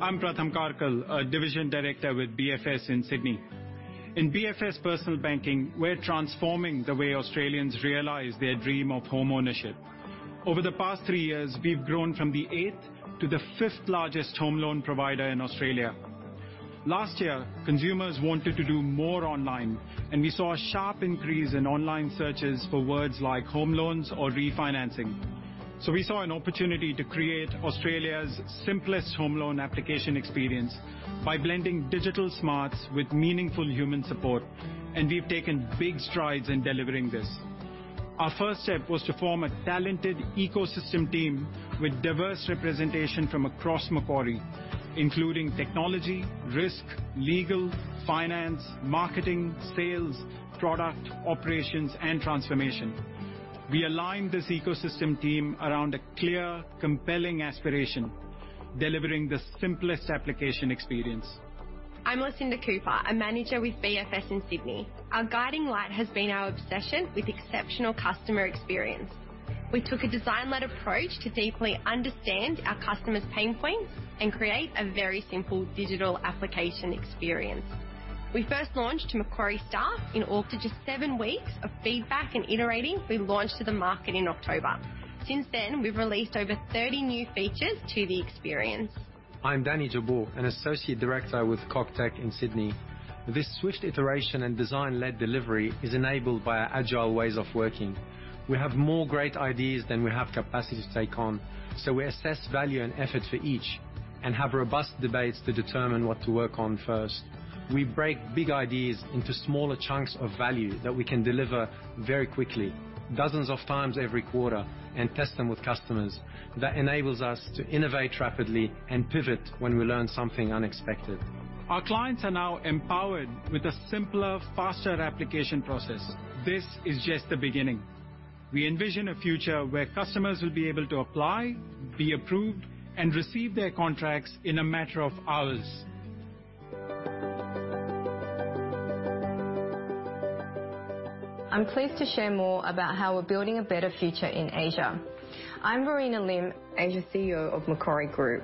I'm Pratham Karkal, a division director with BFS in Sydney. In BFS personal banking, we're transforming the way Australians realize their dream of homeownership. Over the past three years, we've grown from the eighth to the fifth largest home loan provider in Australia. Last year, consumers wanted to do more online, and we saw a sharp increase in online searches for words like home loans or refinancing. We saw an opportunity to create Australia's simplest home loan application experience by blending digital smarts with meaningful human support, and we've taken big strides in delivering this. Our first step was to form a talented ecosystem team with diverse representation from across Macquarie, including technology, risk, legal, finance, marketing, sales, product, operations, and transformation. We aligned this ecosystem team around a clear, compelling aspiration, delivering the simplest application experience. I'm Lucinda Cooper, a manager with BFS in Sydney. Our guiding light has been our obsession with exceptional customer experience. We took a design-led approach to deeply understand our customers' pain points and create a very simple digital application experience. We first launched to Macquarie staff in August. After just seven weeks of feedback and iterating, we launched to the market in October. Since then, we've released over 30 new features to the experience. I'm Danny Jabbour, an associate director with CogTech in Sydney. This swift iteration and design-led delivery is enabled by our agile ways of working. We have more great ideas than we have capacity to take on, so we assess value and effort for each and have robust debates to determine what to work on first. We break big ideas into smaller chunks of value that we can deliver very quickly, dozens of times every quarter, and test them with customers. That enables us to innovate rapidly and pivot when we learn something unexpected. Our clients are now empowered with a simpler, faster application process. This is just the beginning. We envision a future where customers will be able to apply, be approved, and receive their contracts in a matter of hours. I'm pleased to share more about how we're building a better future in Asia. I'm Verena Lim, Asia CEO of Macquarie Group.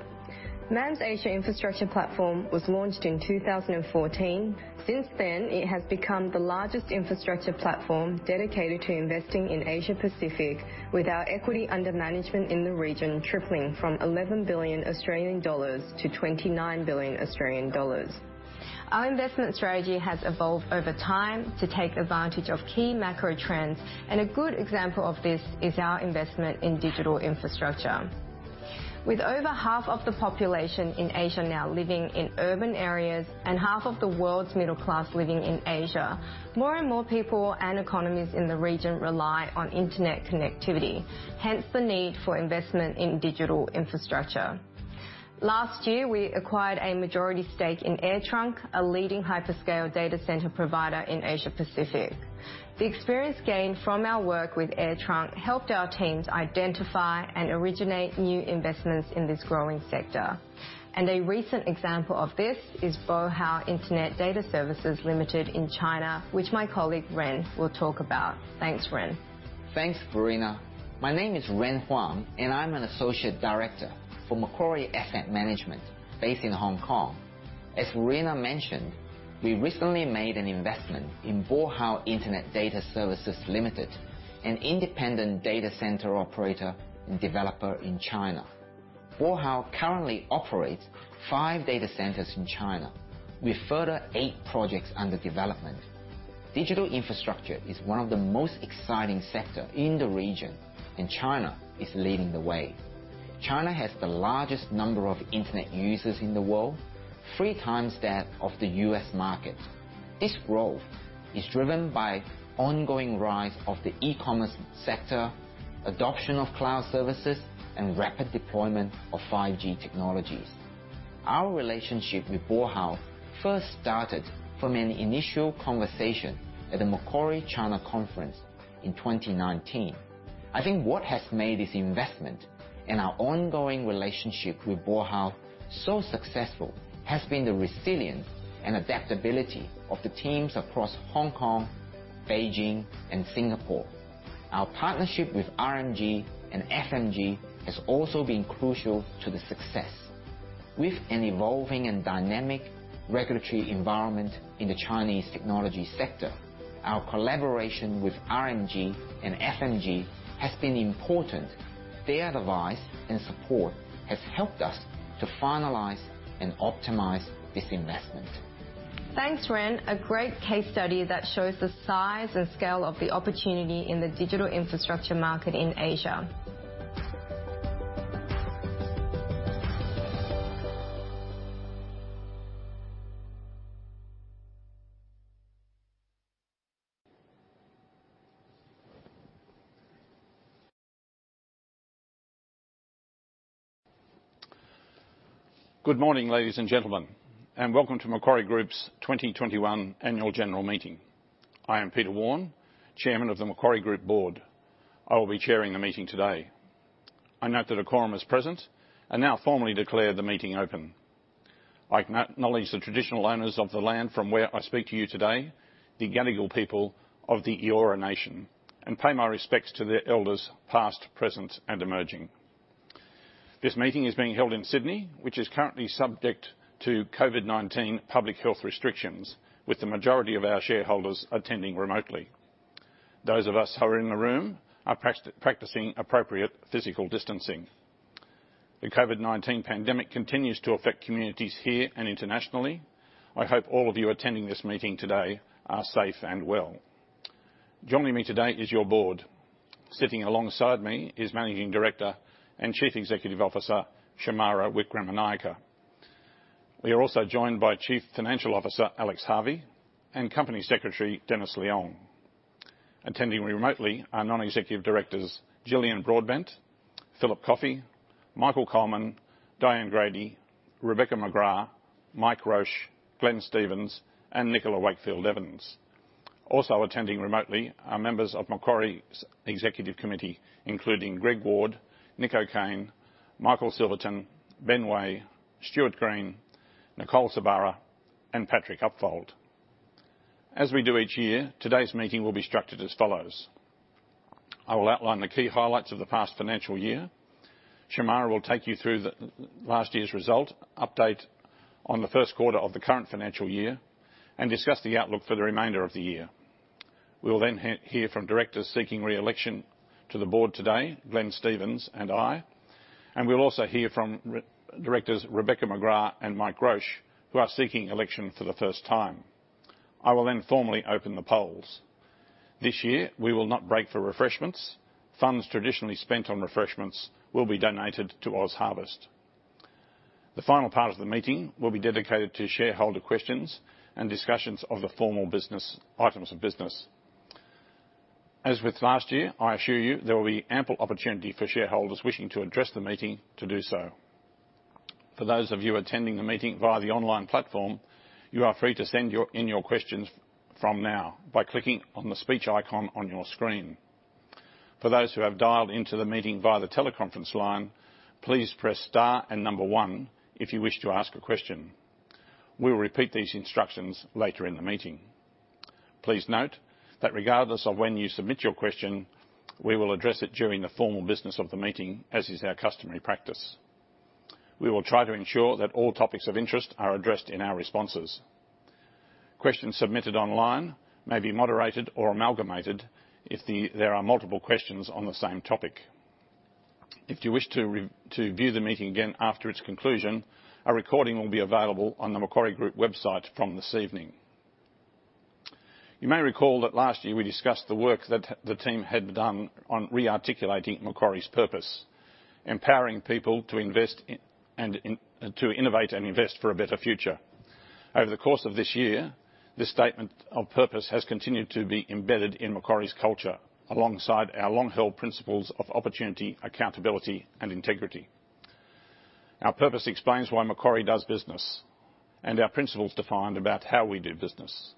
MAM's Asia infrastructure platform was launched in 2014. Since then, it has become the largest infrastructure platform dedicated to investing in Asia Pacific, with our equity under management in the region tripling from 11 billion Australian dollars to 29 billion Australian dollars. Our investment strategy has evolved over time to take advantage of key macro trends. A good example of this is our investment in digital infrastructure. With over half of the population in Asia now living in urban areas and half of the world's middle class living in Asia, more and more people and economies in the region rely on internet connectivity, hence the need for investment in digital infrastructure. Last year, we acquired a majority stake in AirTrunk, a leading hyperscale data center provider in Asia Pacific. The experience gained from our work with AirTrunk helped our teams identify and originate new investments in this growing sector. A recent example of this is Bohao Internet Data Services Limited in China, which my colleague Ren will talk about. Thanks, Ren. Thanks, Verena. My name is Ren Huang, I'm an associate director for Macquarie Asset Management based in Hong Kong. As Verena mentioned, we recently made an investment in Bohao Internet Data Services Limited, an independent data center operator and developer in China. Bohao currently operates five data centers in China with further eight projects under development. Digital infrastructure is one of the most exciting sector in the region, China is leading the way. China has the largest number of internet users in the world, three times that of the U.S. market. This growth is driven by ongoing rise of the e-commerce sector, adoption of cloud services, rapid deployment of 5G technologies. Our relationship with Bohao first started from an initial conversation at the Macquarie China Conference in 2019. I think what has made this investment and our ongoing relationship with Bohao so successful has been the resilience and adaptability of the teams across Hong Kong, Beijing, and Singapore. Our partnership with RMG and FMG has also been crucial to the success. With an evolving and dynamic regulatory environment in the Chinese technology sector, our collaboration with RMG and FMG has been important. Their advice and support has helped us to finalize and optimize this investment. Thanks, Ren. A great case study that shows the size and scale of the opportunity in the digital infrastructure market in Asia. Good morning, ladies and gentlemen, and welcome to Macquarie Group's 2021 Annual General Meeting. I am Peter Warne, chairman of the Macquarie Group board. I will be chairing the meeting today. I note that a quorum is present and now formally declare the meeting open. I acknowledge the traditional owners of the land from where I speak to you today, the Gadigal people of the Eora Nation, and pay my respects to their elders past, present, and emerging. This meeting is being held in Sydney, which is currently subject to COVID-19 public health restrictions, with the majority of our shareholders attending remotely. Those of us who are in the room are practicing appropriate physical distancing. The COVID-19 pandemic continues to affect communities here and internationally. I hope all of you attending this meeting today are safe and well. Joining me today is your board. Sitting alongside me is Managing Director and Chief Executive Officer, Shemara Wikramanayake. We are also joined by Chief Financial Officer, Alex Harvey, and Company Secretary, Dennis Leong. Attending remotely are non-executive directors, Jillian Broadbent, Philip Coffey, Michael Coleman, Diane Grady, Rebecca McGrath, Mike Roche, Glenn Stevens, and Nicola Wakefield Evans. Also attending remotely are members of Macquarie's executive committee, including Greg Ward, Nick O'Kane, Michael Silverton, Ben Way, Stuart Green, Nicole Sorbara, and Patrick Upfold. As we do each year, today's meeting will be structured as follows. I will outline the key highlights of the past financial year. Shemara will take you through last year's result, update on the first quarter of the current financial year, and discuss the outlook for the remainder of the year. We will then hear from directors seeking re-election to the board today, Glenn Stevens and I. We'll also hear from directors Rebecca McGrath and Mike Roche, who are seeking election for the first time. I will then formally open the polls. This year, we will not break for refreshments. Funds traditionally spent on refreshments will be donated to OzHarvest. The final part of the meeting will be dedicated to shareholder questions and discussions of the formal items of business. As with last year, I assure you there will be ample opportunity for shareholders wishing to address the meeting to do so. For those of you attending the meeting via the online platform, you are free to send in your questions from now by clicking on the speech icon on your screen. For those who have dialed into the meeting via the teleconference line, please press star and one if you wish to ask a question. We will repeat these instructions later in the meeting. Please note that regardless of when you submit your question, we will address it during the formal business of the meeting, as is our customary practice. We will try to ensure that all topics of interest are addressed in our responses. Questions submitted online may be moderated or amalgamated if there are multiple questions on the same topic. If you wish to view the meeting again after its conclusion, a recording will be available on the Macquarie Group website from this evening. You may recall that last year we discussed the work that the team had done on re-articulating Macquarie's purpose, empowering people to innovate and invest for a better future. Over the course of this year, this statement of purpose has continued to be embedded in Macquarie's culture, alongside our long-held principles of opportunity, accountability, and integrity. Our purpose explains why Macquarie does business, and our principles defined about how we do business.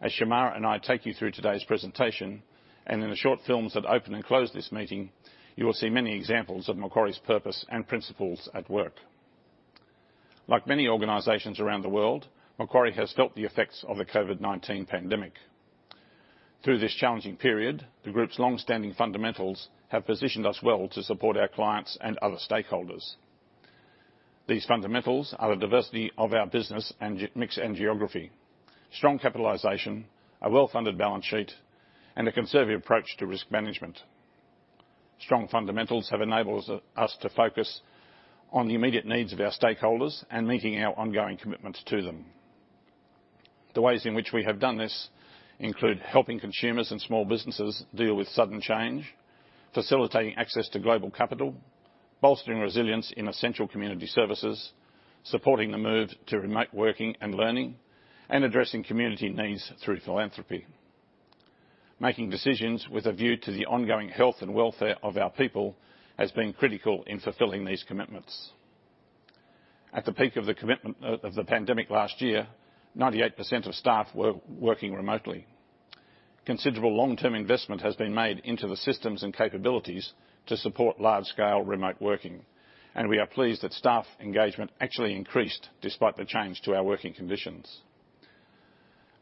As Shemara and I take you through today's presentation, and in the short films that open and close this meeting, you will see many examples of Macquarie's purpose and principles at work. Like many organizations around the world, Macquarie has felt the effects of the COVID-19 pandemic. Through this challenging period, the group's long-standing fundamentals have positioned us well to support our clients and other stakeholders. These fundamentals are the diversity of our business mix and geography, strong capitalization, a well-funded balance sheet, and a conservative approach to risk management. Strong fundamentals have enabled us to focus on the immediate needs of our stakeholders and linking our ongoing commitments to them. The ways in which we have done this include helping consumers and small businesses deal with sudden change, facilitating access to global capital, bolstering resilience in essential community services, supporting the move to remote working and learning, and addressing community needs through philanthropy. Making decisions with a view to the ongoing health and welfare of our people has been critical in fulfilling these commitments. At the peak of the pandemic last year, 98% of staff were working remotely. Considerable long-term investment has been made into the systems and capabilities to support large-scale remote working, and we are pleased that staff engagement actually increased despite the change to our working conditions.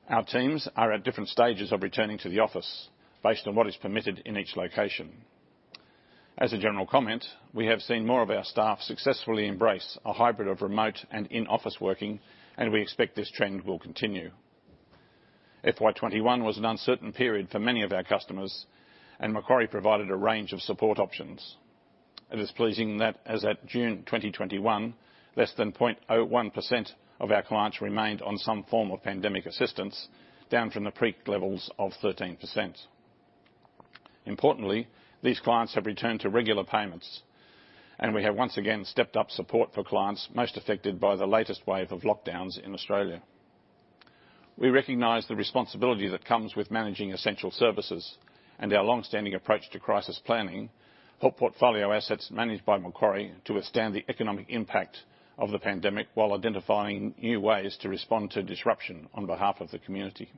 Our teams are at different stages of returning to the office based on what is permitted in each location. As a general comment, we have seen more of our staff successfully embrace a hybrid of remote and in-office working. We expect this trend will continue. FY 2021 was an uncertain period for many of our customers. Macquarie provided a range of support options. It is pleasing that as at June 2021, less than 0.01% of our clients remained on some form of pandemic assistance, down from the peak levels of 13%. Importantly, these clients have returned to regular payments. We have once again stepped up support for clients most affected by the latest wave of lockdowns in Australia. We recognize the responsibility that comes with managing essential services, and our long-standing approach to crisis planning help portfolio assets managed by Macquarie to withstand the economic impact of the pandemic while identifying new ways to respond to disruption on behalf of the community.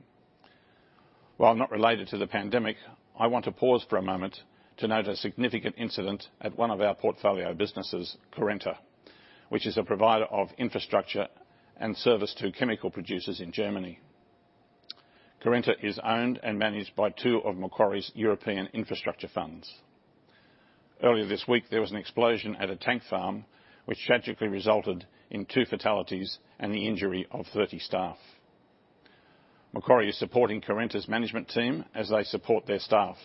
While not related to the pandemic, I want to pause for a moment to note a significant incident at one of our portfolio businesses, Currenta, which is a provider of infrastructure and service to chemical producers in Germany. Currenta is owned and managed by two of Macquarie's European infrastructure funds. Earlier this week, there was an explosion at a tank farm, which tragically resulted in two fatalities and the injury of 30 staff. Macquarie is supporting Currenta's management team as they support their staff,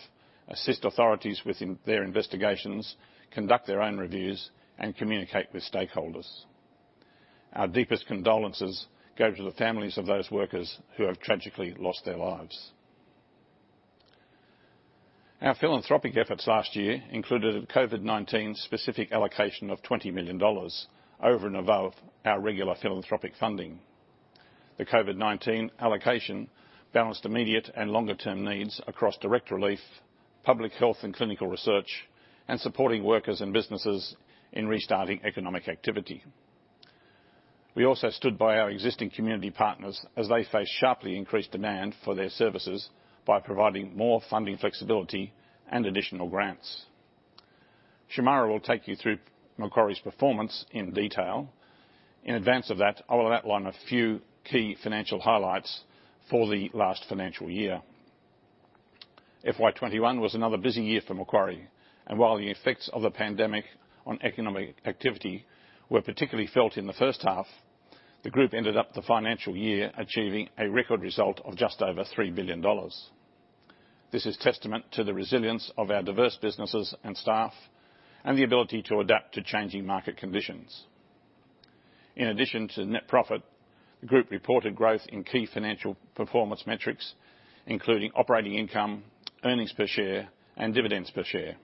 assist authorities within their investigations, conduct their own reviews, and communicate with stakeholders. Our deepest condolences go to the families of those workers who have tragically lost their lives. Our philanthropic efforts last year included a COVID-19 specific allocation of 20 million dollars over and above our regular philanthropic funding. The COVID-19 allocation balanced immediate and longer term needs across direct relief, public health and clinical research, and supporting workers and businesses in restarting economic activity. We also stood by our existing community partners as they face sharply increased demand for their services by providing more funding flexibility and additional grants. Shemara will take you through Macquarie's performance in detail. In advance of that, I will outline a few key financial highlights for the last financial year. FY 2021 was another busy year for Macquarie, and while the effects of the pandemic on economic activity were particularly felt in the first half, the group ended up the financial year achieving a record result of just over AUD 3 billion. This is testament to the resilience of our diverse businesses and staff, and the ability to adapt to changing market conditions. In addition to net profit, the group reported growth in key financial performance metrics, including operating income, earnings per share, and dividends per share.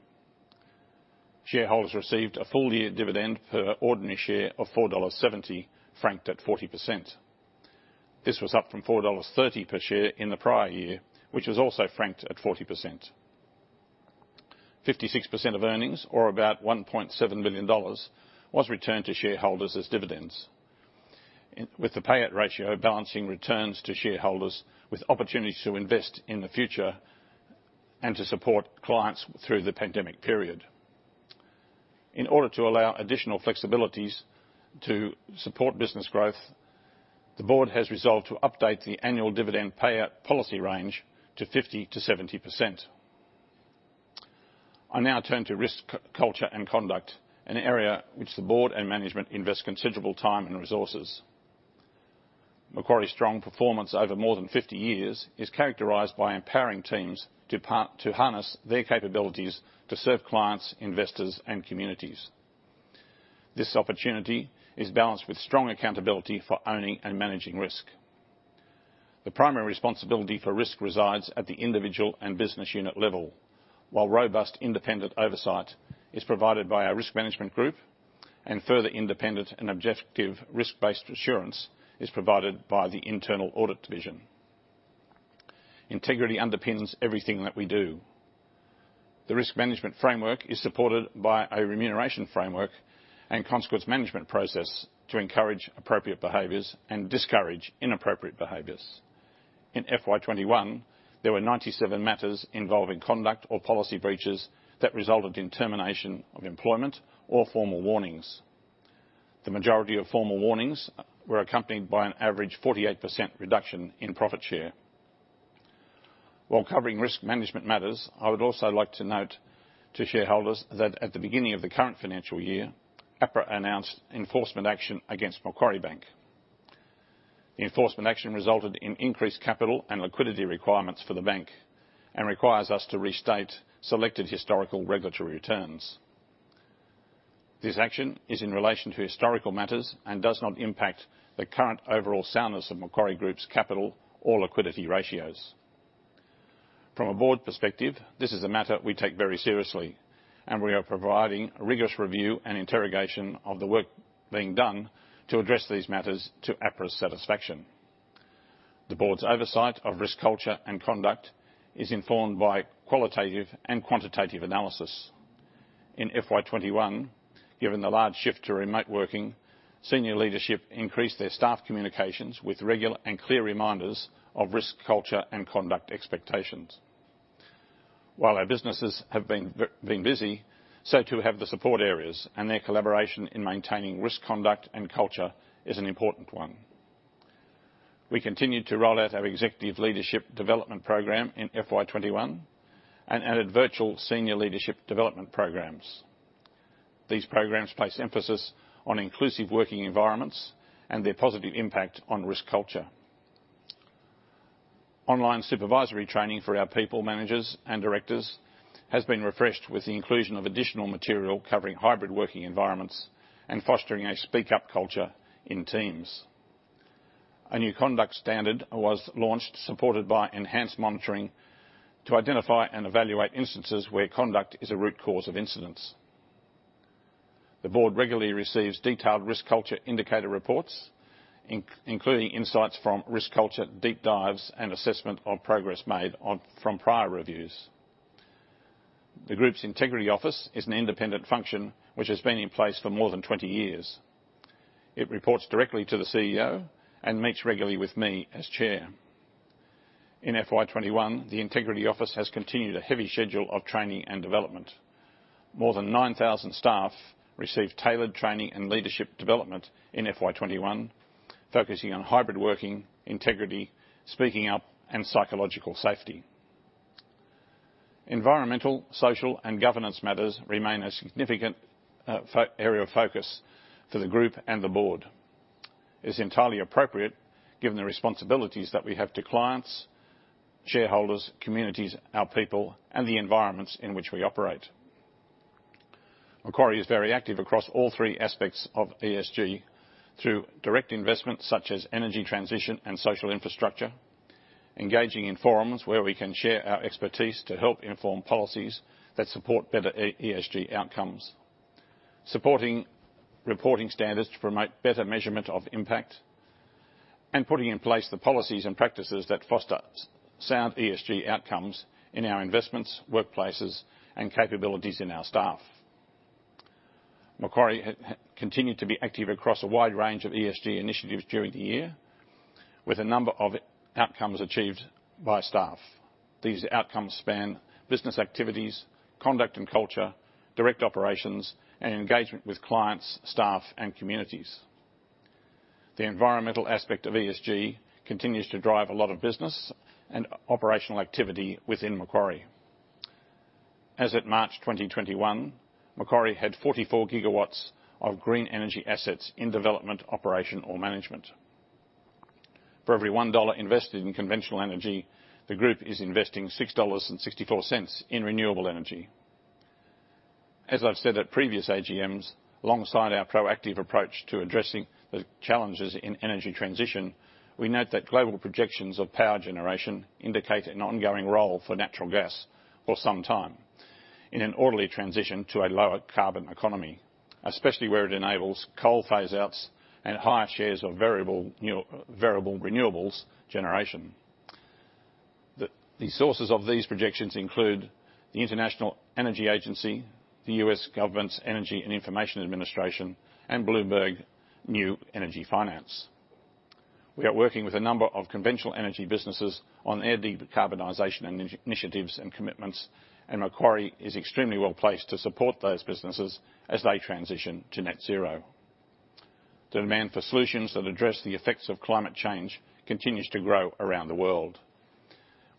Shareholders received a full year dividend per ordinary share of 4.70 dollars, franked at 40%. This was up from 4.30 dollars per share in the prior year, which was also franked at 40%. 56% of earnings, or about 1.7 billion dollars, was returned to shareholders as dividends, with the payout ratio balancing returns to shareholders, with opportunities to invest in the future, and to support clients through the pandemic period. In order to allow additional flexibilities to support business growth, the board has resolved to update the annual dividend payout policy range to 50%-70%. I now turn to risk culture and conduct, an area which the board and management invest considerable time and resources. Macquarie's strong performance over more than 50 years is characterized by empowering teams to harness their capabilities to serve clients, investors, and communities. This opportunity is balanced with strong accountability for owning and managing risk. The primary responsibility for risk resides at the individual and business unit level, while robust independent oversight is provided by our Risk Management Group, and further independent and objective risk-based assurance is provided by the Internal Audit Division. Integrity underpins everything that we do. The risk management framework is supported by a remuneration framework and consequence management process to encourage appropriate behaviors and discourage inappropriate behaviors. In FY 2021, there were 97 matters involving conduct or policy breaches that resulted in termination of employment or formal warnings. The majority of formal warnings were accompanied by an average 48% reduction in profit share. While covering risk management matters, I would also like to note to shareholders that at the beginning of the current financial year, APRA announced enforcement action against Macquarie Bank. The enforcement action resulted in increased capital and liquidity requirements for the bank, requires us to restate selected historical regulatory returns. This action is in relation to historical matters and does not impact the current overall soundness of Macquarie Group's capital or liquidity ratios. From a board perspective, this is a matter we take very seriously, we are providing rigorous review and interrogation of the work being done to address these matters to APRA's satisfaction. The board's oversight of risk culture and conduct is informed by qualitative and quantitative analysis. In FY 2021, given the large shift to remote working, senior leadership increased their staff communications with regular and clear reminders of risk culture and conduct expectations. While our businesses have been busy, so too have the support areas, their collaboration in maintaining risk conduct and culture is an important one. We continued to roll out our executive leadership development program in FY 2021, and added virtual senior leadership development programs. These programs place emphasis on inclusive working environments and their positive impact on risk culture. Online supervisory training for our people, managers, and directors has been refreshed with the inclusion of additional material covering hybrid working environments and fostering a speak-up culture in teams. A new conduct standard was launched, supported by enhanced monitoring to identify and evaluate instances where conduct is a root cause of incidents. The board regularly receives detailed risk culture indicator reports, including insights from risk culture, deep dives, and assessment of progress made from prior reviews. The group's Integrity Office is an independent function which has been in place for more than 20 years. It reports directly to the CEO and meets regularly with me as chair. In FY 2021, the Integrity Office has continued a heavy schedule of training and development. More than 9,000 staff received tailored training and leadership development in FY 2021, focusing on hybrid working, integrity, speaking up, and psychological safety. Environmental, social, and governance matters remain a significant area of focus for the Group and the Board. It's entirely appropriate given the responsibilities that we have to clients, shareholders, communities, our people, and the environments in which we operate. Macquarie is very active across all three aspects of ESG through direct investments such as energy transition and social infrastructure, engaging in forums where we can share our expertise to help inform policies that support better ESG outcomes. Supporting reporting standards to promote better measurement of impact, and putting in place the policies and practices that foster sound ESG outcomes in our investments, workplaces, and capabilities in our staff. Macquarie continued to be active across a wide range of ESG initiatives during the year, with a number of outcomes achieved by staff. These outcomes span business activities, conduct and culture, direct operations, and engagement with clients, staff, and communities. The environmental aspect of ESG continues to drive a lot of business and operational activity within Macquarie. As at March 2021, Macquarie had 44 GW of green energy assets in development, operation, or management. For every 1 dollar invested in conventional energy, the Group is investing 6.64 dollars in renewable energy. As I've said at previous AGMs, alongside our proactive approach to addressing the challenges in energy transition, we note that global projections of power generation indicate an ongoing role for natural gas for some time in an orderly transition to a lower carbon economy, especially where it enables coal phase outs and higher shares of variable renewables generation. The sources of these projections include the International Energy Agency, the U.S. Energy Information Administration, and Bloomberg New Energy Finance. We are working with a number of conventional energy businesses on their decarbonization initiatives and commitments, and Macquarie is extremely well-placed to support those businesses as they transition to net zero. The demand for solutions that address the effects of climate change continues to grow around the world.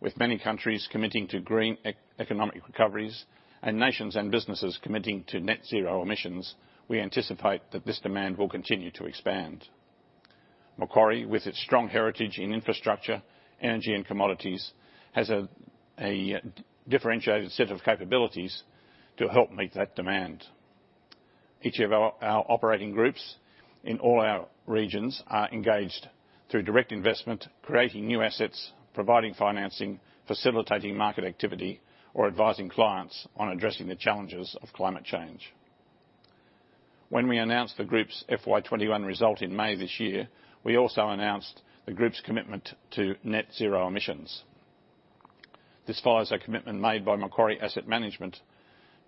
With many countries committing to green economic recoveries and nations and businesses committing to net zero emissions, we anticipate that this demand will continue to expand. Macquarie, with its strong heritage in infrastructure, energy, and commodities, has a differentiated set of capabilities to help meet that demand. Each of our operating groups in all our regions are engaged through direct investment, creating new assets, providing financing, facilitating market activity, or advising clients on addressing the challenges of climate change. When we announced the Group's FY 2021 result in May this year, we also announced the Group's commitment to net zero emissions. This follows a commitment made by Macquarie Asset Management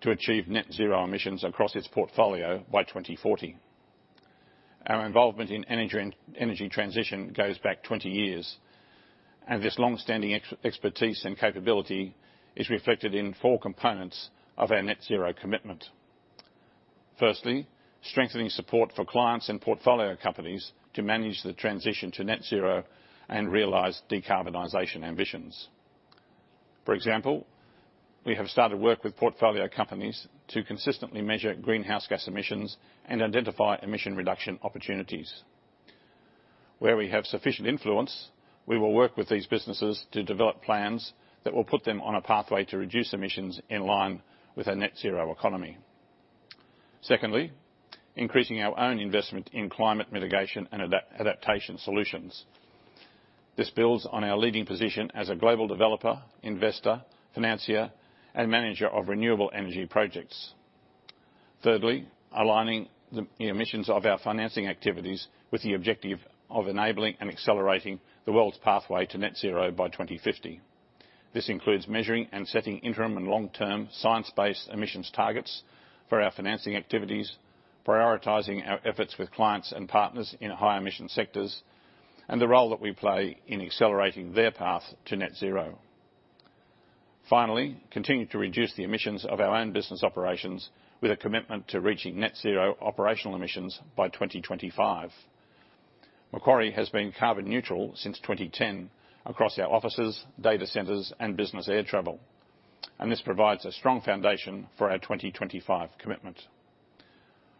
to achieve net zero emissions across its portfolio by 2040. Our involvement in energy and energy transition goes back 20 years, and this longstanding expertise and capability is reflected in four components of our net zero commitment. Firstly, strengthening support for clients and portfolio companies to manage the transition to net zero and realize decarbonization ambitions. For example, we have started work with portfolio companies to consistently measure greenhouse gas emissions and identify emission reduction opportunities. Where we have sufficient influence, we will work with these businesses to develop plans that will put them on a pathway to reduce emissions in line with our net zero economy. Secondly, increasing our own investment in climate mitigation and adaptation solutions. This builds on our leading position as a global developer, investor, financier, and manager of renewable energy projects. Thirdly, aligning the emissions of our financing activities with the objective of enabling and accelerating the world's pathway to net zero by 2050. This includes measuring and setting interim and long-term science-based emissions targets for our financing activities, prioritizing our efforts with clients and partners in high emission sectors, and the role that we play in accelerating their path to net zero. Finally, continue to reduce the emissions of our own business operations with a commitment to reaching net zero operational emissions by 2025. Macquarie has been carbon neutral since 2010 across our offices, data centers, and business air travel, and this provides a strong foundation for our 2025 commitment.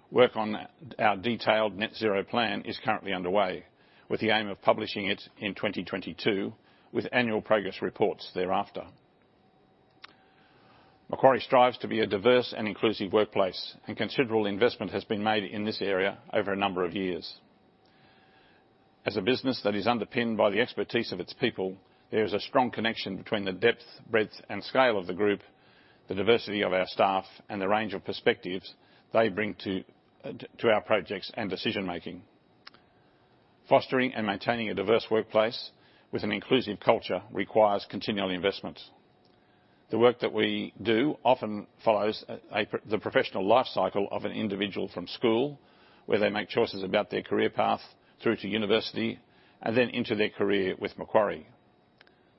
Work on our detailed net zero plan is currently underway, with the aim of publishing it in 2022, with annual progress reports thereafter. Macquarie strives to be a diverse and inclusive workplace, and considerable investment has been made in this area over a number of years. As a business that is underpinned by the expertise of its people, there is a strong connection between the depth, breadth, and scale of the Group, the diversity of our staff, and the range of perspectives they bring to our projects and decision making. Fostering and maintaining a diverse workplace with an inclusive culture requires continual investment. The work that we do often follows the professional life cycle of an individual from school, where they make choices about their career path through to university, and then into their career with Macquarie.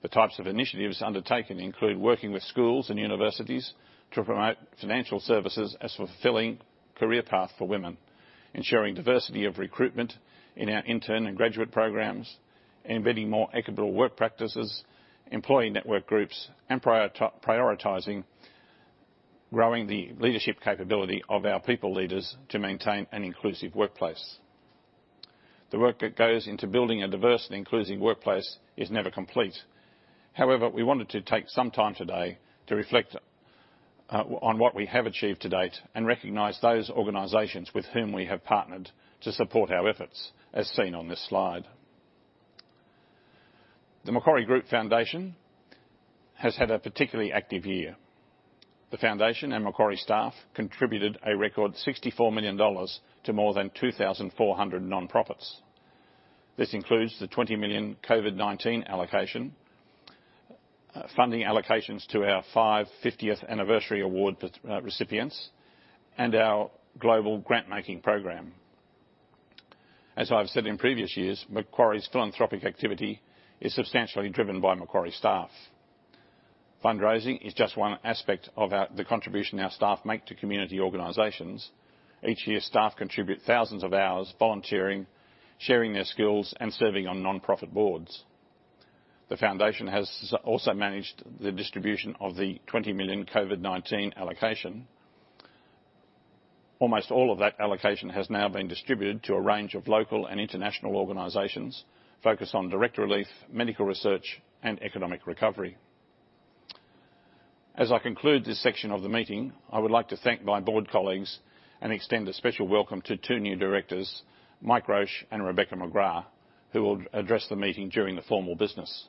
The types of initiatives undertaken include working with schools and universities to promote financial services as fulfilling career path for women, ensuring diversity of recruitment in our intern and graduate programs, embedding more equitable work practices, employee network groups, and prioritizing growing the leadership capability of our people leaders to maintain an inclusive workplace. The work that goes into building a diverse and inclusive workplace is never complete. However, we wanted to take some time today to reflect on what we have achieved to date and recognize those organizations with whom we have partnered to support our efforts, as seen on this slide. The Macquarie Group Foundation has had a particularly active year. The foundation and Macquarie staff contributed a record 64 million dollars to more than 2,400 nonprofits. This includes the 20 million COVID-19 allocation, funding allocations to our five 50th anniversary award recipients, and our global grant-making program. As I've said in previous years, Macquarie's philanthropic activity is substantially driven by Macquarie staff. Fundraising is just one aspect of the contribution our staff make to community organizations. Each year, staff contribute thousands of hours volunteering, sharing their skills, and serving on nonprofit boards. The foundation has also managed the distribution of the 20 million COVID-19 allocation. Almost all of that allocation has now been distributed to a range of local and international organizations, focused on direct relief, medical research, and economic recovery. As I conclude this section of the meeting, I would like to thank my board colleagues and extend a special welcome to two new directors, Mike Roche and Rebecca McGrath, who will address the meeting during the formal business.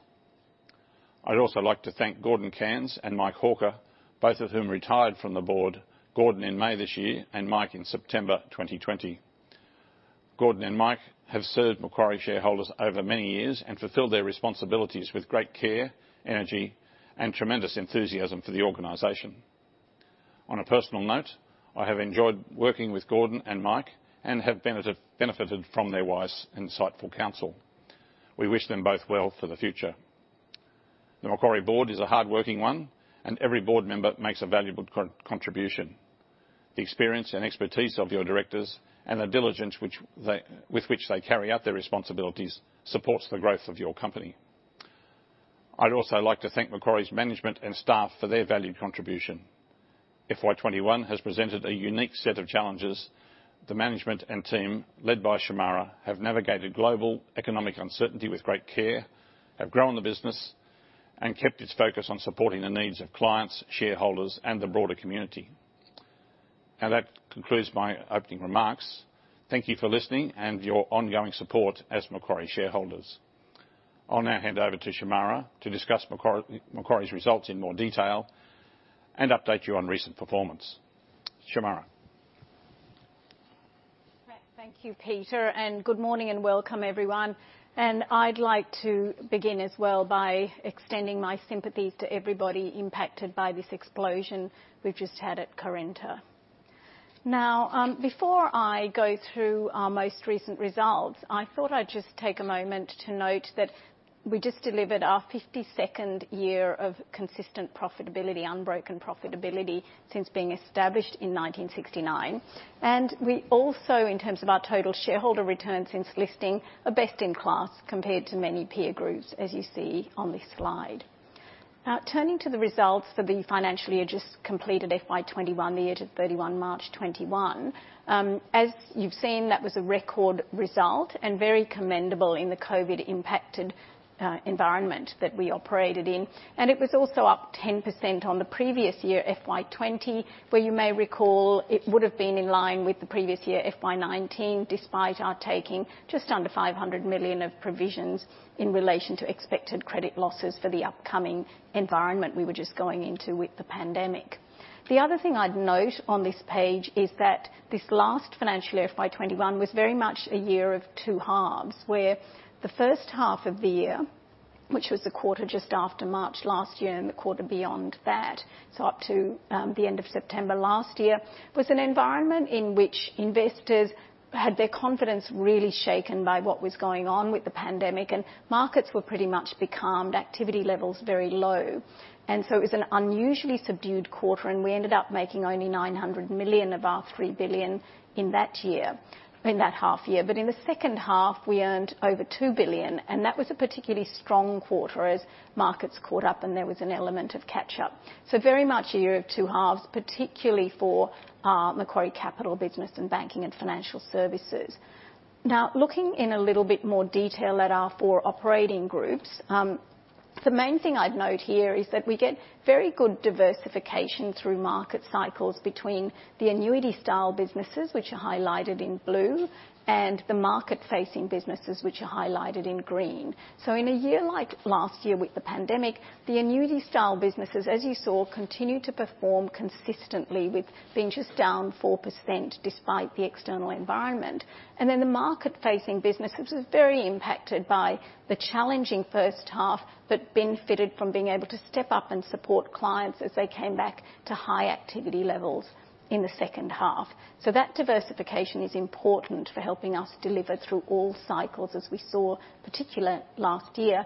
I'd also like to thank Gordon Cairns and Mike Hawker, both of whom retired from the board, Gordon in May this year and Mike in September 2020. Gordon and Mike have served Macquarie shareholders over many years and fulfilled their responsibilities with great care, energy, and tremendous enthusiasm for the organization. On a personal note, I have enjoyed working with Gordon and Mike and have benefited from their wise, insightful counsel. We wish them both well for the future. The Macquarie board is a hardworking one, and every board member makes a valuable contribution. The experience and expertise of your directors and the diligence with which they carry out their responsibilities supports the growth of your company. I'd also like to thank Macquarie's management and staff for their valued contribution. FY 2021 has presented a unique set of challenges. The management and team, led by Shemara, have navigated global economic uncertainty with great care, have grown the business, and kept its focus on supporting the needs of clients, shareholders, and the broader community. That concludes my opening remarks. Thank you for listening and your ongoing support as Macquarie shareholders. I'll now hand over to Shemara to discuss Macquarie's results in more detail and update you on recent performance. Shemara. Thank you, Peter, good morning and welcome, everyone. I'd like to begin as well by extending my sympathies to everybody impacted by this explosion we've just had at Currenta. Now, before I go through our most recent results, I thought I'd just take a moment to note that we just delivered our 52nd year of consistent profitability, unbroken profitability, since being established in 1969. We also, in terms of our total shareholder returns since listing, are best in class compared to many peer groups, as you see on this slide. Now, turning to the results for the financial year just completed, FY 2021, the year to 31 March 2021. As you've seen, that was a record result and very commendable in the COVID-19-impacted environment that we operated in. It was also up 10% on the previous year, FY 2020, where you may recall it would have been in line with the previous year, FY 2019, despite our taking just under 500 million of provisions in relation to expected credit losses for the upcoming environment we were just going into with the pandemic. The other thing I'd note on this page is that this last financial year, FY 2021, was very much a year of two halves, where the first half of the year, which was the quarter just after March last year and the quarter beyond that, so up to the end of September last year, was an environment in which investors had their confidence really shaken by what was going on with the pandemic. Markets were pretty much becalmed, activity levels very low. It was an unusually subdued quarter, and we ended up making only 900 million of our 3 billion in that half year. In the second half, we earned over 2 billion, and that was a particularly strong quarter as markets caught up and there was an element of catch-up. Very much a year of two halves, particularly for our Macquarie Capital business and Banking and Financial Services. Looking in a little bit more detail at our four operating groups. The main thing I'd note here is that we get very good diversification through market cycles between the annuity style businesses, which are highlighted in blue, and the market-facing businesses, which are highlighted in green. In a year like last year with the pandemic, the annuity style businesses, as you saw, continued to perform consistently, with being just down 4% despite the external environment. The market-facing businesses, very impacted by the challenging first half, but benefited from being able to step up and support clients as they came back to high activity levels in the second half. That diversification is important for helping us deliver through all cycles as we saw, particularly last year.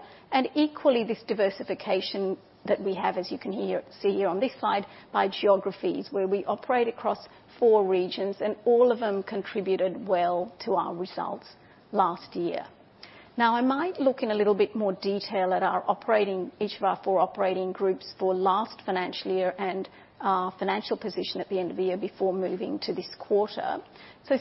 Equally, this diversification that we have, as you can see here on this slide, by geographies where we operate across four regions, and all of them contributed well to our results last year. I might look in a little bit more detail at each of our four operating groups for last financial year and our financial position at the end of the year before moving to this quarter.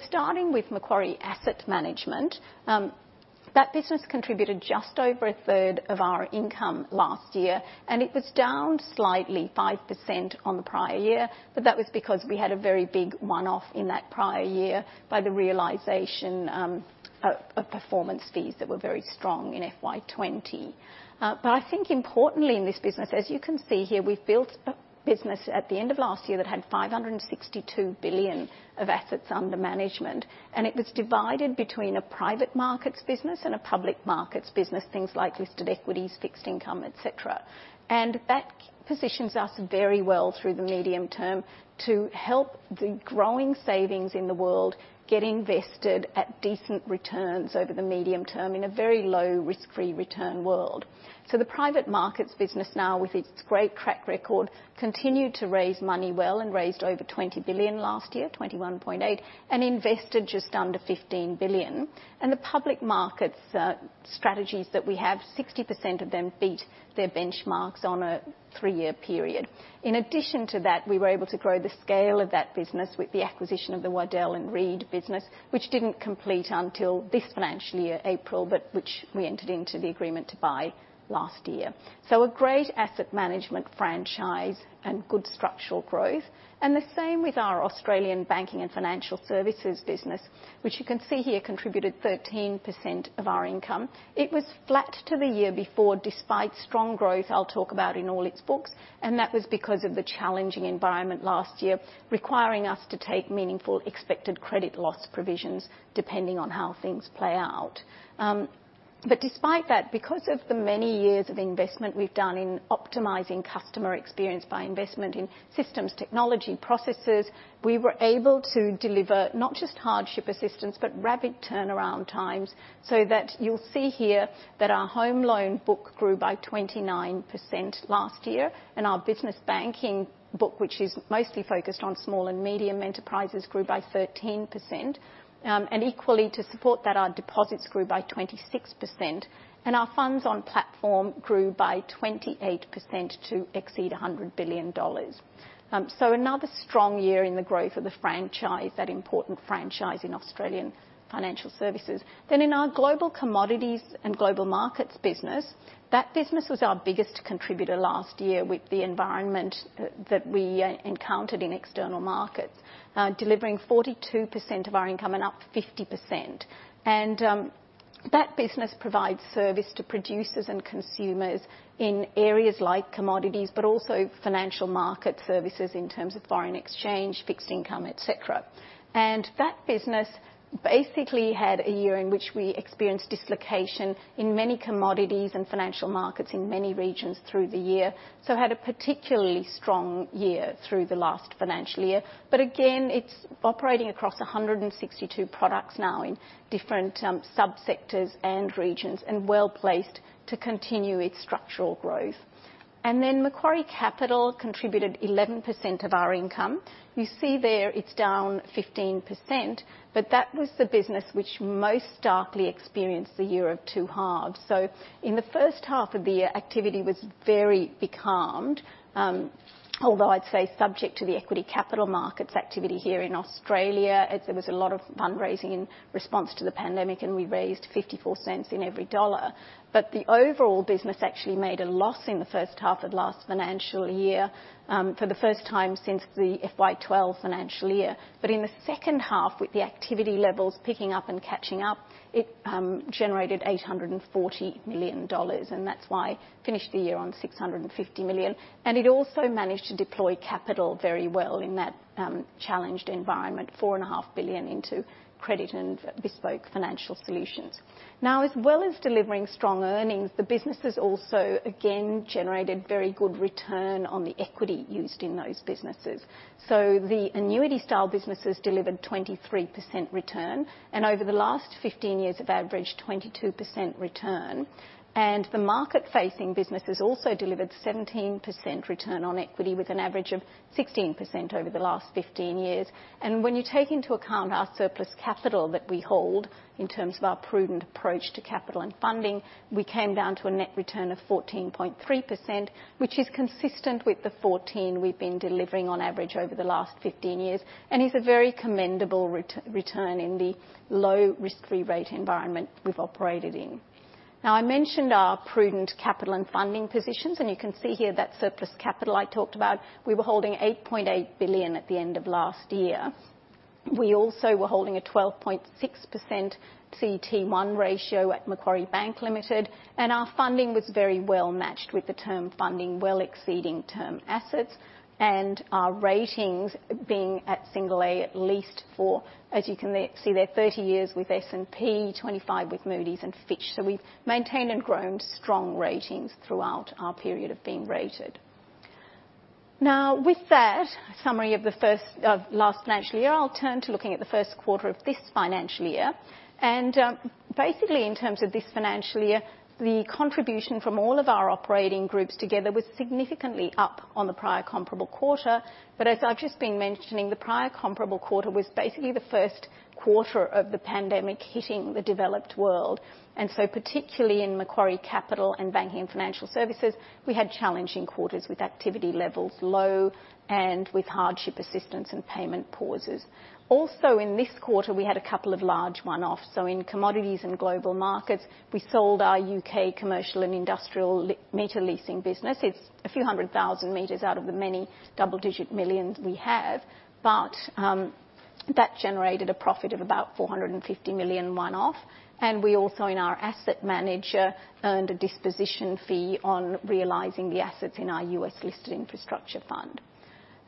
Starting with Macquarie Asset Management, that business contributed just over a third of our income last year, and it was down slightly 5% on the prior year. That was because we had a very big one-off in that prior year by the realization of performance fees that were very strong in FY 2020. I think importantly in this business, as you can see here, we've built a business at the end of last year that had 562 billion of assets under management, and it was divided between a private markets business and a public markets business, things like listed equities, fixed income, et cetera. That positions us very well through the medium term to help the growing savings in the world get invested at decent returns over the medium term in a very low risk-free return world. The private markets business now with its great track record, continued to raise money well and raised over 20 billion last year, 21.8 billion, and invested just under 15 billion. The public markets strategies that we have, 60% of them beat their benchmarks on a three-year period. In addition to that, we were able to grow the scale of that business with the acquisition of the Waddell & Reed business, which didn't complete until this financial year, April, but which we entered into the agreement to buy last year. A great asset management franchise and good structural growth. The same with our Australian Banking and Financial Services business, which you can see here contributed 13% of our income. It was flat to the year before, despite strong growth I'll talk about in all its books. That was because of the challenging environment last year, requiring us to take meaningful expected credit loss provisions, depending on how things play out. Despite that, because of the many years of investment we've done in optimizing customer experience by investment in systems technology processes, we were able to deliver not just hardship assistance, but rapid turnaround times, so that you'll see here that our home loan book grew by 29% last year. Our business banking book, which is mostly focused on small and medium enterprises, grew by 13%. Equally to support that, our deposits grew by 26%, and our funds on platform grew by 28% to exceed 100 billion dollars. Another strong year in the growth of the franchise, that important franchise in Australian financial services. In our Commodities and Global Markets business, that business was our biggest contributor last year with the environment that we encountered in external markets, delivering 42% of our income and up 50%. That business provides service to producers and consumers in areas like commodities, but also financial market services in terms of foreign exchange, fixed income, et cetera. That business basically had a year in which we experienced dislocation in many commodities and financial markets in many regions through the year. It had a particularly strong year through the last financial year. Again, it's operating across 162 products now in different sub-sectors and regions, and well-placed to continue its structural growth. Macquarie Capital contributed 11% of our income. You see there it's down 15%, but that was the business which most starkly experienced the year of two halves. In the first half of the year, activity was very becalmed. Although I'd say subject to the equity capital markets activity here in Australia, there was a lot of fundraising in response to the pandemic, and we raised 0.54 in every dollar. The overall business actually made a loss in the first half of last financial year, for the first time since the FY 2012 financial year. In the second half, with the activity levels picking up and catching up, it generated 840 million dollars. That's why it finished the year on 650 million. It also managed to deploy capital very well in that challenged environment, 4.5 billion into credit and bespoke financial solutions. As well as delivering strong earnings, the businesses also again generated very good return on the equity used in those businesses. The annuity style businesses delivered 23% return, and over the last 15 years have averaged 22% return. The market-facing businesses also delivered 17% return on equity with an average of 16% over the last 15 years. When you take into account our surplus capital that we hold in terms of our prudent approach to capital and funding, we came down to a net return of 14.3%, which is consistent with the 14 we've been delivering on average over the last 15 years, and is a very commendable return in the low risk-free rate environment we've operated in. Now, I mentioned our prudent capital and funding positions, and you can see here that surplus capital I talked about, we were holding 8.8 billion at the end of last year. We also were holding a 12.6% CET1 ratio at Macquarie Bank Limited. Our funding was very well matched with the term funding well exceeding term assets, and our ratings being at single A, at least for, as you can see there, 30 years with S&P, 25 with Moody's and Fitch. We've maintained and grown strong ratings throughout our period of being rated. Now, with that summary of last financial year, I'll turn to looking at the first quarter of this financial year. Basically, in terms of this financial year, the contribution from all of our operating groups together was significantly up on the prior comparable quarter. As I've just been mentioning, the prior comparable quarter was basically the first quarter of the pandemic hitting the developed world. Particularly in Macquarie Capital and Banking and Financial Services, we had challenging quarters with activity levels low and with hardship assistance and payment pauses. In this quarter, we had a couple of large one-offs. In Commodities and Global Markets, we sold our U.K. commercial and industrial meter leasing business. It's a few hundred thousand meters out of the many double-digit millions we have. That generated a profit of about 450 million one-off. We also, in our asset manager, earned a disposition fee on realizing the assets in our U.S.-listed infrastructure fund.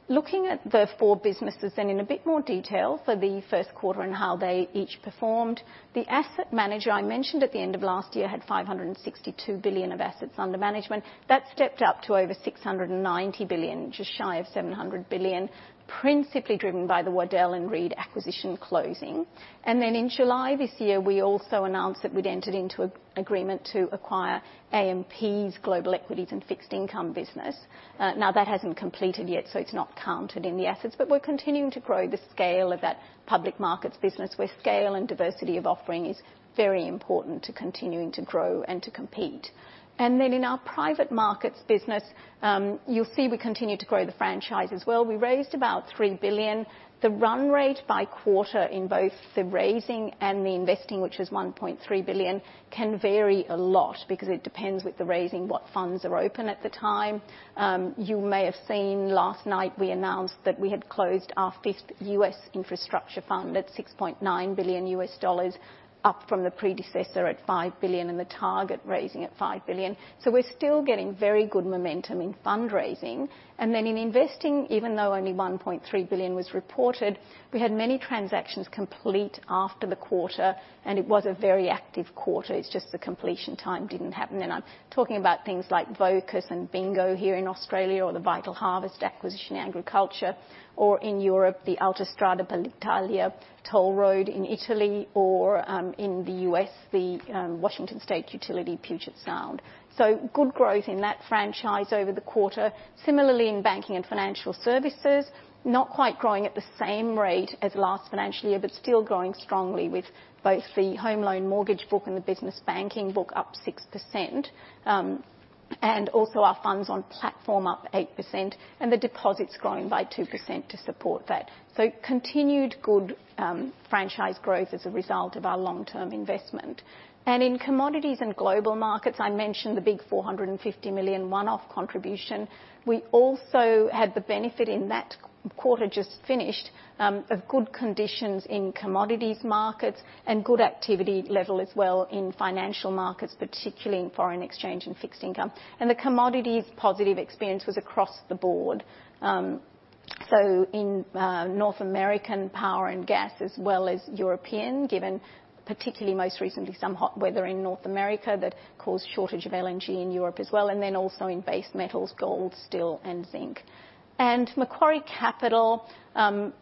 Looking at the four businesses and in a bit more detail for the first quarter and how they each performed. The asset manager, I mentioned at the end of last year, had 562 billion of assets under management. That stepped up to over 690 billion, just shy of 700 billion, principally driven by the Waddell & Reed acquisition closing. In July this year, we also announced that we'd entered into an agreement to acquire AMP's Global Equity and Fixed Income business. Now, that hasn't completed yet, so it's not counted in the assets. We're continuing to grow the scale of that public markets business, where scale and diversity of offering is very important to continuing to grow and to compete. In our private markets business, you'll see we continue to grow the franchise as well. We raised about 3 billion. The run rate by quarter in both the raising and the investing, which is 1.3 billion, can vary a lot because it depends with the raising, what funds are open at the time. You may have seen last night we announced that we had closed our fifth U.S. infrastructure fund at $6.9 billion, up from the predecessor at $5 billion and the target raising at $5 billion. We're still getting very good momentum in fundraising. In investing, even though only 1.3 billion was reported, we had many transactions complete after the quarter, and it was a very active quarter. It's just the completion time didn't happen then. I'm talking about things like Vocus and Bingo here in Australia, or the Vitalharvest acquisition in agriculture, or in Europe, the Autostrade per l'Italia toll road in Italy, or in the U.S., the Washington State utility, Puget Sound. Good growth in that franchise over the quarter. Similarly, in Banking and Financial Services, not quite growing at the same rate as last financial year, but still growing strongly with both the home loan mortgage book and the business banking book up 6%, and also our funds on platform up 8%, and the deposits growing by 2% to support that. Continued good franchise growth as a result of our long-term investment. In Commodities and Global Markets, I mentioned the big 450 million one-off contribution. We also had the benefit in that quarter just finished of good conditions in commodities markets and good activity level as well in financial markets, particularly in foreign exchange and fixed income. The commodities positive experience was across the board. In North American power and gas, as well as European, given particularly most recently, some hot weather in North America that caused shortage of LNG in Europe as well, also in base metals, gold, steel, and zinc. Macquarie Capital,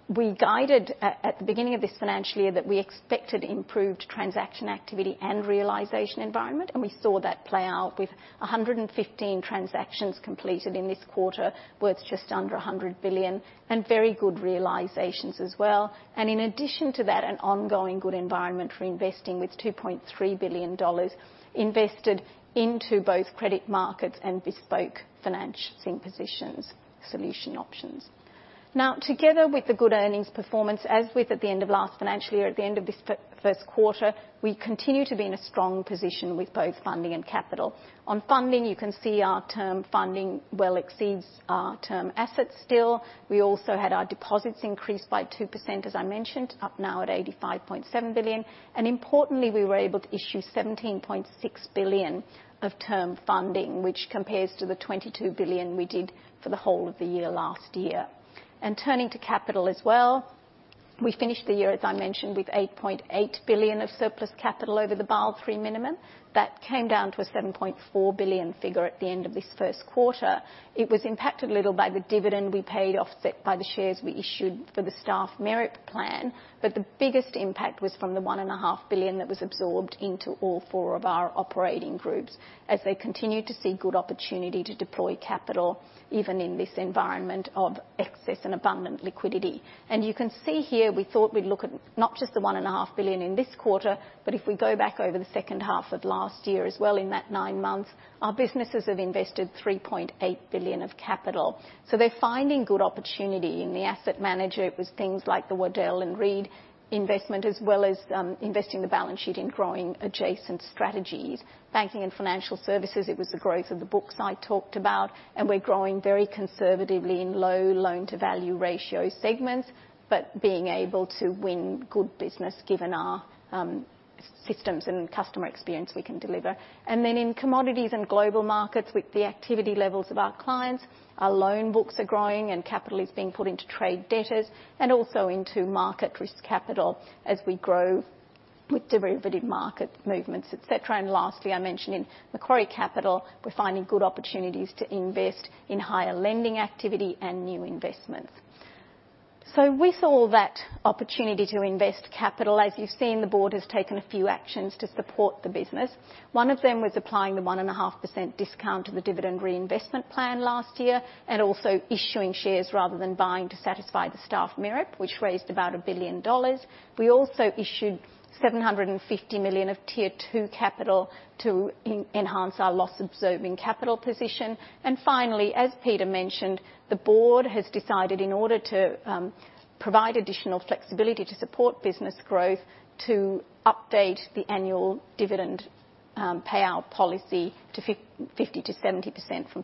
we guided at the beginning of this financial year that we expected improved transaction activity and realization environment, and we saw that play out with 115 transactions completed in this quarter worth just under 100 billion, and very good realizations as well. In addition to that, an ongoing good environment for investing with 2.3 billion dollars invested into both credit markets and bespoke financing positions solution options. Together with the good earnings performance, as with at the end of last financial year, at the end of this first quarter, we continue to be in a strong position with both funding and capital. On funding, you can see our term funding well exceeds our term assets still. We also had our deposits increased by 2%, as I mentioned, up now at 85.7 billion. Importantly, we were able to issue 17.6 billion of term funding, which compares to the 22 billion we did for the whole of the year last year. Turning to capital as well, we finished the year, as I mentioned, with 8.8 billion of surplus capital over the Basel III minimum. That came down to a 7.4 billion figure at the end of this first quarter. It was impacted a little by the dividend we paid offset by the shares we issued for the staff MEREP plan. The biggest impact was from the 1.5 billion that was absorbed into all four of our operating groups as they continued to see good opportunity to deploy capital, even in this environment of excess and abundant liquidity. You can see here we thought we'd look at not just the 1.5 billion in this quarter, but if we go back over the second half of last year as well in that nine months, our businesses have invested 3.8 billion of capital. They're finding good opportunity. In the Macquarie Asset Management, it was things like the Waddell & Reed Financial, Inc investment, as well as investing the balance sheet in growing adjacent strategies. Banking and Financial Services, it was the growth of the books I talked about, and we're growing very conservatively in low loan-to-value ratio segments, but being able to win good business given our systems and customer experience we can deliver. In Commodities and Global Markets, with the activity levels of our clients, our loan books are growing, and capital is being put into trade debtors, and also into market risk capital as we grow with derivative market movements, etc. Lastly, I mentioned in Macquarie Capital, we're finding good opportunities to invest in higher lending activity and new investments. With all that opportunity to invest capital, as you've seen, the board has taken a few actions to support the business. One of them was applying the 1.5% discount to the dividend reinvestment plan last year, and also issuing shares rather than buying to satisfy the staff MEREP, which raised about 1 billion dollars. We also issued 750 million of Tier 2 capital to enhance our loss-absorbing capital position. Finally, as Peter mentioned, the board has decided, in order to provide additional flexibility to support business growth, to update the annual dividend payout policy to 50%-70%, from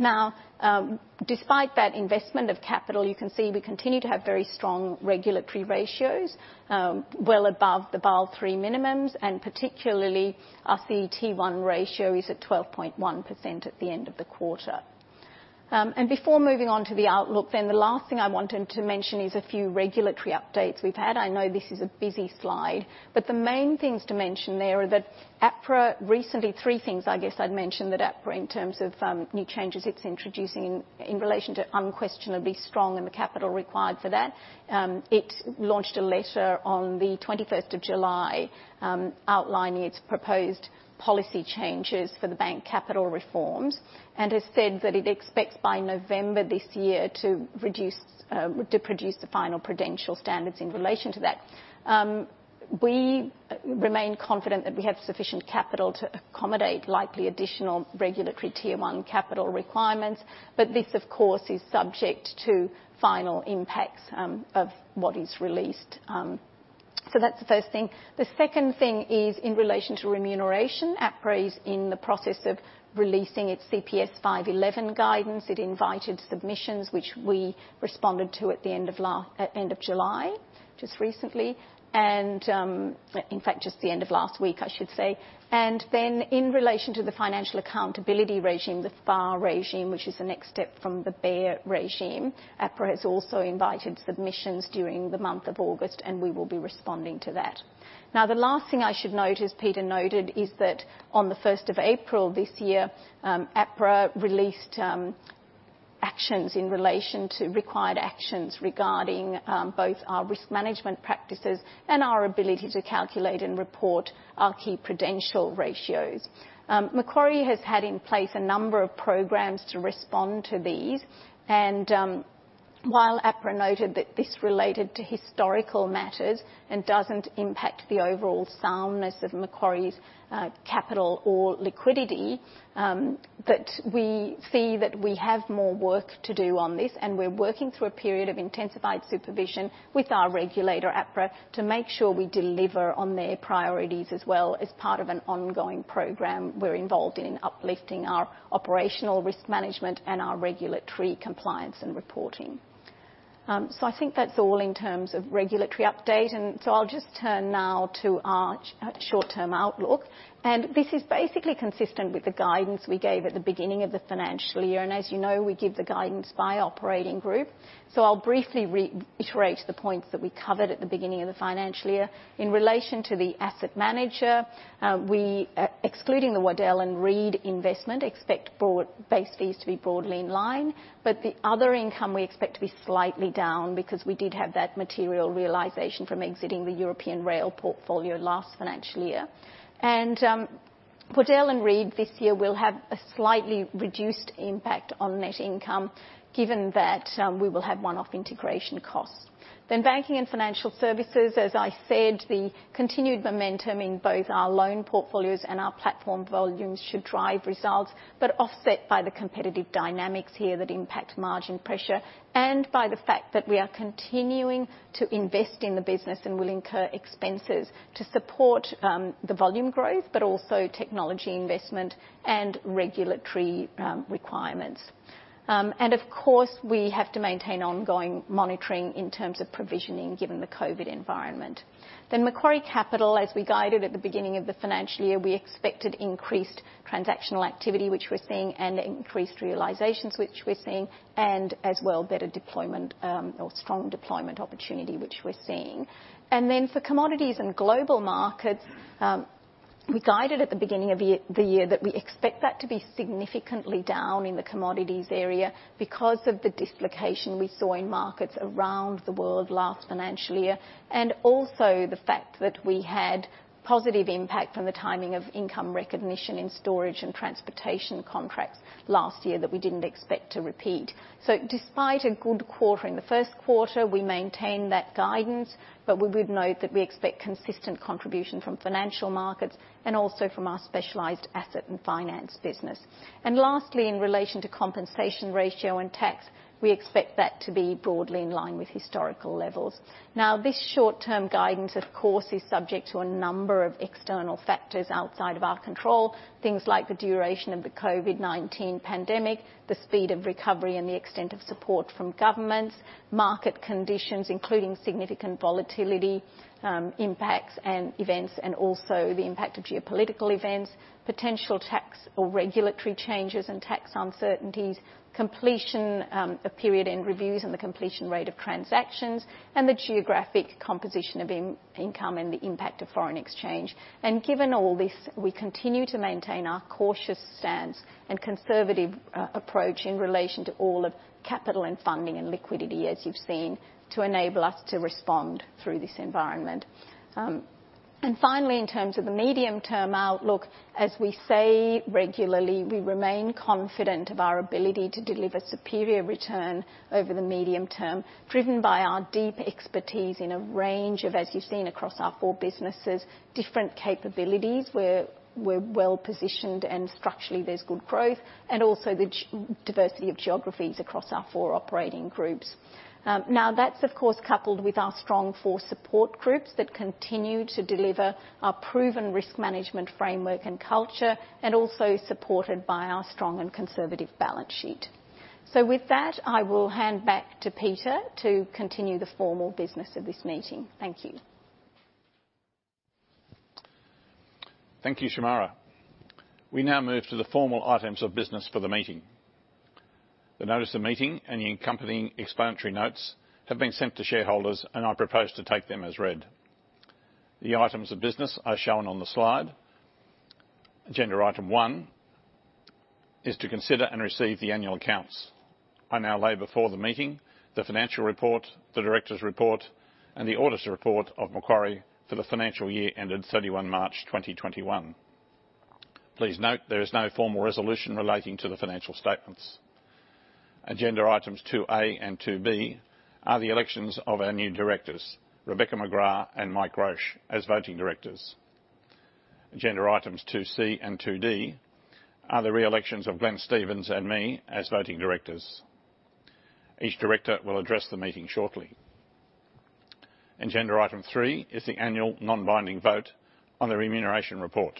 60%-80%. Despite that investment of capital, you can see we continue to have very strong regulatory ratios, well above the Basel III minimums, and particularly our CET1 ratio is at 12.1% at the end of the quarter. Before moving on to the outlook then, the last thing I wanted to mention is a few regulatory updates we've had. I know this is a busy slide. The main things to mention there are three things, I guess I'd mention that APRA, in terms of new changes it's introducing in relation to unquestionably strong and the capital required for that. It launched a letter on the 21st of July, outlining its proposed policy changes for the bank capital reforms. It has said that it expects by November this year to produce the final prudential standards in relation to that. We remain confident that we have sufficient capital to accommodate likely additional regulatory Tier 1 capital requirements. This, of course, is subject to final impacts of what is released. That's the first thing. The second thing is in relation to remuneration. APRA is in the process of releasing its CPS 511 guidance. It invited submissions, which we responded to at end of July, just recently. In fact, just the end of last week, I should say. Then in relation to the Financial Accountability Regime, the FAR regime, which is the next step from the BEAR regime, APRA has also invited submissions during the month of August, and we will be responding to that. Now, the last thing I should note, as Peter noted, is that on the 1st of April this year, APRA released actions in relation to required actions regarding both our risk management practices and our ability to calculate and report our key prudential ratios. Macquarie has had in place a number of programs to respond to these. While APRA noted that this related to historical matters and doesn't impact the overall soundness of Macquarie's capital or liquidity, we see that we have more work to do on this, and we're working through a period of intensified supervision with our regulator, APRA, to make sure we deliver on their priorities as well as part of an ongoing program we're involved in uplifting our operational risk management and our regulatory compliance and reporting. I think that's all in terms of regulatory update. I'll just turn now to our short-term outlook. This is basically consistent with the guidance we gave at the beginning of the financial year. As you know, we give the guidance by operating group. I'll briefly reiterate the points that we covered at the beginning of the financial year. In relation to the asset manager, excluding the Waddell and Reed investment, expect base fees to be broadly in line, but the other income we expect to be slightly down because we did have that material realization from exiting the European rail portfolio last financial year. Waddell and Reed this year will have a slightly reduced impact on net income, given that we will have one-off integration costs. Banking and Financial Services, as I said, the continued momentum in both our loan portfolios and our platform volumes should drive results, but offset by the competitive dynamics here that impact margin pressure, and by the fact that we are continuing to invest in the business and will incur expenses to support the volume growth, but also technology investment and regulatory requirements. Of course, we have to maintain ongoing monitoring in terms of provisioning, given the COVID-19 environment. Macquarie Capital, as we guided at the beginning of the financial year, we expected increased transactional activity, which we're seeing, and increased realizations, which we're seeing, and as well, better deployment or strong deployment opportunity, which we're seeing. For Commodities and Global Markets, we guided at the beginning of the year that we expect that to be significantly down in the commodities area because of the dislocation we saw in markets around the world last financial year. Also the fact that we had positive impact from the timing of income recognition in storage and transportation contracts last year that we didn't expect to repeat. Despite a good quarter in the first quarter, we maintain that guidance, but we would note that we expect consistent contribution from financial markets and also from our specialized asset and finance business. Lastly, in relation to compensation ratio and tax, we expect that to be broadly in line with historical levels. This short-term guidance, of course, is subject to a number of external factors outside of our control. Things like the duration of the COVID-19 pandemic, the speed of recovery, and the extent of support from governments, market conditions, including significant volatility impacts and events, and also the impact of geopolitical events, potential tax or regulatory changes and tax uncertainties, completion of period-end reviews and the completion rate of transactions, and the geographic composition of income and the impact of foreign exchange. Given all this, we continue to maintain our cautious stance and conservative approach in relation to all of capital and funding and liquidity, as you've seen, to enable us to respond through this environment. Finally, in terms of the medium-term outlook, as we say regularly, we remain confident of our ability to deliver superior return over the medium term, driven by our deep expertise in a range of, as you've seen across our four businesses, different capabilities where we're well-positioned and structurally there's good growth, and also the diversity of geographies across our four operating groups. That's of course coupled with our strong four support groups that continue to deliver our proven risk management framework and culture, and also supported by our strong and conservative balance sheet. With that, I will hand back to Peter to continue the formal business of this meeting. Thank you. Thank you, Shemara. We now move to the formal items of business for the meeting. The notice of meeting and the accompanying explanatory notes have been sent to shareholders, and I propose to take them as read. The items of business are shown on the slide. Agenda item 1 is to consider and receive the annual accounts. I now lay before the meeting the financial report, the directors' report, and the auditor's report of Macquarie for the financial year ended 31 March 2021. Please note there is no formal resolution relating to the financial statements. Agenda items 2A and 2B are the elections of our new directors, Rebecca McGrath and Mike Roche, as voting directors. Agenda items 2C and 2D are the re-elections of Glenn Stephens and me as voting directors. Each director will address the meeting shortly. Agenda item 3 is the annual non-binding vote on the remuneration report.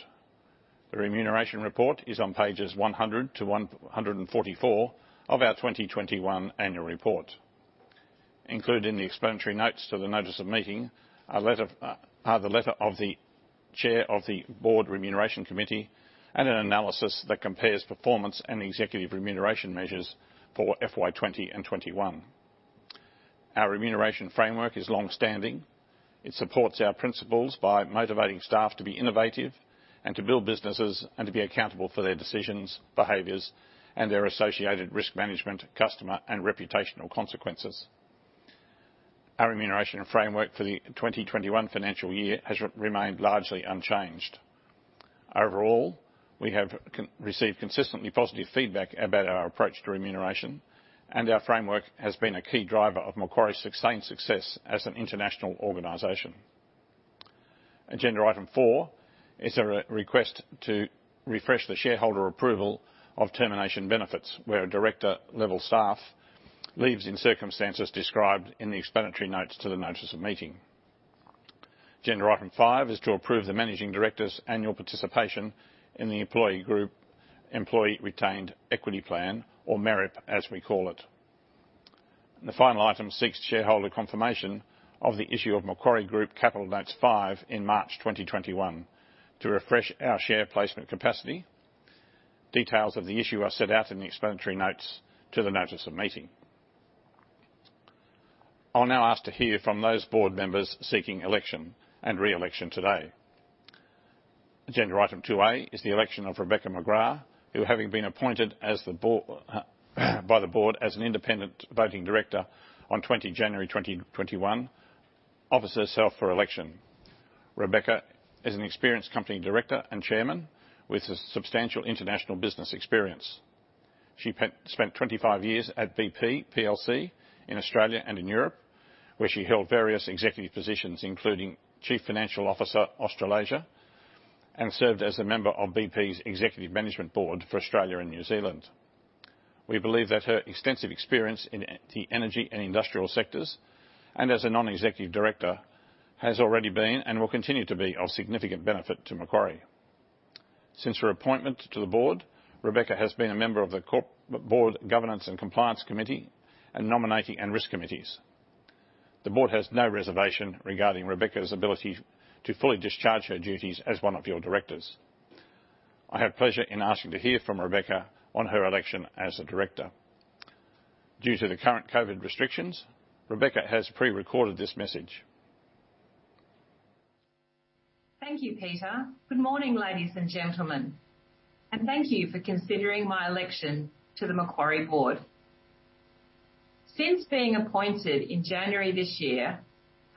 The remuneration report is on pages 100 to 144 of our 2021 annual report. Included in the explanatory notes to the notice of meeting are the letter of the chair of the Board Remuneration Committee and an analysis that compares performance and executive remuneration measures for FY 2020 and FY 2021. Our remuneration framework is longstanding. It supports our principles by motivating staff to be innovative and to build businesses, and to be accountable for their decisions, behaviors, and their associated risk management, customer, and reputational consequences. Our remuneration framework for the 2021 financial year has remained largely unchanged. Overall, we have received consistently positive feedback about our approach to remuneration, and our framework has been a key driver of Macquarie's sustained success as an international organization. Agenda item 4 is a request to refresh the shareholder approval of termination benefits where a director-level staff leaves in circumstances described in the explanatory notes to the notice of meeting. Agenda item 5 is to approve the managing director's annual participation in the employee group Employee Retained Equity Plan, or MEREP as we call it. The final item seeks shareholder confirmation of the issue of Macquarie Group Capital Notes 5 in March 2021 to refresh our share placement capacity. Details of the issue are set out in the explanatory notes to the notice of meeting. I'll now ask to hear from those board members seeking election and re-election today. Agenda item 2A is the election of Rebecca McGrath, who, having been appointed by the board as an independent voting director on 20 January 2021, offers herself for election. Rebecca is an experienced company director and chairman with substantial international business experience. She spent 25 years at BP p.l.c. in Australia and in Europe, where she held various executive positions, including Chief Financial Officer Australasia, and served as a member of BP's executive management board for Australia and New Zealand. We believe that her extensive experience in the energy and industrial sectors and as a non-executive director has already been and will continue to be of significant benefit to Macquarie. Since her appointment to the board, Rebecca has been a member of the Board Governance and Compliance Committee and Nominating and Risk Committees. The board has no reservation regarding Rebecca's ability to fully discharge her duties as one of your directors. I have pleasure in asking to hear from Rebecca on her election as a director. Due to the current COVID-19 restrictions, Rebecca has pre-recorded this message. Thank you, Peter. Good morning, ladies and gentlemen, and thank you for considering my election to the Macquarie Board. Since being appointed in January this year,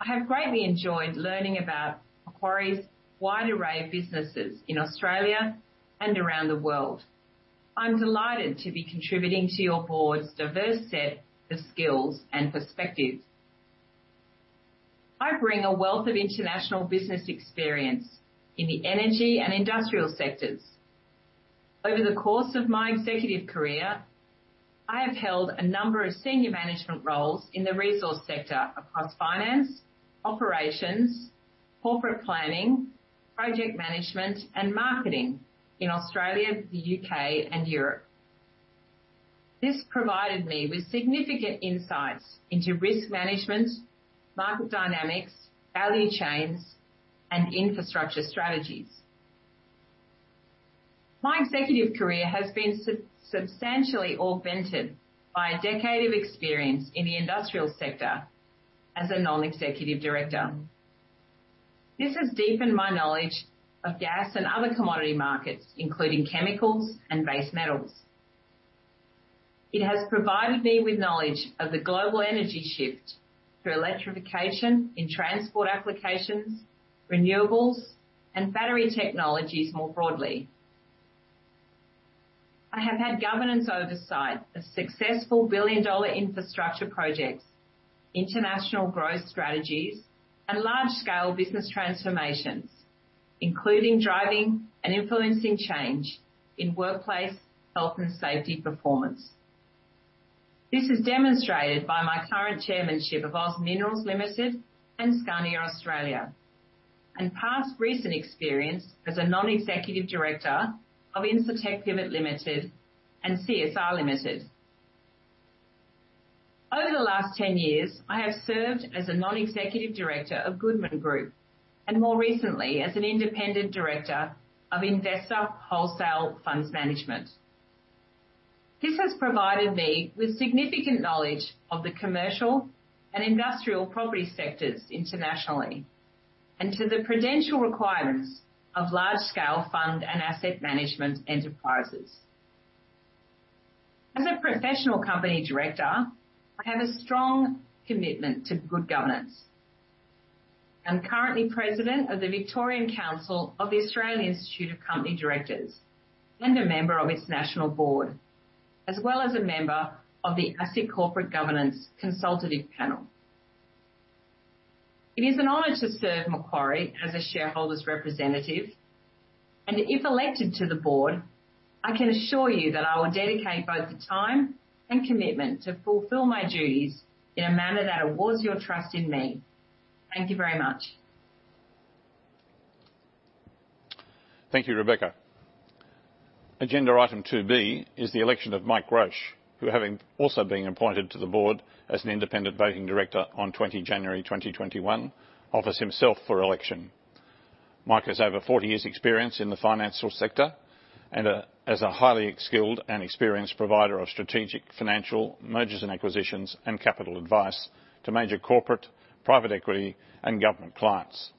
I have greatly enjoyed learning about Macquarie's wide array of businesses in Australia and around the world. I'm delighted to be contributing to your board's diverse set of skills and perspectives. I bring a wealth of international business experience in the energy and industrial sectors. Over the course of my executive career, I have held a number of senior management roles in the resource sector across finance, operations, corporate planning, project management, and marketing in Australia, the U.K., and Europe. This provided me with significant insights into risk management, market dynamics, value chains, and infrastructure strategies. My executive career has been substantially augmented by 10 years of experience in the industrial sector as a non-executive director. This has deepened my knowledge of gas and other commodity markets, including chemicals and base metals. It has provided me with knowledge of the global energy shift to electrification in transport applications, renewables, and battery technologies more broadly. I have had governance oversight of successful billion-dollar infrastructure projects, international growth strategies, and large-scale business transformations, including driving and influencing change in workplace health and safety performance. This is demonstrated by my current chairmanship of OZ Minerals Limited and Scania Australia, and past recent experience as a non-executive director of Incitec Pivot Limited and CSR Limited. Over the last 10 years, I have served as a non-executive director of Goodman Group and more recently as an independent director of Investa Wholesale Funds Management. This has provided me with significant knowledge of the commercial and industrial property sectors internationally and to the prudential requirements of large-scale fund and asset management enterprises. As a professional company director, I have a strong commitment to good governance. I'm currently president of the Victorian Council of the Australian Institute of Company Directors and a member of its national board, as well as a member of the ASIC Corporate Governance Consultative Panel. It is an honor to serve Macquarie as a shareholders representative, and if elected to the board, I can assure you that I will dedicate both the time and commitment to fulfill my duties in a manner that awards your trust in me. Thank you very much. Thank you, Rebecca. Agenda item 2B is the election of Mike Roche, who having also been appointed to the Board as an Independent Voting Director on 20 January 2021, offers himself for election. Mike has over 40 years experience in the financial sector and as a highly skilled and experienced provider of strategic financial mergers and acquisitions and capital advice to major corporate, private equity and government clients.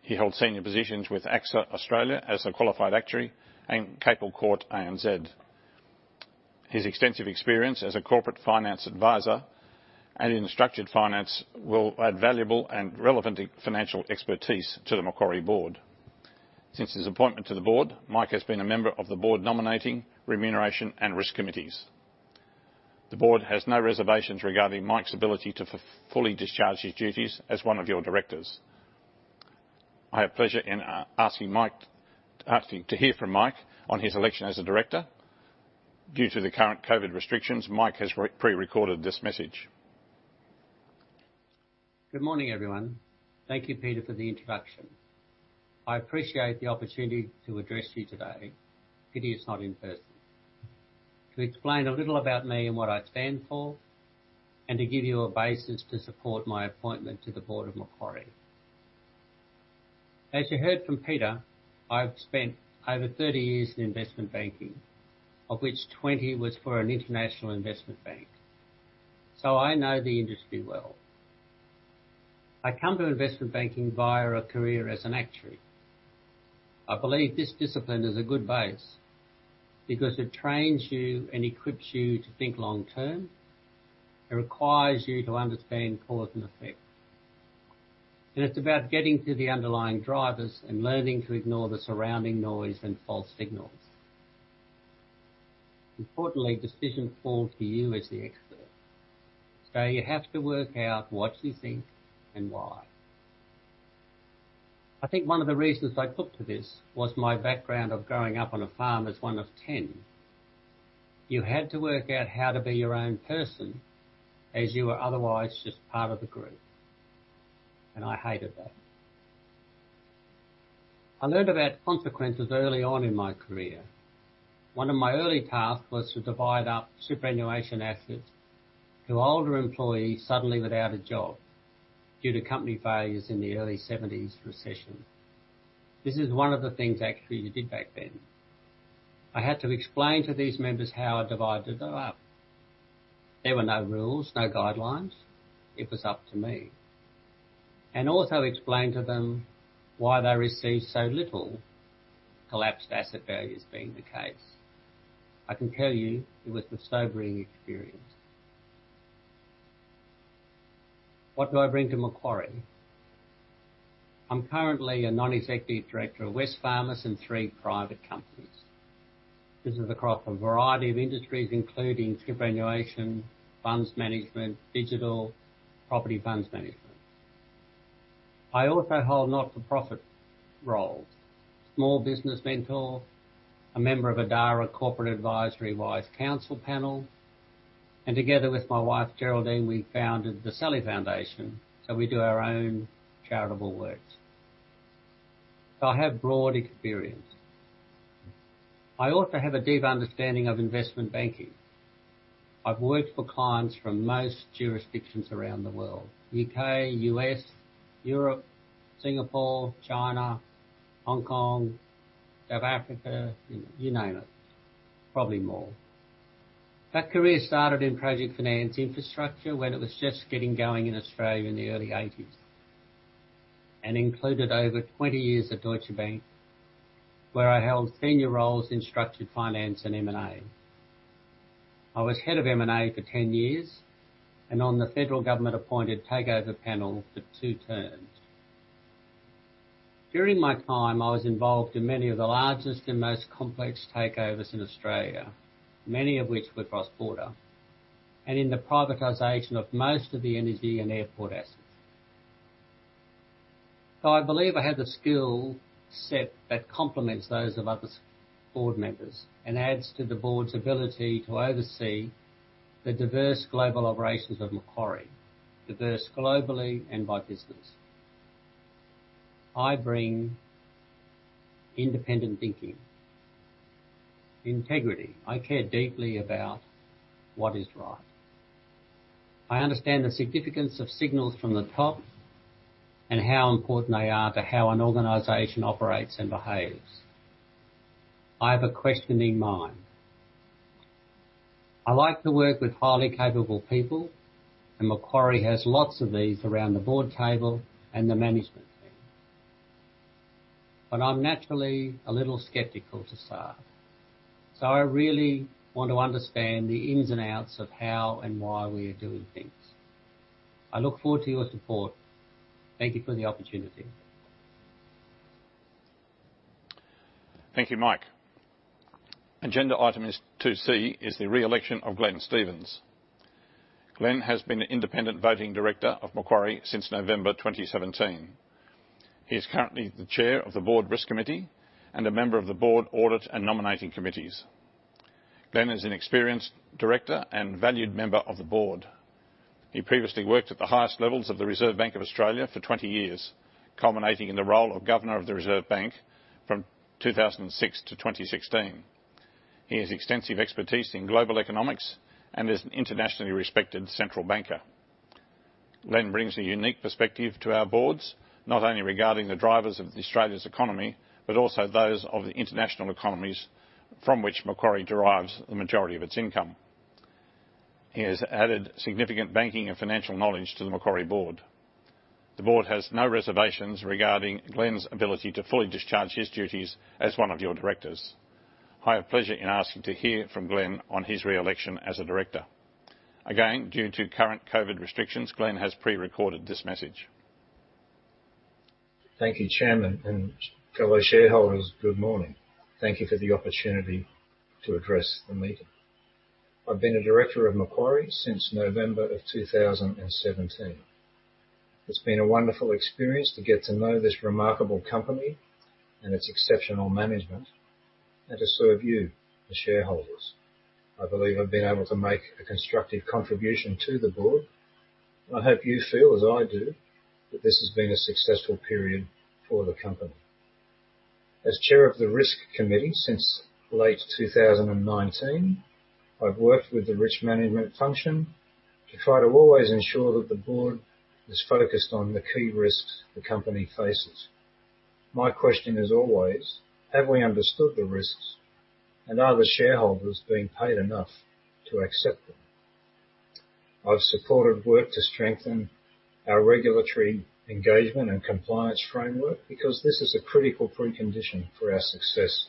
He held senior positions with AXA Australia as a qualified actuary and Capel Court ANZ. His extensive experience as a corporate finance advisor and in structured finance will add valuable and relevant financial expertise to the Macquarie Board. Since his appointment to the Board, Mike has been a member of the Board Nominating, Remuneration, and Risk Committees. The Board has no reservations regarding Mike's ability to fully discharge his duties as one of your directors. I have pleasure in asking to hear from Mike on his election as a director. Due to the current COVID restrictions, Mike has pre-recorded this message. Good morning, everyone. Thank you, Peter, for the introduction. I appreciate the opportunity to address you today, pity it's not in person, to explain a little about me and what I stand for and to give you a basis to support my appointment to the board of Macquarie. As you heard from Peter, I've spent over 30 years in investment banking, of which 20 was for an international investment bank, so I know the industry well. I come to investment banking via a career as an actuary. I believe this discipline is a good base because it trains you and equips you to think long-term. It requires you to understand cause and effect. It's about getting to the underlying drivers and learning to ignore the surrounding noise and false signals. Importantly, decisions fall to you as the expert. You have to work out what you think and why. I think one of the reasons I took to this was my background of growing up on a farm as one of 10. You had to work out how to be your own person as you were otherwise just part of the group, and I hated that. I learned about consequences early on in my career. One of my early tasks was to divide up superannuation assets to older employees suddenly without a job due to company failures in the early '70s recession. This is one of the things actuaries did back then. I had to explain to these members how I divided them up. There were no rules, no guidelines. It was up to me. Also explain to them why they received so little, collapsed asset values being the case. I can tell you, it was a sobering experience. What do I bring to Macquarie? I'm currently a non-executive director of Wesfarmers and three private companies. This is across a variety of industries, including superannuation, funds management, digital, property funds management. I also hold not-for-profit roles, small business mentor, a member of Adara Corporate Advisory Wise Counsel panel. Together with my wife, Geraldine, we founded the Sally Foundation. We do our own charitable works. I have broad experience. I also have a deep understanding of investment banking. I've worked for clients from most jurisdictions around the world, U.K., U.S., Europe, Singapore, China, Hong Kong, South Africa, you name it, probably more. That career started in project finance infrastructure when it was just getting going in Australia in the early '80s. Included over 20 years at Deutsche Bank, where I held senior roles in structured finance and M&A. I was head of M&A for 10 years, and on the federal government-appointed Takeovers Panel for two terms. During my time, I was involved in many of the largest and most complex takeovers in Australia, many of which were cross-border, and in the privatization of most of the energy and airport assets. I believe I have the skill set that complements those of other board members and adds to the board's ability to oversee the diverse global operations of Macquarie, diverse globally and by business. I bring independent thinking, integrity. I care deeply about what is right. I understand the significance of signals from the top and how important they are to how an organization operates and behaves. I have a questioning mind. I like to work with highly capable people, and Macquarie has lots of these around the board table and the management team. I'm naturally a little skeptical to start. I really want to understand the ins and outs of how and why we are doing things. I look forward to your support. Thank you for the opportunity. Thank you, Mike. Agenda item 2C is the re-election of Glenn Stephens. Glenn has been an independent voting director of Macquarie since November 2017. He is currently the chair of the Board Risk Committee and a member of the Board Audit and Nominating Committees. Glenn is an experienced director and valued member of the board. He previously worked at the highest levels of the Reserve Bank of Australia for 20 years, culminating in the role of Governor of the Reserve Bank from 2006 to 2016. He has extensive expertise in global economics and is an internationally respected central banker. Glenn brings a unique perspective to our boards, not only regarding the drivers of Australia's economy, but also those of the international economies from which Macquarie derives the majority of its income. He has added significant banking and financial knowledge to the Macquarie board. The board has no reservations regarding Glenn's ability to fully discharge his duties as one of your directors. I have pleasure in asking to hear from Glenn on his re-election as a director. Again, due to current COVID restrictions, Glenn has pre-recorded this message. Thank you, Chairman. Fellow shareholders, good morning. Thank you for the opportunity to address the meeting. I've been a director of Macquarie since November of 2017. It's been a wonderful experience to get to know this remarkable company and its exceptional management, and to serve you, the shareholders. I believe I've been able to make a constructive contribution to the board, and I hope you feel as I do, that this has been a successful period for the company. As Chair of the Risk Committee since late 2019, I've worked with the risk management function to try to always ensure that the board is focused on the key risks the company faces. My question is always, have we understood the risks, and are the shareholders being paid enough to accept them? I've supported work to strengthen our regulatory engagement and compliance framework because this is a critical precondition for our success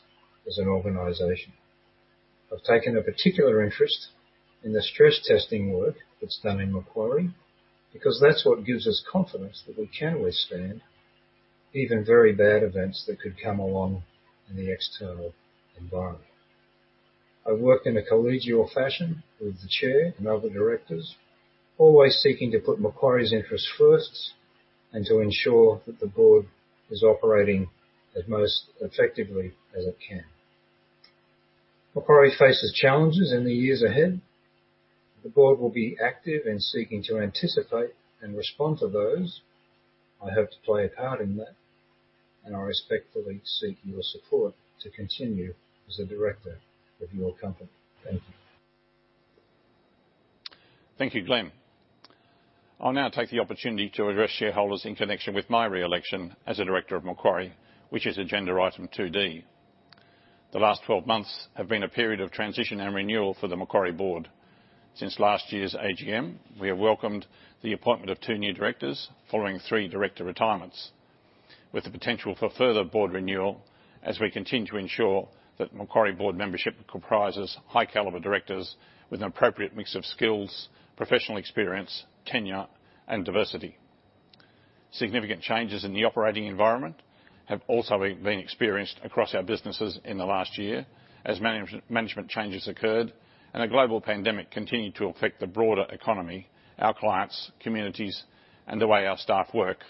as an organization. I've taken a particular interest in the stress testing work that's done in Macquarie, because that's what gives us confidence that we can withstand even very bad events that could come along in the external environment. I've worked in a collegial fashion with the chair and other directors, always seeking to put Macquarie's interests first and to ensure that the board is operating as most effectively as it can. Macquarie faces challenges in the years ahead. The board will be active in seeking to anticipate and respond to those. I hope to play a part in that, and I respectfully seek your support to continue as a director of your company. Thank you. Thank you, Glenn. I'll now take the opportunity to address shareholders in connection with my re-election as a director of Macquarie, which is agenda item 2D. The last 12 months have been a period of transition and renewal for the Macquarie board. Since last year's AGM, we have welcomed the appointment of two new directors following three director retirements, with the potential for further board renewal as we continue to ensure that Macquarie board membership comprises high-caliber directors with an appropriate mix of skills, professional experience, tenure, and diversity. Significant changes in the operating environment have also been experienced across our businesses in the last year as management changes occurred and a global pandemic continued to affect the broader economy, our clients, communities, and the way our staff work,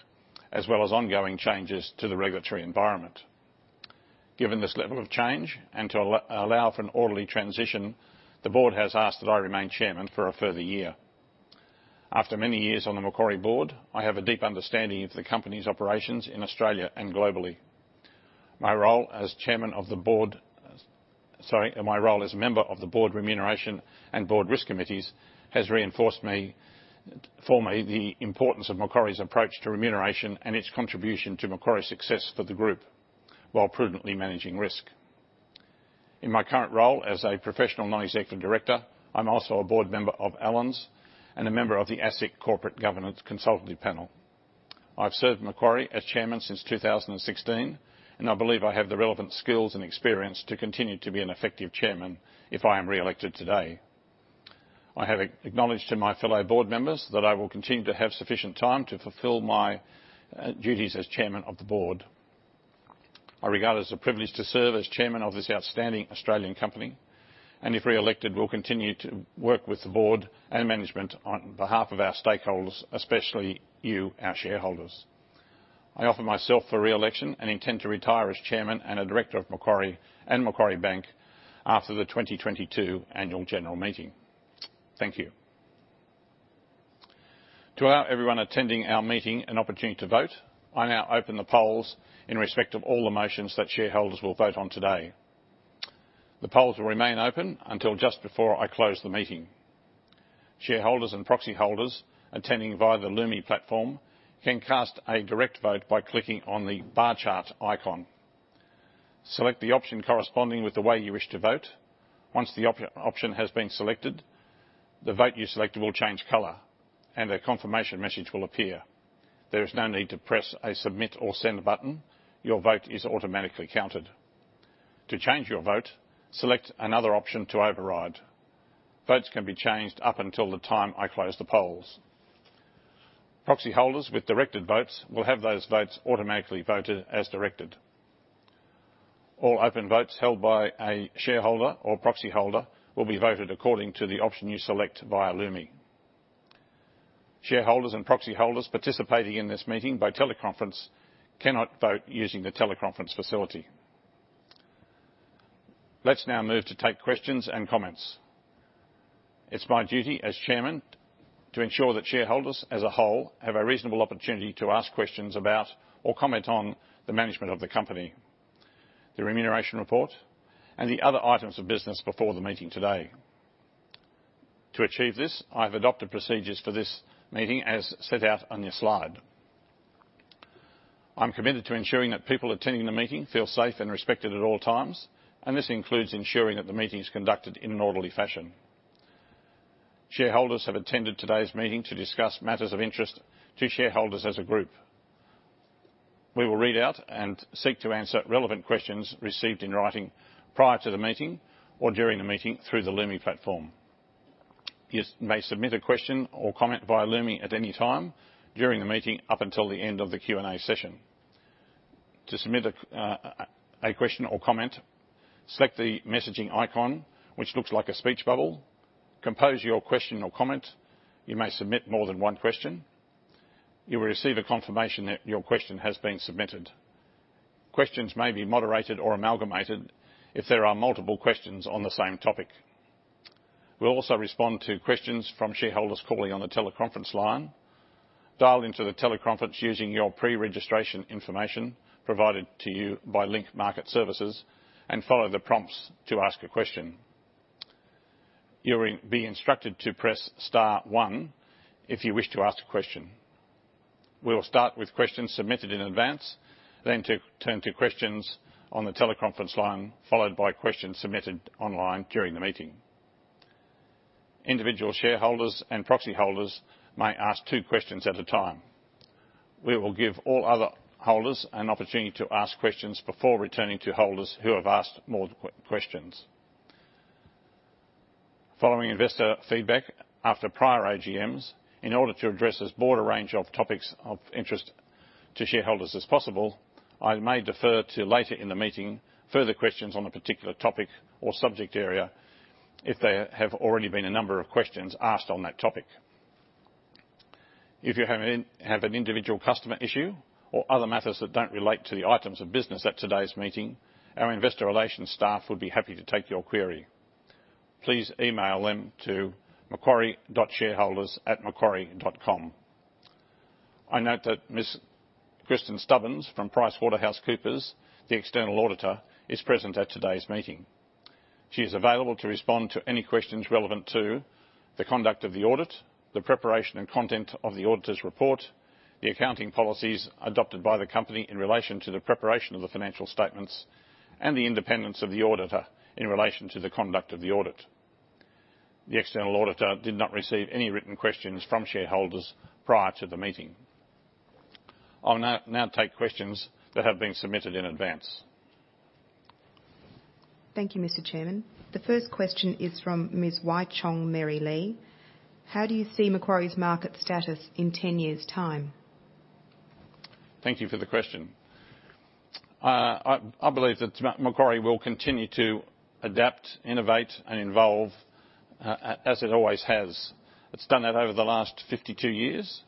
as well as ongoing changes to the regulatory environment. Given this level of change, and to allow for an orderly transition, the board has asked that I remain chairman for a further year. After many years on the Macquarie board, I have a deep understanding of the company's operations in Australia and globally. My role as a member of the Board Remuneration and Board Risk Committees has reinforced for me the importance of Macquarie's approach to remuneration and its contribution to Macquarie's success for the Group, while prudently managing risk. In my current role as a professional non-executive director, I'm also a board member of Allens and a member of the ASIC Corporate Governance Consultative Panel. I've served Macquarie as chairman since 2016, and I believe I have the relevant skills and experience to continue to be an effective chairman if I am reelected today. I have acknowledged to my fellow board members that I will continue to have sufficient time to fulfill my duties as chairman of the board. I regard it as a privilege to serve as chairman of this outstanding Australian company, and if reelected, will continue to work with the board and management on behalf of our stakeholders, especially you, our shareholders. I offer myself for reelection and intend to retire as chairman and a director of Macquarie and Macquarie Bank after the 2022 Annual General Meeting. Thank you. To allow everyone attending our meeting an opportunity to vote, I now open the polls in respect of all the motions that shareholders will vote on today. The polls will remain open until just before I close the meeting. Shareholders and proxy holders attending via the Lumi platform can cast a direct vote by clicking on the bar chart icon. Select the option corresponding with the way you wish to vote. Once the option has been selected, the vote you selected will change color, and a confirmation message will appear. There is no need to press a submit or send button. Your vote is automatically counted. To change your vote, select another option to override. Votes can be changed up until the time I close the polls. Proxy holders with directed votes will have those votes automatically voted as directed. All open votes held by a shareholder or proxy holder will be voted according to the option you select via Lumi. Shareholders and proxy holders participating in this meeting by teleconference cannot vote using the teleconference facility. Let's now move to take questions and comments. It's my duty as chairman to ensure that shareholders as a whole have a reasonable opportunity to ask questions about or comment on the management of the company, the remuneration report, and the other items of business before the meeting today. To achieve this, I've adopted procedures for this meeting as set out on your slide. I'm committed to ensuring that people attending the meeting feel safe and respected at all times, and this includes ensuring that the meeting is conducted in an orderly fashion. Shareholders have attended today's meeting to discuss matters of interest to shareholders as a group. We will read out and seek to answer relevant questions received in writing prior to the meeting or during the meeting through the Lumi platform. You may submit a question or comment via Lumi at any time during the meeting up until the end of the Q&A session. To submit a question or comment, select the messaging icon, which looks like a speech bubble. Compose your question or comment. You may submit more than one question. You will receive a confirmation that your question has been submitted. Questions may be moderated or amalgamated if there are multiple questions on the same topic. We'll also respond to questions from shareholders calling on the teleconference line. Dial into the teleconference using your pre-registration information provided to you by Link Market Services and follow the prompts to ask a question. You will be instructed to press star one if you wish to ask a question. We will start with questions submitted in advance, then turn to questions on the teleconference line, followed by questions submitted online during the meeting. Individual shareholders and proxy holders may ask two questions at a time. We will give all other holders an opportunity to ask questions before returning to holders who have asked more questions. Following investor feedback after prior AGMs, in order to address as broad a range of topics of interest to shareholders as possible, I may defer to later in the meeting further questions on a particular topic or subject area if there have already been a number of questions asked on that topic. If you have an individual customer issue or other matters that don't relate to the items of business at today's meeting, our investor relations staff would be happy to take your query. Please email them to macquarie.shareholders@macquarie.com. I note that Ms. Kristin Stubbins from PricewaterhouseCoopers, the external auditor, is present at today's meeting. She is available to respond to any questions relevant to the conduct of the audit, the preparation and content of the auditor's report, the accounting policies adopted by the company in relation to the preparation of the financial statements, and the independence of the auditor in relation to the conduct of the audit. The external auditor did not receive any written questions from shareholders prior to the meeting. I will now take questions that have been submitted in advance. Thank you, Mr. Chairman. The first question is from Ms. Wai Chong Mary Lee. How do you see Macquarie's market status in 10 years' time? Thank you for the question. I believe that Macquarie will continue to adapt, innovate and evolve, as it always has. It's done that over the last 52 years.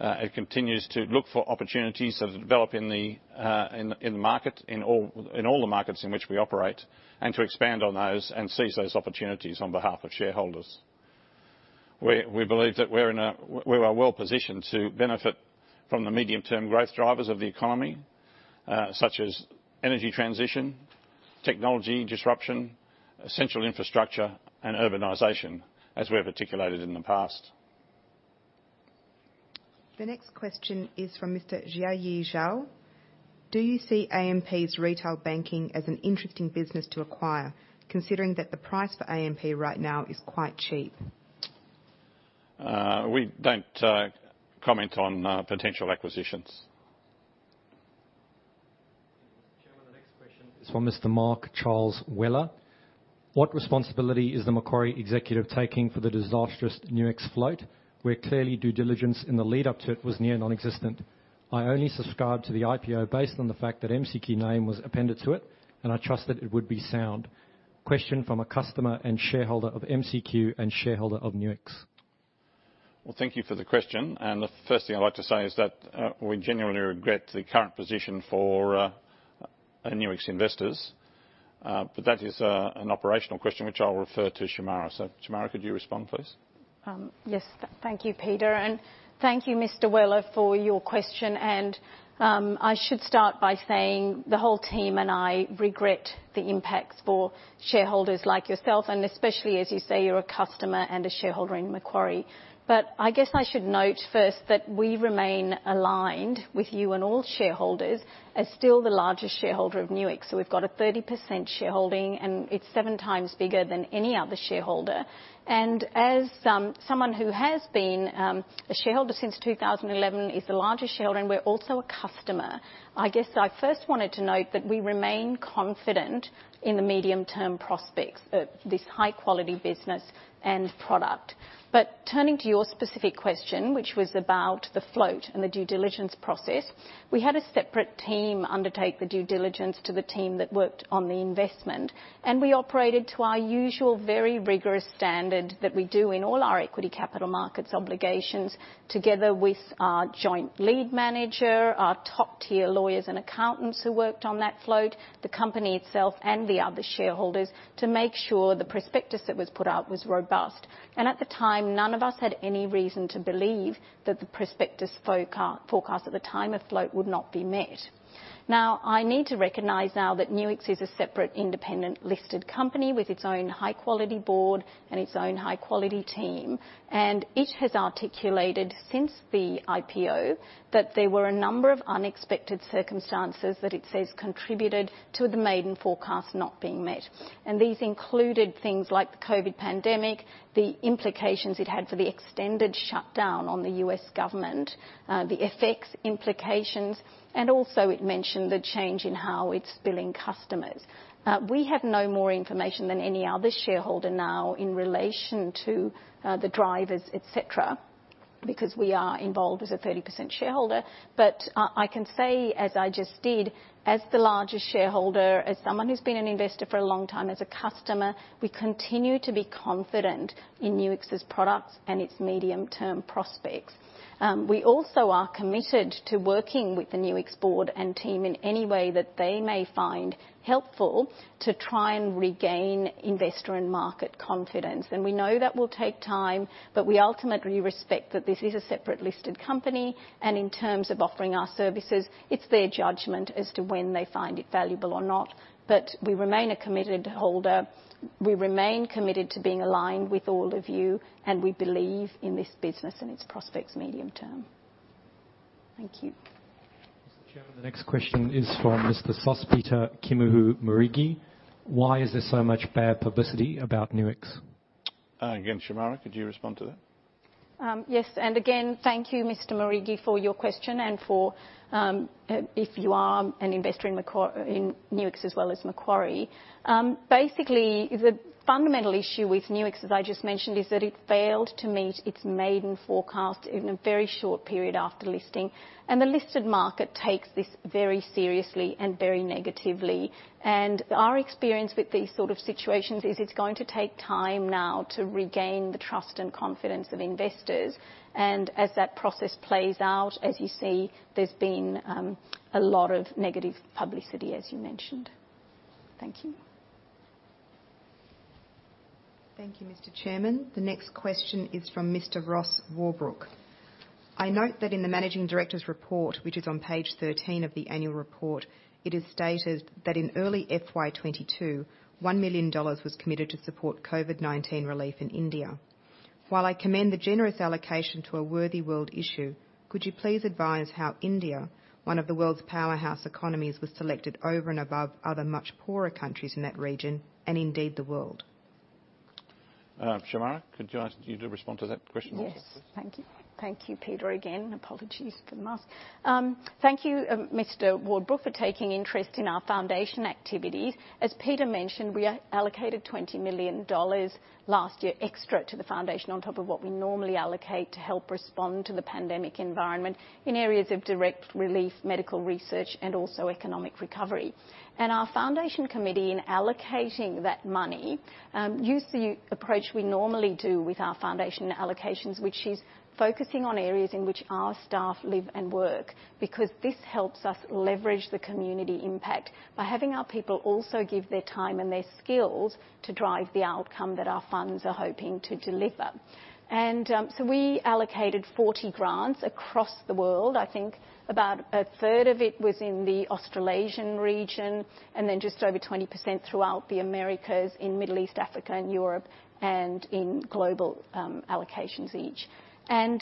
It continues to look for opportunities as it develop in the market, in all the markets in which we operate, and to expand on those and seize those opportunities on behalf of shareholders. We believe that we are well-positioned to benefit from the medium-term growth drivers of the economy, such as energy transition, technology disruption, essential infrastructure, and urbanization, as we have articulated in the past. The next question is from Mr. Jiayi Zhao. Do you see AMP's retail banking as an interesting business to acquire, considering that the price for AMP right now is quite cheap? We don't comment on potential acquisitions. Mr. Chairman, the next question is from Mr. Mark Charles Weller. What responsibility is the Macquarie executive taking for the disastrous Nuix float, where clearly due diligence in the lead up to it was near non-existent? I only subscribed to the IPO based on the fact that MQG name was appended to it, I trusted it would be sound. Question from a customer and shareholder of MQG and shareholder of Nuix. Well, thank you for the question. The first thing I'd like to say is that we genuinely regret the current position for Nuix investors. That is an operational question which I'll refer to Shemara. Shemara, could you respond, please? Yes. Thank you, Peter. Thank you, Mr. Weller, for your question. I should start by saying the whole team and I regret the impact for shareholders like yourself, and especially as you say, you're a customer and a shareholder in Macquarie. I guess I should note first that we remain aligned with you and all shareholders as still the largest shareholder of Nuix. We've got a 30% shareholding, and it's seven times bigger than any other shareholder. As someone who has been a shareholder since 2011, is the largest shareholder, and we're also a customer, I guess I first wanted to note that we remain confident in the medium-term prospects of this high-quality business and product. Turning to your specific question, which was about the float and the due diligence process, we had a separate team undertake the due diligence to the team that worked on the investment. We operated to our usual, very rigorous standard that we do in all our equity capital markets obligations, together with our joint lead manager, our top-tier lawyers and accountants who worked on that float, the company itself, and the other shareholders to make sure the prospectus that was put out was robust. At the time, none of us had any reason to believe that the prospectus forecast at the time of float would not be met. I need to recognize now that Nuix is a separate independent listed company with its own high-quality board and its own high-quality team. It has articulated since the IPO that there were a number of unexpected circumstances that it says contributed to the maiden forecast not being met. These included things like the COVID-19 pandemic, the implications it had for the extended shutdown on the U.S. government, the FX implications, and also it mentioned the change in how its billing customers. We have no more information than any other shareholder now in relation to the drivers, et cetera, because we are involved as a 30% shareholder. I can say, as I just did, as the largest shareholder, as someone who's been an investor for a long time, as a customer, we continue to be confident in Nuix's products and its medium-term prospects. We also are committed to working with the Nuix board and team in any way that they may find helpful to try and regain investor and market confidence. We know that will take time, but we ultimately respect that this is a separate listed company, and in terms of offering our services, it's their judgment as to when they find it valuable or not. We remain a committed holder. We remain committed to being aligned with all of you, and we believe in this business and its prospects medium-term. Thank you. Mr. Chairman, the next question is from Mr. Sospeter Kimuhu Marigi. Why is there so much bad publicity about Nuix? Again, Shemara, could you respond to that? Yes. Thank you, Mr. Marigi, for your question and if you are an investor in Nuix as well as Macquarie. Basically, the fundamental issue with Nuix, as I just mentioned, is that it failed to meet its maiden forecast in a very short period after listing. The listed market takes this very seriously and very negatively. Our experience with these sort of situations is it's going to take time now to regain the trust and confidence of investors. As that process plays out, as you see, there's been a lot of negative publicity, as you mentioned. Thank you. Thank you, Mr. Chairman. The next question is from Mr. Ross Warbrook. I note that in the managing director's report, which is on page 13 of the annual report, it is stated that in early FY 2022, AUD 1 million was committed to support COVID-19 relief in India. While I commend the generous allocation to a worthy world issue, could you please advise how India, one of the world's powerhouse economies, was selected over and above other much poorer countries in that region, and indeed, the world? Shemara, could you respond to that question also, please? Yes. Thank you. Thank you, Peter, again. Apologies for the mask. Thank you, Mr. Warbrook, for taking interest in our Foundation activities. As Peter mentioned, we allocated 20 million dollars last year extra to the Foundation on top of what we normally allocate to help respond to the pandemic environment in areas of direct relief, medical research, and also economic recovery. Our Foundation committee, in allocating that money, used the approach we normally do with our Foundation allocations, which is focusing on areas in which our staff live and work, because this helps us leverage the community impact by having our people also give their time and their skills to drive the outcome that our funds are hoping to deliver. We allocated 40 grants across the world. I think about one third of it was in the Australasian region, and then just over 20% throughout the Americas, in Middle East, Africa, and Europe, and in global allocations each. In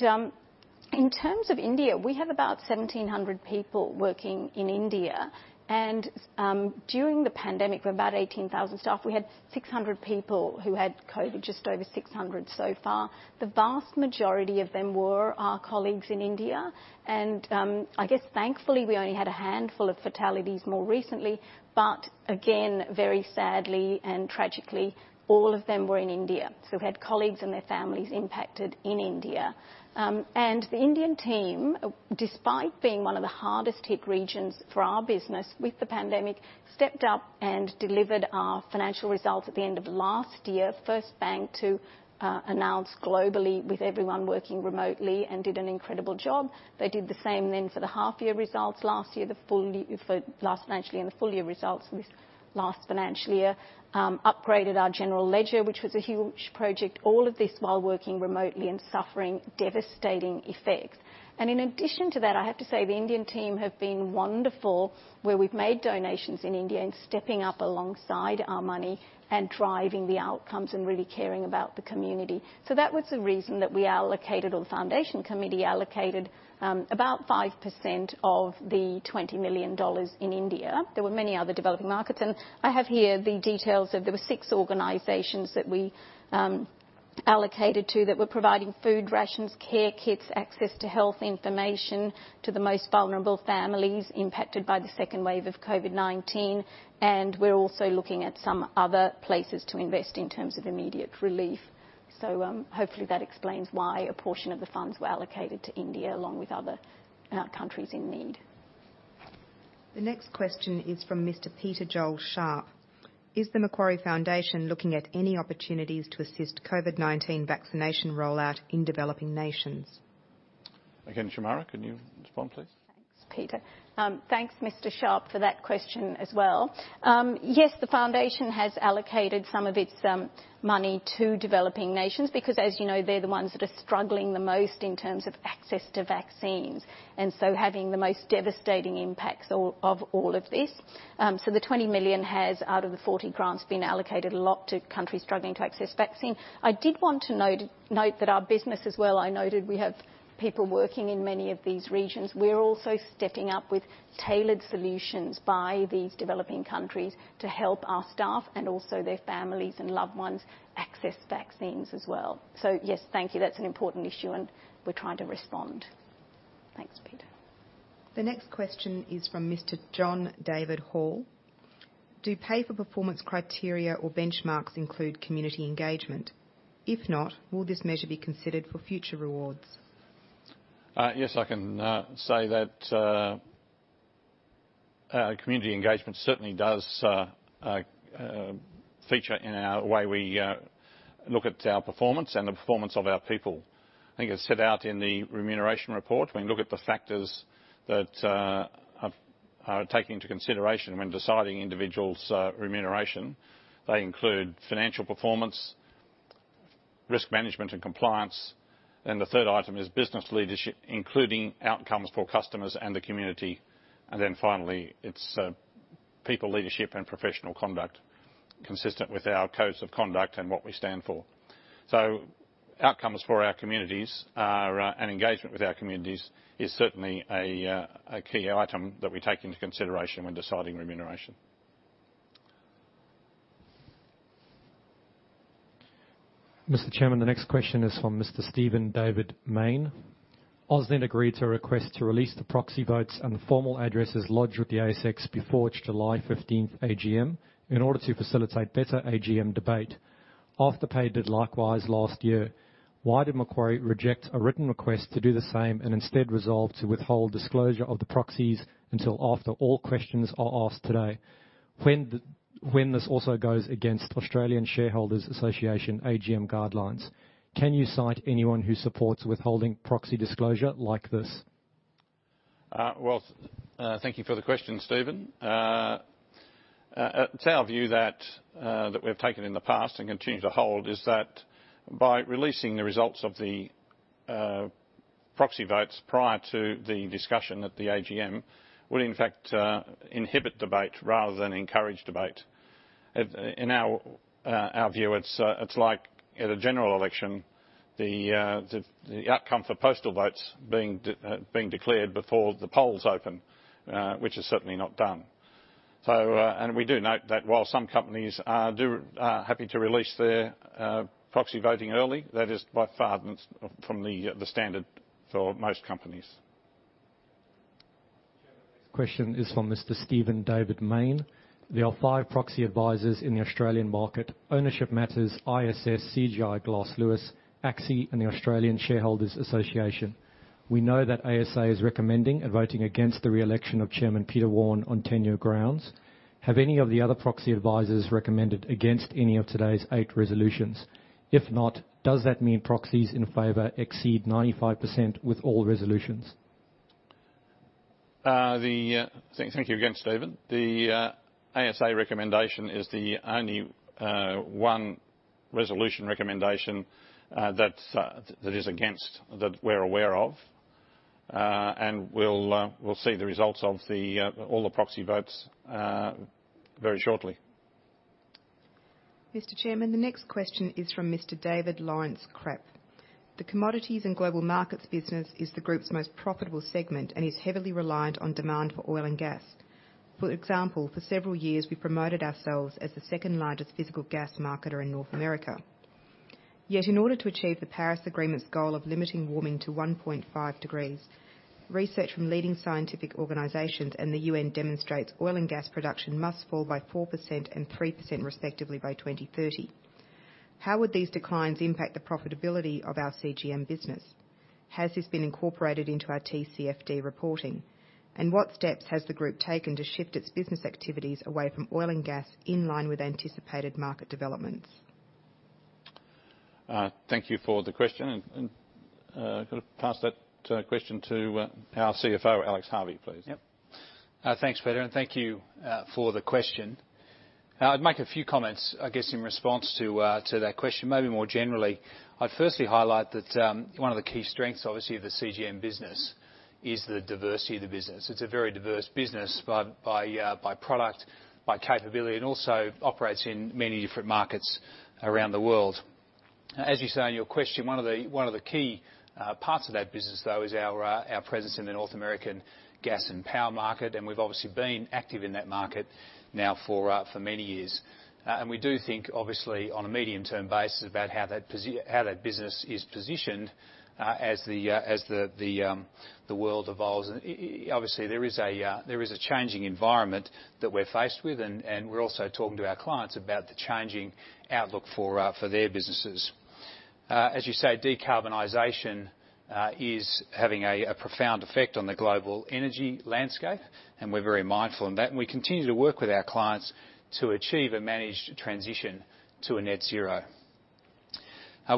terms of India, we have about 1,700 people working in India. During the pandemic, we're about 18,000 staff. We had 600 people who had COVID, just over 600 so far. The vast majority of them were our colleagues in India. I guess thankfully, we only had a handful of fatalities more recently. Again, very sadly and tragically, all of them were in India. We had colleagues and their families impacted in India. The Indian team, despite being one of the hardest hit regions for our business with the pandemic, stepped up and delivered our financial results at the end of last year. First bank to announce globally with everyone working remotely, did an incredible job. They did the same then for the half year results last year, the full last financially and the full year results this last financial year. Upgraded our general ledger, which was a huge project. All of this while working remotely and suffering devastating effects. In addition to that, I have to say, the Indian team have been wonderful, where we've made donations in India and stepping up alongside our money and driving the outcomes and really caring about the community. That was the reason that we allocated, or the foundation committee allocated about 5% of the 20 million dollars in India. There were many other developing markets. I have here the details of, there were six organizations that we allocated to that were providing food rations, care kits, access to health information to the most vulnerable families impacted by the second wave of COVID-19. We're also looking at some other places to invest in terms of immediate relief. Hopefully, that explains why a portion of the funds were allocated to India along with other countries in need. The next question is from Mr Peter Joel Sharp. Is the Macquarie Foundation looking at any opportunities to assist COVID-19 vaccination rollout in developing nations? Again, Shemara, can you respond, please? Thanks, Peter. Thanks, Mr Sharp, for that question as well. Yes, the foundation has allocated some of its money to developing nations because, as you know, they're the ones that are struggling the most in terms of access to vaccines, and so having the most devastating impacts of all of this. The 20 million has, out of the 40 grants, been allocated a lot to countries struggling to access vaccine. I did want to note that our business as well, I noted we have people working in many of these regions. We're also stepping up with tailored solutions by these developing countries to help our staff and also their families and loved ones access vaccines as well. Yes, thank you. That's an important issue, and we're trying to respond. Thanks, Peter. The next question is from Mr. John David Hall. Do pay for performance criteria or benchmarks include community engagement? If not, will this measure be considered for future rewards? Yes, I can say that community engagement certainly does feature in our way we look at our performance and the performance of our people. I think it was set out in the remuneration report. We look at the factors that are taken into consideration when deciding individuals' remuneration. They include financial performance, risk management and compliance, and the third item is business leadership, including outcomes for customers and the community. Finally, it's people leadership and professional conduct consistent with our codes of conduct and what we stand for. Outcomes for our communities are, and engagement with our communities is certainly a key item that we take into consideration when deciding remuneration. Mr. Chairman, the next question is from Mr. Stephen David Mayne. AusNet agreed to a request to release the proxy votes and the formal addresses lodged with the ASX before its July 15th AGM in order to facilitate better AGM debate. Afterpay did likewise last year. Why did Macquarie reject a written request to do the same and instead resolve to withhold disclosure of the proxies until after all questions are asked today? This also goes against Australian Shareholders' Association AGM guidelines. Can you cite anyone who supports withholding proxy disclosure like this? Well, thank you for the question, Stephen. It's our view that we've taken in the past and continue to hold, is that by releasing the results of the proxy votes prior to the discussion at the AGM would in fact inhibit debate rather than encourage debate. In our view, it's like at a general election, the outcome for postal votes being declared before the polls open, which is certainly not done. We do note that while some companies are happy to release their proxy voting early, that is by far from the standard for most companies. The next question is from Mr. Stephen David Mayne. There are five proxy advisors in the Australian market, Ownership Matters, ISS, CGI Glass Lewis, ACSI, and the Australian Shareholders' Association. We know that ASA is recommending and voting against the reelection of Chairman Peter Warne on tenure grounds. Have any of the other proxy advisors recommended against any of today's eight resolutions? If not, does that mean proxies in favor exceed 95% with all resolutions? Thank you again, Stephen. The ASA recommendation is the only one resolution recommendation that is against, that we're aware of. We'll see the results of all the proxy votes very shortly. Mr. Chairman, the next question is from Mr. David Lawrence Crapp. The Commodities and Global Markets business is the group's most profitable segment and is heavily reliant on demand for oil and gas. For example, for several years, we promoted ourselves as the second largest physical gas marketer in North America. Yet, in order to achieve the Paris Agreement's goal of limiting warming to 1.5 degrees, research from leading scientific organizations and the UN demonstrates oil and gas production must fall by 4% and 3% respectively by 2030. How would these declines impact the profitability of our CGM business? Has this been incorporated into our TCFD reporting? What steps has the group taken to shift its business activities away from oil and gas in line with anticipated market developments? Thank you for the question, and going to pass that question to our CFO, Alex Harvey, please. Yep. Thanks, Peter, and thank you for the question. I'd make a few comments, I guess, in response to that question, maybe more generally. I'd firstly highlight that one of the key strengths, obviously, of the CGM business is the diversity of the business. It's a very diverse business by product, by capability, and also operates in many different markets around the world. As you say in your question, one of the key parts of that business, though, is our presence in the North American gas and power market, and we've obviously been active in that market now for many years. We do think, obviously, on a medium-term basis about how that business is positioned as the world evolves. Obviously, there is a changing environment that we're faced with, and we're also talking to our clients about the changing outlook for their businesses. As you say, decarbonization is having a profound effect on the global energy landscape, and we're very mindful in that. We continue to work with our clients to achieve a managed transition to a net zero.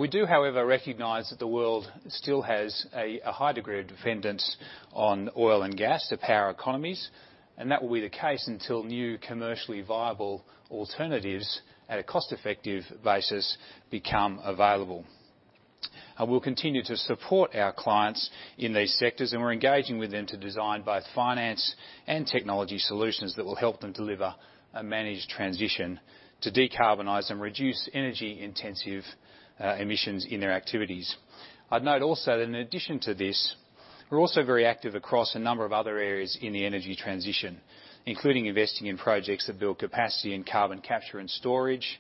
We do, however, recognize that the world still has a high degree of dependence on oil and gas to power economies, and that will be the case until new commercially viable alternatives at a cost-effective basis become available. We'll continue to support our clients in these sectors, and we're engaging with them to design both finance and technology solutions that will help them deliver a managed transition to decarbonize and reduce energy intensive emissions in their activities. I'd note also that in addition to this, we're also very active across a number of other areas in the energy transition, including investing in projects that build capacity in carbon capture and storage.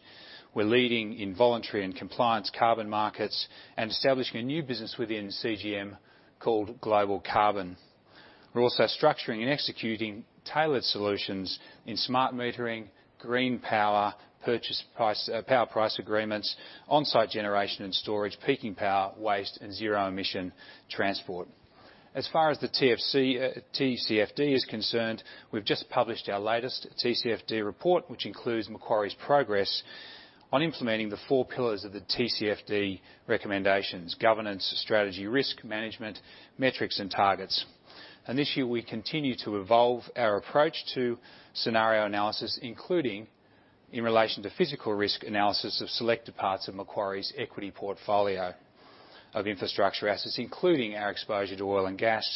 We're leading in voluntary and compliance carbon markets and establishing a new business within CGM called Global Carbon. We're also structuring and executing tailored solutions in smart metering, green power, purchase power price agreements, onsite generation and storage, peaking power waste, and zero emission transport. As far as the TCFD is concerned, we've just published our latest TCFD report, which includes Macquarie's progress on implementing the four pillars of the TCFD recommendations, governance, strategy, risk management, metrics and targets. This year, we continue to evolve our approach to scenario analysis, including in relation to physical risk analysis of selected parts of Macquarie's equity portfolio of infrastructure assets, including our exposure to oil and gas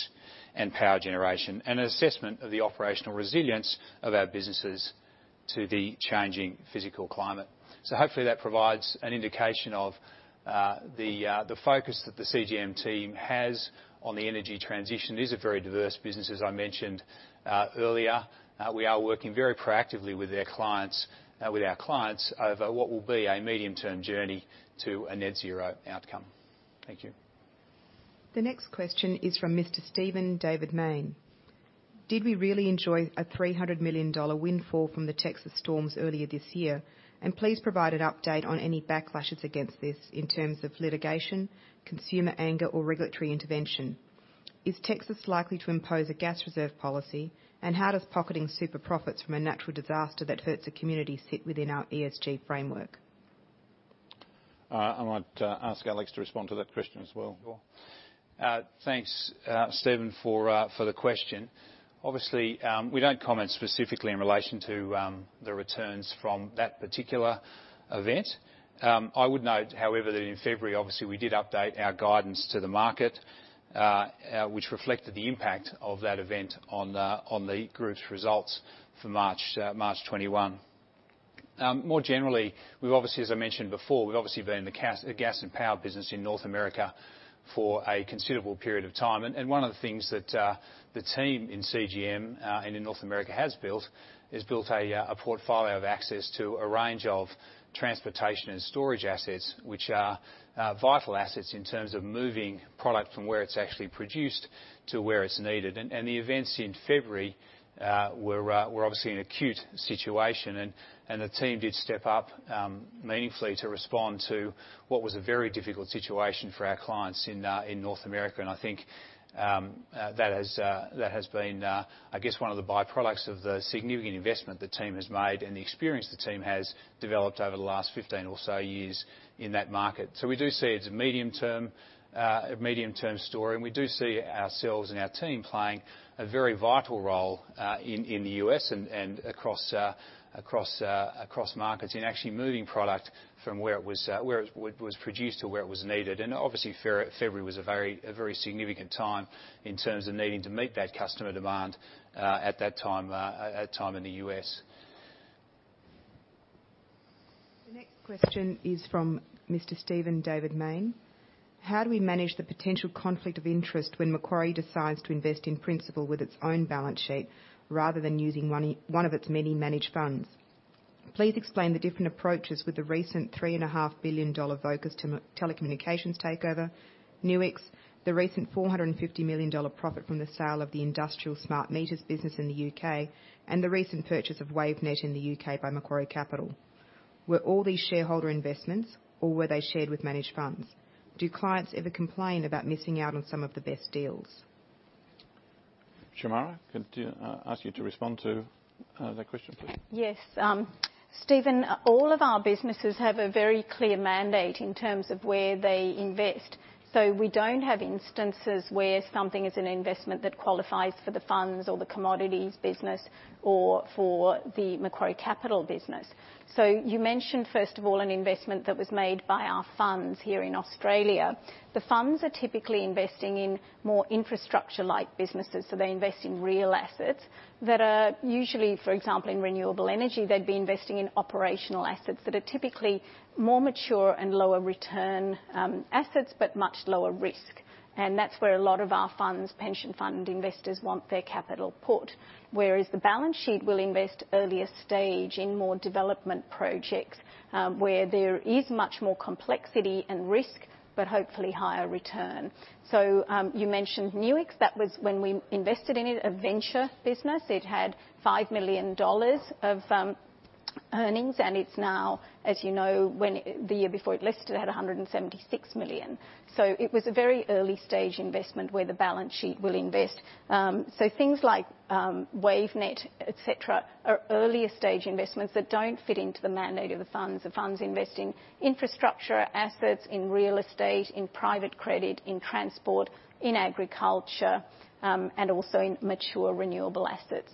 and power generation, and an assessment of the operational resilience of our businesses to the changing physical climate. Hopefully, that provides an indication of the focus that the CGM team has on the energy transition. These are very diverse businesses, I mentioned earlier. We are working very proactively with our clients over what will be a medium-term journey to a net zero outcome. Thank you. The next question is from Mr. Stephen David Mayne. "Did we really enjoy a 300 million dollar windfall from the Texas storms earlier this year? Please provide an update on any backlashes against this in terms of litigation, consumer anger, or regulatory intervention. Is Texas likely to impose a gas reserve policy? How does pocketing super profits from a natural disaster that hurts a community sit within our ESG framework? I might ask Alex to respond to that question as well. Sure. Thanks, Stephen, for the question. Obviously, we don't comment specifically in relation to the returns from that particular event. I would note, however, that in February, obviously, we did update our guidance to the market, which reflected the impact of that event on the group's results for March 2021. More generally, as I mentioned before, we've obviously been in the gas and power business in North America for a considerable period of time. One of the things that the team in CGM, and in North America has built is built a portfolio of access to a range of transportation and storage assets, which are vital assets in terms of moving product from where it's actually produced to where it's needed. The events in February were obviously an acute situation, and the team did step up meaningfully to respond to what was a very difficult situation for our clients in North America. I think that has been one of the byproducts of the significant investment the team has made and the experience the team has developed over the last 15 or so years in that market. We do see it as a medium-term story, and we do see ourselves and our team playing a very vital role in the U.S. and across markets in actually moving product. From where it was produced to where it was needed. Obviously, February was a very significant time in terms of needing to meet that customer demand at that time in the U.S. The next question is from Mr. Stephen David Mayne. How do we manage the potential conflict of interest when Macquarie Group decides to invest in principal with its own balance sheet rather than using one of its many managed funds? Please explain the different approaches with the recent 3.5 billion dollar Vocus Telecommunications takeover, Nuix, the recent 450 million dollar profit from the sale of the industrial smart meters business in the U.K., and the recent purchase of Wavenet in the U.K. by Macquarie Capital. Were all these shareholder investments, or were they shared with managed funds? Do clients ever complain about missing out on some of the best deals? Shemara, could I ask you to respond to that question, please? Yes. Stephen, all of our businesses have a very clear mandate in terms of where they invest. We don't have instances where something is an investment that qualifies for the funds or the commodities business or for the Macquarie Capital business. You mentioned, first of all, an investment that was made by our funds here in Australia. The funds are typically investing in more infrastructure-like businesses, so they invest in real assets that are usually, for example, in renewable energy, they'd be investing in operational assets that are typically more mature and lower return assets, but much lower risk. That's where a lot of our funds, pension fund investors, want their capital put. Whereas the balance sheet will invest earlier stage in more development projects, where there is much more complexity and risk, but hopefully higher return. You mentioned Nuix. That was, when we invested in it, a venture business. It had 5 million dollars of earnings, and it's now, as you know, the year before it listed, it had 176 million. It was a very early-stage investment where the balance sheet will invest. Things like Wavenet, et cetera, are earlier stage investments that don't fit into the mandate of the funds. The funds invest in infrastructure assets, in real estate, in private credit, in transport, in agriculture, and also in mature renewable assets.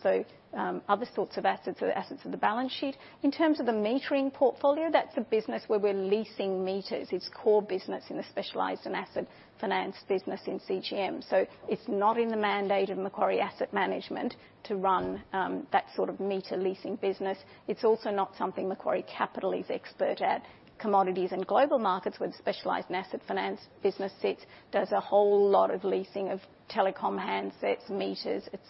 Other sorts of assets are the assets of the balance sheet. In terms of the metering portfolio, that's a business where we're leasing meters. It's core business in the Specialised and Asset Finance business in CGM. It's not in the mandate of Macquarie Asset Management to run that sort of meter leasing business. It's also not something Macquarie Capital is expert at. Commodities and Global Markets, where the Specialised and Asset Finance business sits, does a whole lot of leasing of telecom handsets, meters, et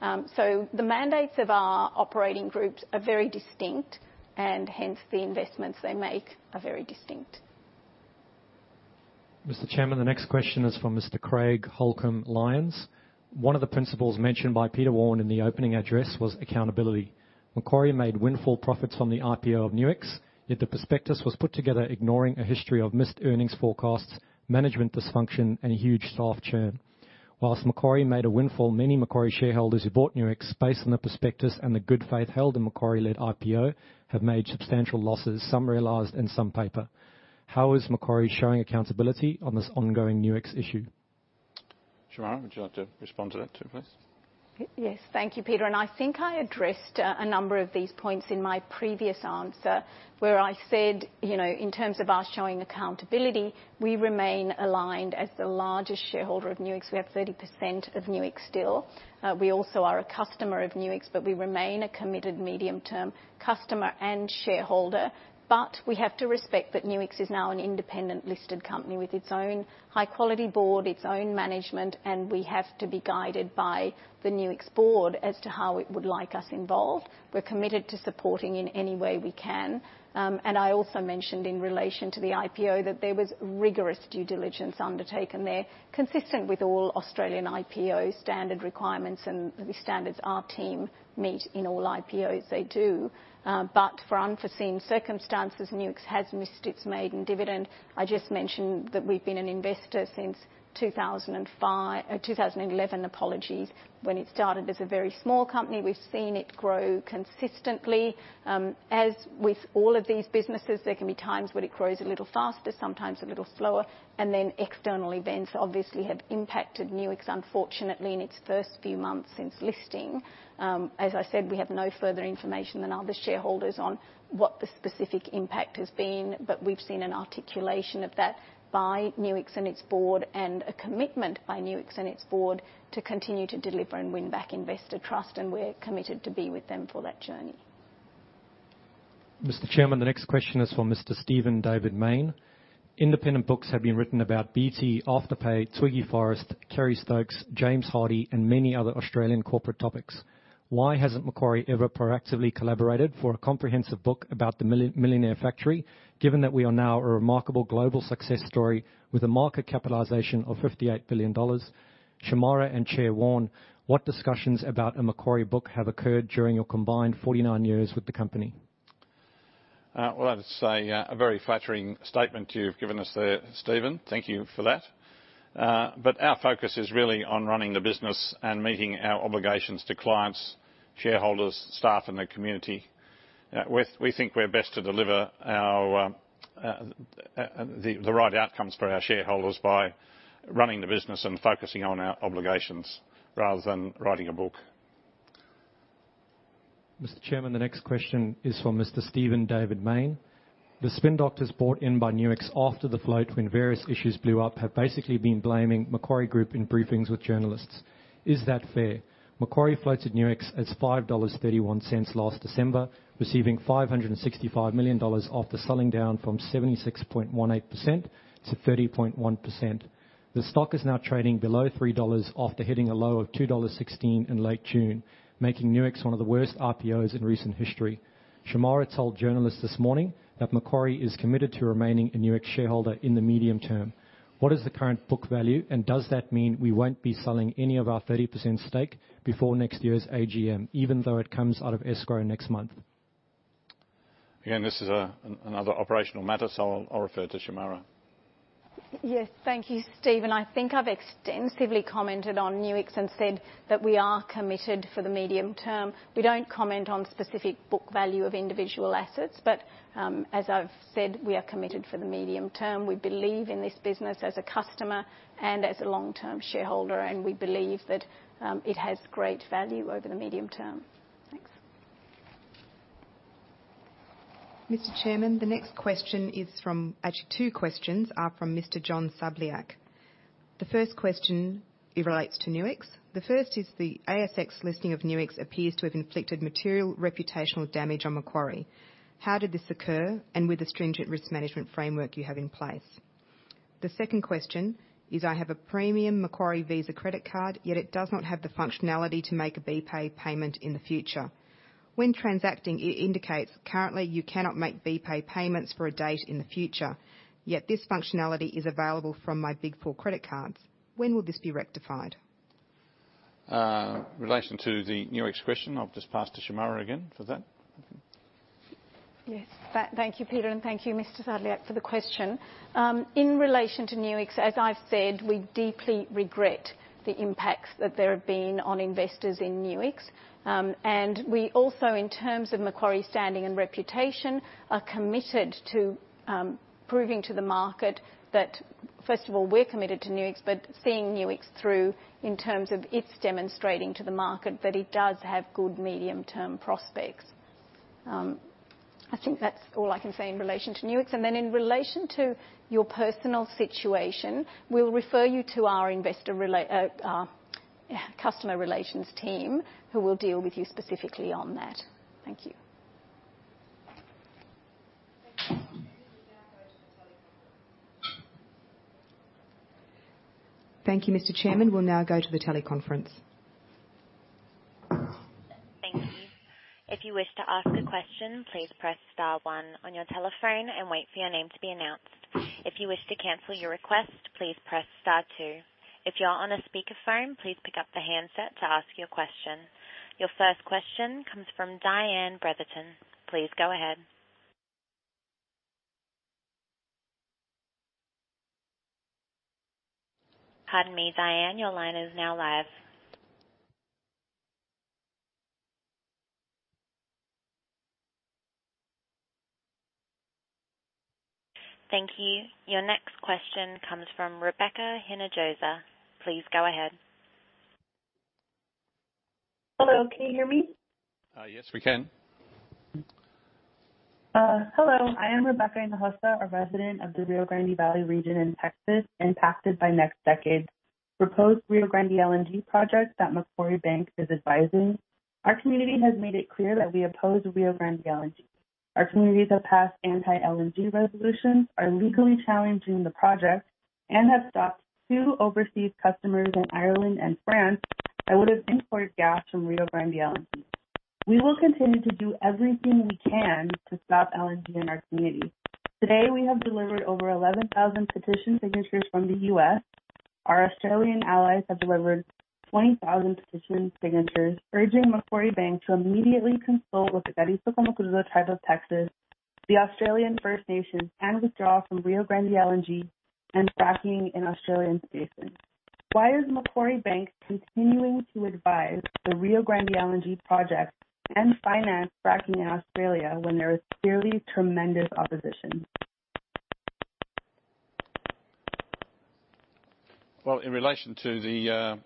cetera. The mandates of our operating groups are very distinct and hence the investments they make are very distinct. Mr. Chairman, the next question is from Mr. Craig Holcombe-Lyons. One of the principles mentioned by Peter Warne in the opening address was accountability. Macquarie made windfall profits from the IPO of Nuix, yet the prospectus was put together ignoring a history of missed earnings forecasts, management dysfunction, and huge staff churn. Whilst Macquarie made a windfall, many Macquarie shareholders who bought Nuix based on the prospectus and the good faith held in Macquarie-led IPO have made substantial losses, some realized and some paper. How is Macquarie showing accountability on this ongoing Nuix issue? Shemara, would you like to respond to that too, please? Yes. Thank you, Peter. I think I addressed a number of these points in my previous answer, where I said, in terms of us showing accountability, we remain aligned as the largest shareholder of Nuix. We have 30% of Nuix still. We also are a customer of Nuix, but we remain a committed medium-term customer and shareholder. We have to respect that Nuix is now an independent listed company with its own high-quality board, its own management, and we have to be guided by the Nuix board as to how it would like us involved. We're committed to supporting in any way we can. I also mentioned in relation to the IPO that there was rigorous due diligence undertaken there, consistent with all Australian IPO standard requirements and the standards our team meet in all IPOs they do. For unforeseen circumstances, Nuix has missed its maiden dividend. I just mentioned that we've been an investor since 2005, 2011, apologies. When it started as a very small company. We've seen it grow consistently. As with all of these businesses, there can be times when it grows a little faster, sometimes a little slower, and then external events obviously have impacted Nuix, unfortunately, in its first few months since listing. As I said, we have no further information than other shareholders on what the specific impact has been. We've seen an articulation of that by Nuix and its board and a commitment by Nuix and its board to continue to deliver and win back investor trust, and we're committed to be with them for that journey. Mr. Chairman, the next question is from Mr. Stephen David Mayne. Independent books have been written about BT, Afterpay, Twiggy Forrest, Kerry Stokes, James Hardie and many other Australian corporate topics. Why hasn't Macquarie ever proactively collaborated for a comprehensive book about The Millionaire's Factory, given that we are now a remarkable global success story with a market capitalization of 58 billion dollars? Shemara and Chair Warne, what discussions about a Macquarie book have occurred during your combined 49 years with the company? Well, I'd say a very flattering statement you've given us there, Stephen. Thank you for that. Our focus is really on running the business and meeting our obligations to clients, shareholders, staff, and the community. We think we're best to deliver the right outcomes for our shareholders by running the business and focusing on our obligations rather than writing a book. Mr. Chairman, the next question is from Mr. Stephen David Mayne. The spin doctors brought in by Nuix after the float when various issues blew up have basically been blaming Macquarie Group in briefings with journalists. Is that fair? Macquarie floated Nuix as 5.31 last December, receiving 565 million dollars after selling down from 76.18%-30.1%. The stock is now trading below 3 dollars after hitting a low of 2.16 dollars in late June, making Nuix one of the worst IPOs in recent history. Shemara told journalists this morning that Macquarie is committed to remaining a Nuix shareholder in the medium term. What is the current book value, and does that mean we won't be selling any of our 30% stake before next year's AGM, even though it comes out of escrow next month? This is another operational matter, so I'll refer to Shemara. Yes. Thank you, Stephen. I think I've extensively commented on Nuix and said that we are committed for the medium term. We don't comment on specific book value of individual assets. As I've said, we are committed for the medium term. We believe in this business as a customer and as a long-term shareholder, and we believe that it has great value over the medium term. Thanks. Mr. Chairman, the next question is from Actually, two questions are from Mr. John Sabljak. The first question, it relates to Nuix. The first is the ASX listing of Nuix appears to have inflicted material reputational damage on Macquarie. How did this occur and with the stringent risk management framework you have in place? The second question is I have a premium Macquarie Visa credit card, yet it does not have the functionality to make a BPAY payment in the future. When transacting, it indicates currently you cannot make BPAY payments for a date in the future, yet this functionality is available from my big four credit cards. When will this be rectified? In relation to the Nuix question, I'll just pass to Shemara again for that. Yes. Thank you, Peter, and thank you, Mr. Sabljak for the question. In relation to Nuix, as I've said, we deeply regret the impacts that there have been on investors in Nuix. We also, in terms of Macquarie's standing and reputation, are committed to proving to the market that, first of all, we're committed to Nuix, but seeing Nuix through in terms of its demonstrating to the market that it does have good medium-term prospects. I think that's all I can say in relation to Nuix. In relation to your personal situation, we'll refer you to our customer relations team, who will deal with you specifically on that. Thank you. Thank you. We will now go to the teleconference. Thank you, Mr. Chairman. We'll now go to the teleconference. Thank you. If you wish to ask a question, please press star one on your telephone and wait for your name to be announced. If you wish to cancel your request, please press star two. If you're on a speakerphone, please pick up the handset to ask your question. Your first question comes from Diane Bretherton. Please go ahead. Pardon me, Diane. Your line is now live. Thank you. Your next question comes from Rebecca Hinojosa. Please go ahead. Hello, can you hear me? Yes, we can. Hello. I am Rebecca Hinojosa, a resident of the Rio Grande Valley region in Texas impacted by NextDecade's proposed Rio Grande LNG project that Macquarie Bank is advising. Our community has made it clear that we oppose Rio Grande LNG. Our communities have passed anti-LNG resolutions, are legally challenging the project, and have stopped two overseas customers in Ireland and France that would have imported gas from Rio Grande LNG. We will continue to do everything we can to stop LNG in our community. Today, we have delivered over 11,000 petition signatures from the U.S. Our Australian allies have delivered 20,000 petition signatures urging Macquarie Bank to immediately consult with the Carrizo/Comecrudo Tribe of Texas, the Australian First Nations, and withdraw from Rio Grande LNG and fracking in Australian stations. Why is Macquarie Bank continuing to advise the Rio Grande LNG project and finance fracking in Australia when there is clearly tremendous opposition? Well, in relation to the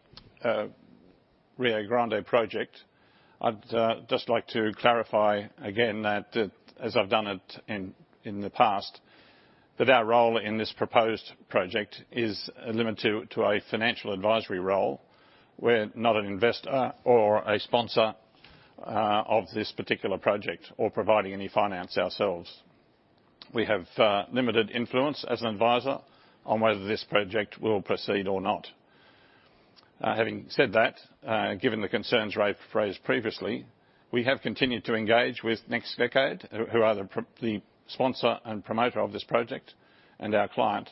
Rio Grande project, I'd just like to clarify again that, as I've done it in the past, that our role in this proposed project is limited to a financial advisory role. We're not an investor or a sponsor of this particular project or providing any finance ourselves. We have limited influence as an advisor on whether this project will proceed or not. Having said that, given the concerns raised previously, we have continued to engage with NextDecade, who are the sponsor and promoter of this project and our client,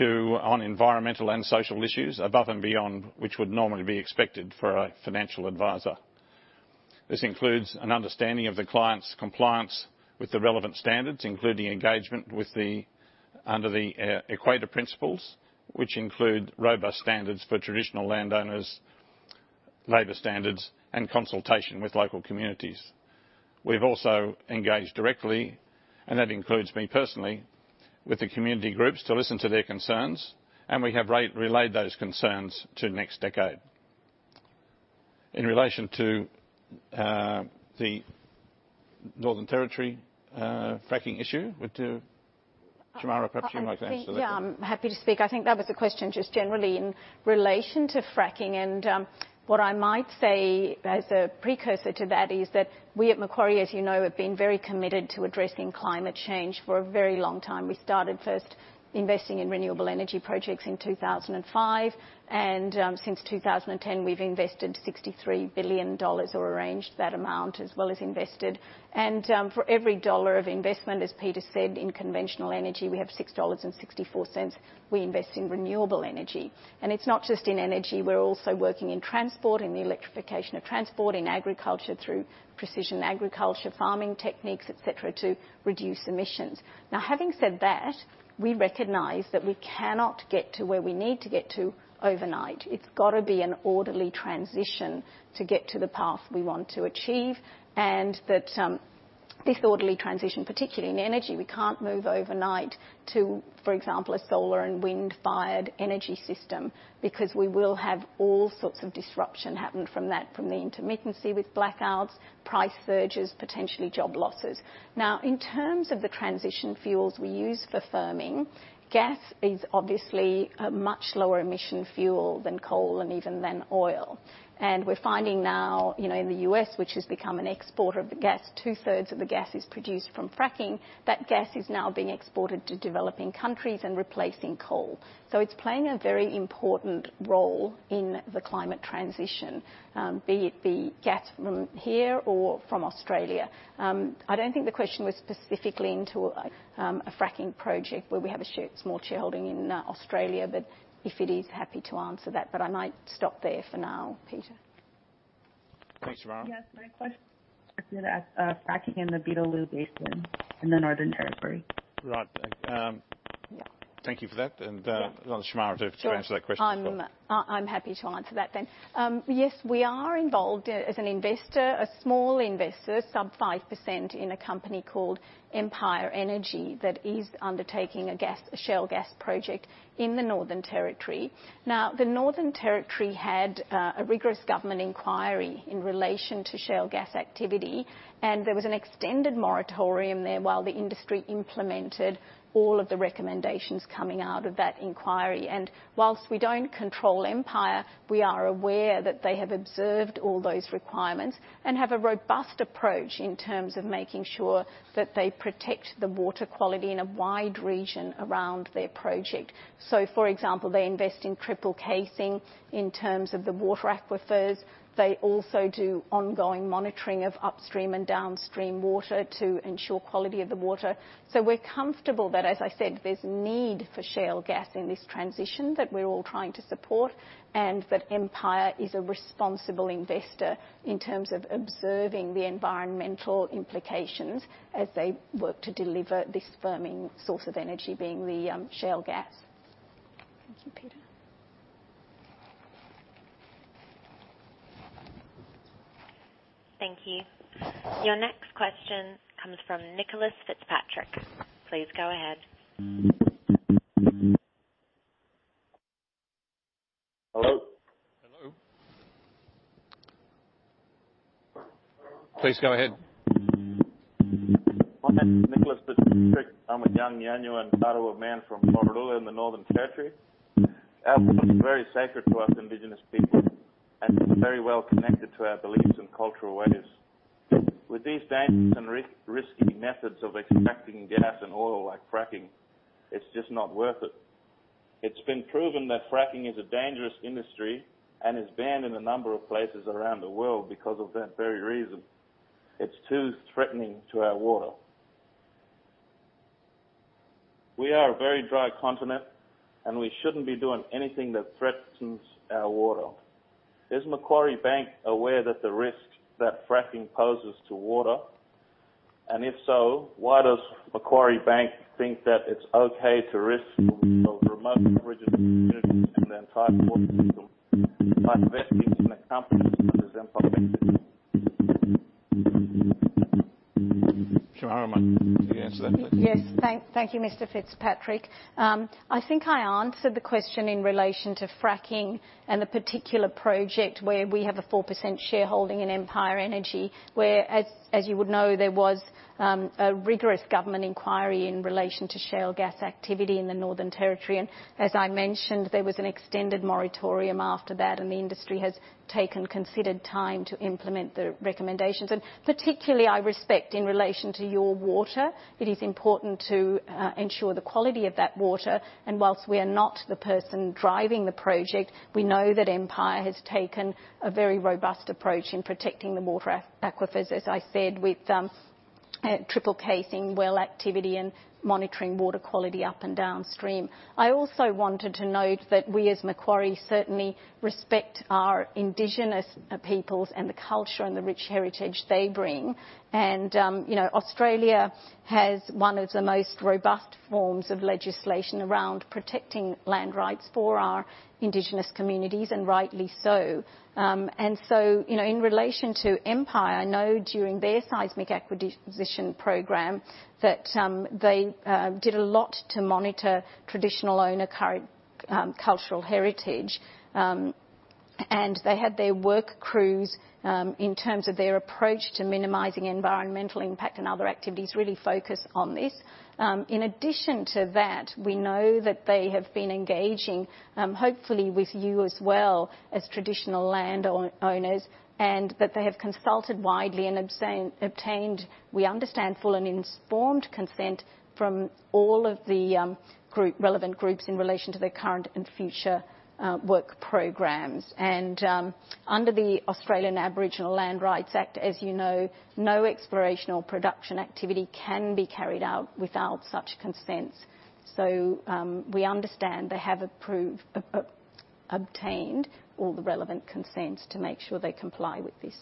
on environmental and social issues above and beyond which would normally be expected for a financial advisor. This includes an understanding of the client's compliance with the relevant standards, including engagement under the Equator Principles, which include robust standards for traditional landowners, labor standards, and consultation with local communities. We've also engaged directly, and that includes me personally, with the community groups to listen to their concerns, and we have relayed those concerns to NextDecade. In relation to the Northern Territory fracking issue, Shemara, perhaps you might answer that. Yeah, I'm happy to speak. I think that was a question just generally in relation to fracking. What I might say as a precursor to that is that we at Macquarie, as you know, have been very committed to addressing climate change for a very long time. We started first investing in renewable energy projects in 2005, and since 2010, we've invested 63 billion dollars, or arranged that amount as well as invested. For every dollar of investment, as Peter said, in conventional energy, we have 6.64 dollars we invest in renewable energy. It's not just in energy. We're also working in transport, in the electrification of transport, in agriculture through precision agriculture, farming techniques, et cetera, to reduce emissions. Now, having said that, we recognize that we cannot get to where we need to get to overnight. It's got to be an orderly transition to get to the path we want to achieve. That this orderly transition, particularly in energy, we can't move overnight to, for example, a solar and wind-fired energy system because we will have all sorts of disruption happen from that, from the intermittency with blackouts, price surges, potentially job losses. Now, in terms of the transition fuels we use for firming, gas is obviously a much lower emission fuel than coal and even than oil. We're finding now, in the U.S., which has become an exporter of gas, two-thirds of the gas is produced from fracking. That gas is now being exported to developing countries and replacing coal. It's playing a very important role in the climate transition, be it the gas from here or from Australia. I don't think the question was specifically into a fracking project where we have a small shareholding in Australia, but if it is, happy to answer that. I might stop there for now, Peter. Thanks, Shemara. Yes, my question is about fracking in the Beetaloo Basin in the Northern Territory. Right. Yeah. Thank you for that. I'll ask Shemara to answer that question. Sure. I'm happy to answer that then. Yes, we are involved as an investor, a small investor, sub 5%, in a company called Empire Energy that is undertaking a shale gas project in the Northern Territory. The Northern Territory had a rigorous government inquiry in relation to shale gas activity, and there was an extended moratorium there while the industry implemented all of the recommendations coming out of that inquiry. Whilst we don't control Empire, we are aware that they have observed all those requirements and have a robust approach in terms of making sure that they protect the water quality in a wide region around their project. For example, they invest in triple casing in terms of the water aquifers. They also do ongoing monitoring of upstream and downstream water to ensure quality of the water. We're comfortable that, as I said, there's need for shale gas in this transition that we're all trying to support, and that Empire is a responsible investor in terms of observing the environmental implications as they work to deliver this firming source of energy, being the shale gas. Thank you, Peter. Thank you. Your next question comes from Nicholas Fitzpatrick. Please go ahead. Hello? Hello. Please go ahead. My name is Nicholas Fitzpatrick. I'm a Yanyuwa and Garrwa man from Borroloola in the Northern Territory. Our continent is very sacred to us Indigenous people and is very well connected to our beliefs and cultural ways. With these dangerous and risky methods of extracting gas and oil like fracking, it's just not worth it. It's been proven that fracking is a dangerous industry and is banned in a number of places around the world because of that very reason. It's too threatening to our water. We are a very dry continent. We shouldn't be doing anything that threatens our water. Is Macquarie Bank aware that the risk that fracking poses to water? If so, why does Macquarie Bank think that it's okay to risk of remote Indigenous communities and their entire water system by investing in a company such as Empire Energy? Shemara, you might answer that please. Yes. Thank you, Mr. Fitzpatrick. I think I answered the question in relation to fracking and the particular project where we have a 4% shareholding in Empire Energy, where, as you would know, there was a rigorous government inquiry in relation to shale gas activity in the Northern Territory. As I mentioned, there was an extended moratorium after that, and the industry has taken considered time to implement the recommendations. Particularly, I respect in relation to your water, it is important to ensure the quality of that water. Whilst we are not the person driving the project, we know that Empire has taken a very robust approach in protecting the water aquifers, as I said, with triple casing, well activity, and monitoring water quality up and downstream. I also wanted to note that we as Macquarie certainly respect our indigenous peoples and the culture and the rich heritage they bring. Australia has one of the most robust forms of legislation around protecting land rights for our indigenous communities, and rightly so. In relation to Empire, I know during their seismic acquisition program that they did a lot to monitor traditional owner cultural heritage. They had their work crews, in terms of their approach to minimizing environmental impact and other activities, really focused on this. In addition to that, we know that they have been engaging, hopefully with you as well, as traditional landowners, and that they have consulted widely and obtained, we understand, full and informed consent from all of the relevant groups in relation to their current and future work programs. Under the Australian Aboriginal Land Rights Act, as you know, no exploration or production activity can be carried out without such consents. We understand they have obtained all the relevant consents to make sure they comply with this.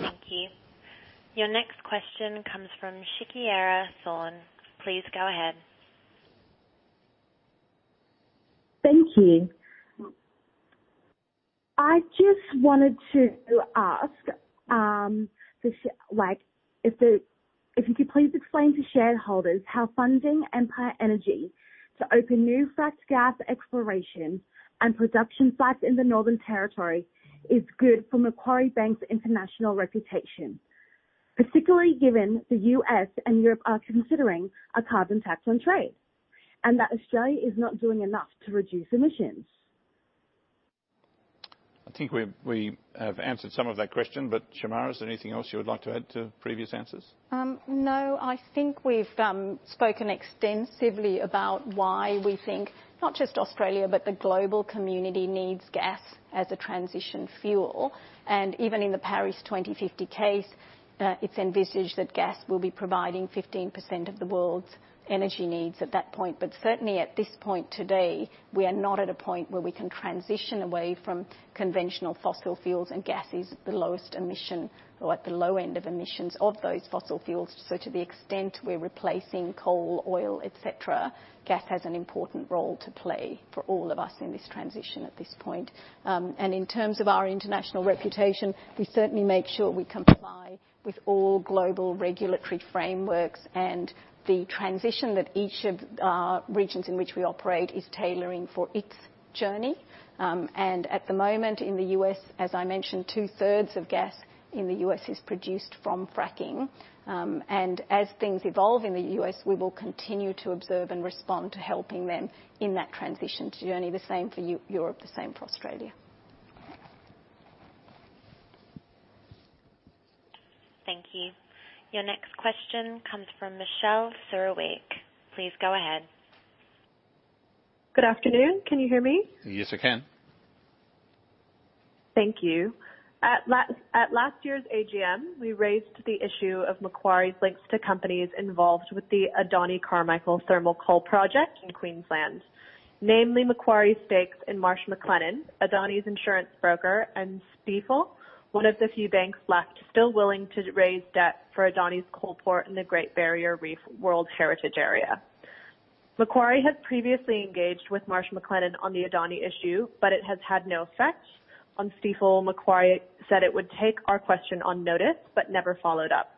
Thank you. Your next question comes from Shikera Thorne. Please go ahead. Thank you. I just wanted to ask if you could please explain to shareholders how funding Empire Energy to open new fracked gas exploration and production sites in the Northern Territory is good for Macquarie Bank's international reputation, particularly given the U.S. and Europe are considering a carbon tax on trade, and that Australia is not doing enough to reduce emissions. I think we have answered some of that question, but Shemara, is there anything else you would like to add to previous answers? I think we've spoken extensively about why we think, not just Australia, but the global community needs gas as a transition fuel. Even in the Paris 2050 case, it's envisaged that gas will be providing 15% of the world's energy needs at that point. Certainly, at this point today, we are not at a point where we can transition away from conventional fossil fuels, and gas is the lowest emission, or at the low end of emissions of those fossil fuels. To the extent we're replacing coal, oil, et cetera, gas has an important role to play for all of us in this transition at this point. In terms of our international reputation, we certainly make sure we comply with all global regulatory frameworks and the transition that each of our regions in which we operate is tailoring for its journey. At the moment in the U.S., as I mentioned, two-thirds of gas in the U.S. is produced from fracking. As things evolve in the U.S., we will continue to observe and respond to helping them in that transition journey. The same for Europe, the same for Australia. Thank you. Your next question comes from Michelle Sirwick. Please go ahead. Good afternoon. Can you hear me? Yes, I can. Thank you. At last year's AGM, we raised the issue of Macquarie's links to companies involved with the Adani Carmichael thermal coal project in Queensland, namely Macquarie's stakes in Marsh McLennan, Adani's insurance broker, and Stifel, one of the few banks left still willing to raise debt for Adani's coal port in the Great Barrier Reef World Heritage area. Macquarie has previously engaged with Marsh McLennan on the Adani issue, but it has had no effect. On Stifel, Macquarie said it would take our question on notice, but never followed up.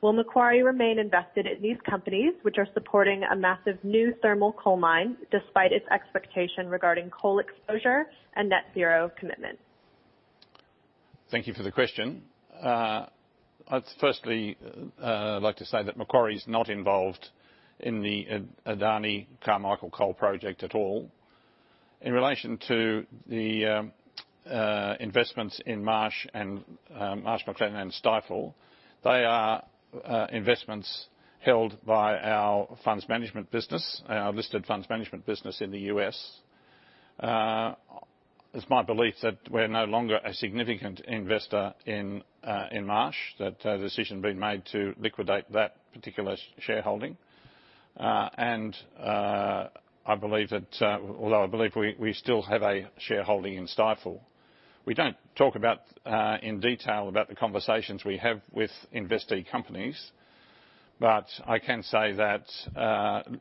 Will Macquarie remain invested in these companies, which are supporting a massive new thermal coal mine, despite its expectation regarding coal exposure and net zero commitment? Thank you for the question. I'd firstly like to say that Macquarie's not involved in the Adani Carmichael coal project at all. In relation to the investments in Marsh McLennan and Stifel, they are investments held by our funds management business, our listed funds management business in the U.S. It's my belief that we're no longer a significant investor in Marsh, that a decision has been made to liquidate that particular shareholding. Although I believe we still have a shareholding in Stifel. We don't talk in detail about the conversations we have with investee companies. I can say that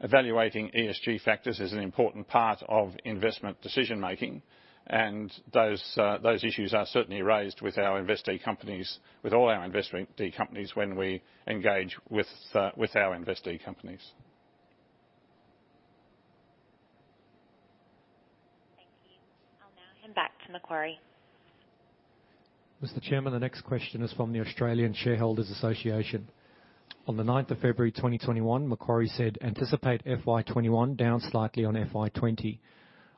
evaluating ESG factors is an important part of investment decision-making, and those issues are certainly raised with all our investee companies when we engage with our investee companies. Thank you. I'll now hand back to Macquarie. Mr. Chairman, the next question is from the Australian Shareholders' Association. On the 9th of February 2021, Macquarie said anticipate FY 2021 down slightly on FY 2020.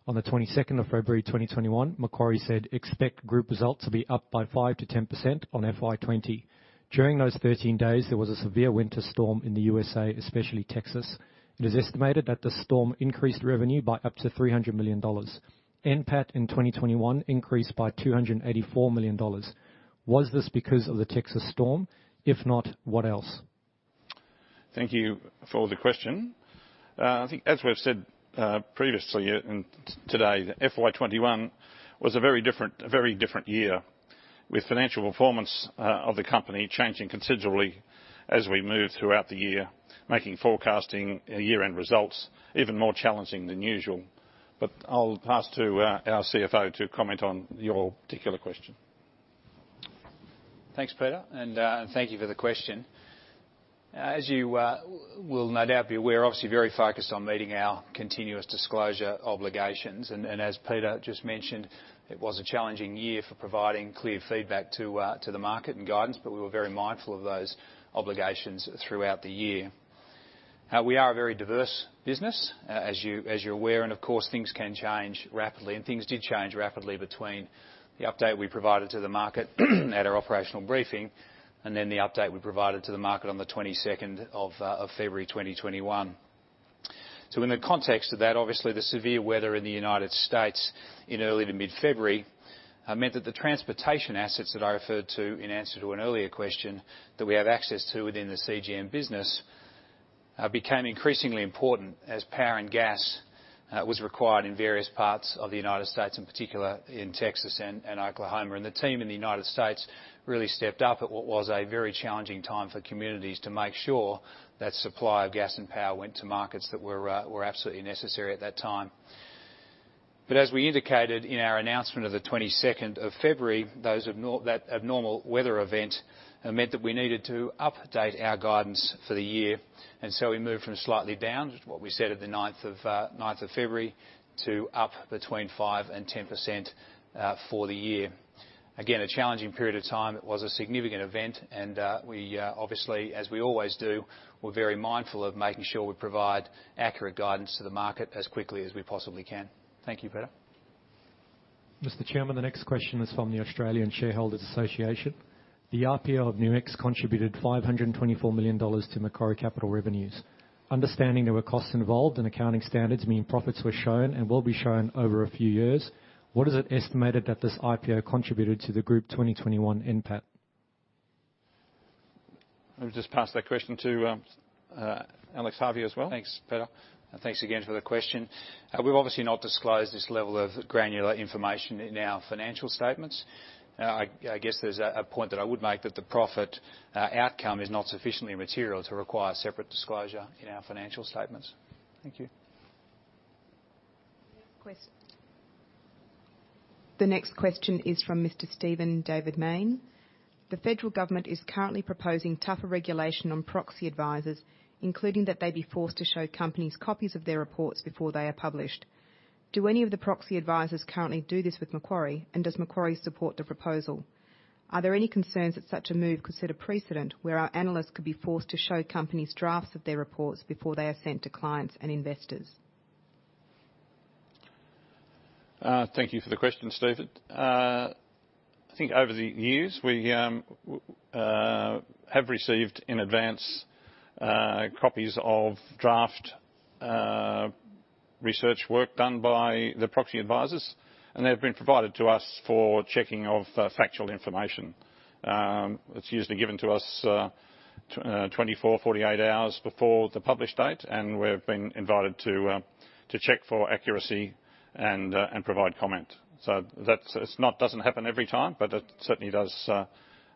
On the 22nd of February 2021, Macquarie said expect group results to be up by 5%-10% on FY 2020. During those 13 days, there was a severe winter storm in the U.S., especially Texas. It is estimated that the storm increased revenue by up to 300 million dollars. NPAT in 2021 increased by 284 million dollars. Was this because of the Texas storm? If not, what else? Thank you for the question. I think as we've said previously and today, FY 2021 was a very different year, with financial performance of the company changing considerably as we moved throughout the year, making forecasting year-end results even more challenging than usual. I'll pass to our CFO to comment on your particular question. Thanks, Peter, and thank you for the question. As you will no doubt be aware, obviously very focused on meeting our continuous disclosure obligations. As Peter just mentioned, it was a challenging year for providing clear feedback to the market and guidance, but we were very mindful of those obligations throughout the year. We are a very diverse business, as you're aware, and of course, things can change rapidly. Things did change rapidly between the update we provided to the market at our operational briefing, and then the update we provided to the market on the 22nd of February 2021. In the context of that, obviously, the severe weather in the U.S. in early to mid-February meant that the transportation assets that I referred to in answer to an earlier question that we have access to within the CGM business became increasingly important as power and gas was required in various parts of the U.S., in particular in Texas and Oklahoma. The team in the U.S. really stepped up at what was a very challenging time for communities to make sure that supply of gas and power went to markets that were absolutely necessary at that time. As we indicated in our announcement of the 22nd of February, that abnormal weather event meant that we needed to update our guidance for the year. We moved from slightly down, which is what we said at the 9th of February, to up between 5% and 10% for the year. Again, a challenging period of time. It was a significant event, and we obviously, as we always do, we're very mindful of making sure we provide accurate guidance to the market as quickly as we possibly can. Thank you, Peter. Mr. Chairman, the next question is from the Australian Shareholders' Association. The IPO of Nuix contributed 524 million dollars to Macquarie Capital revenues. Understanding there were costs involved and accounting standards mean profits were shown and will be shown over a few years, what is it estimated that this IPO contributed to the Group 2021 NPAT? Let me just pass that question to Alex Harvey as well. Thanks, Peter. Thanks again for the question. We've obviously not disclosed this level of granular information in our financial statements. I guess there's a point that I would make that the profit outcome is not sufficiently material to require separate disclosure in our financial statements. Thank you. The next question is from Mr. Stephen David Mayne. The federal government is currently proposing tougher regulation on proxy advisors, including that they be forced to show companies copies of their reports before they are published. Do any of the proxy advisors currently do this with Macquarie, and does Macquarie support the proposal? Are there any concerns that such a move could set a precedent where our analysts could be forced to show companies drafts of their reports before they are sent to clients and investors? Thank you for the question, Stephen. I think over the years, we have received in advance copies of draft research work done by the proxy advisors, and they've been provided to us for checking of factual information. It's usually given to us 24, 48 hours before the publish date, and we've been invited to check for accuracy and provide comment. It doesn't happen every time, but it certainly does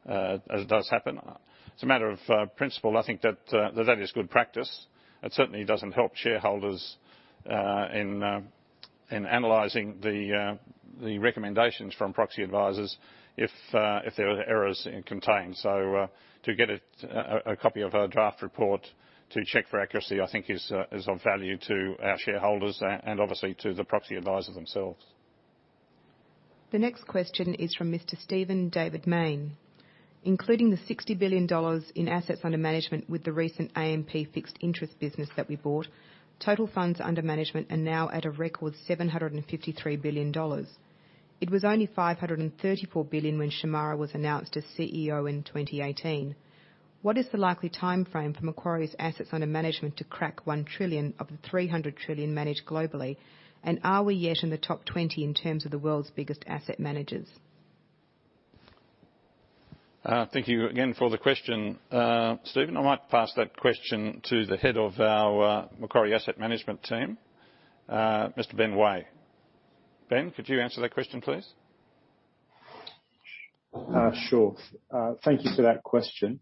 happen. As a matter of principle, I think that is good practice. It certainly doesn't help shareholders in analyzing the recommendations from proxy advisors if there are errors contained. To get a copy of a draft report to check for accuracy, I think is of value to our shareholders and obviously to the proxy advisors themselves. The next question is from Mr. Stephen David Mayne. Including the 60 billion dollars in assets under management with the recent AMP Fixed Interest business that we bought, total funds under management are now at a record AUD 753 billion. It was only AUD 534 billion when Shemara was announced as CEO in 2018. What is the likely timeframe for Macquarie's assets under management to crack 1 trillion of the 300 trillion managed globally? Are we yet in the top 20 in terms of the world's biggest asset managers? Thank you again for the question, Stephen. I might pass that question to the head of our Macquarie Asset Management team, Mr. Ben Way. Ben, could you answer that question, please? Sure. Thank you for that question.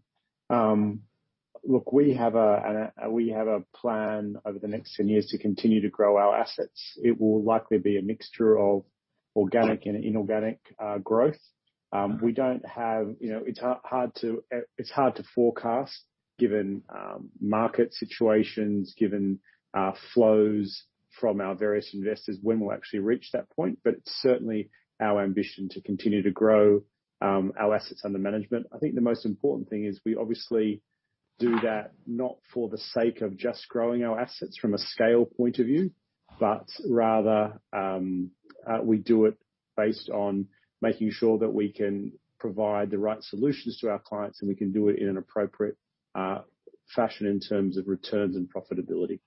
Look, we have a plan over the next 10 years to continue to grow our assets. It will likely be a mixture of organic and inorganic growth. It's hard to forecast given market situations, given flows from our various investors when we'll actually reach that point. It's certainly our ambition to continue to grow our assets under management. I think the most important thing is we obviously do that not for the sake of just growing our assets from a scale point of view, but rather, we do it based on making sure that we can provide the right solutions to our clients and we can do it in an appropriate fashion in terms of returns and profitability.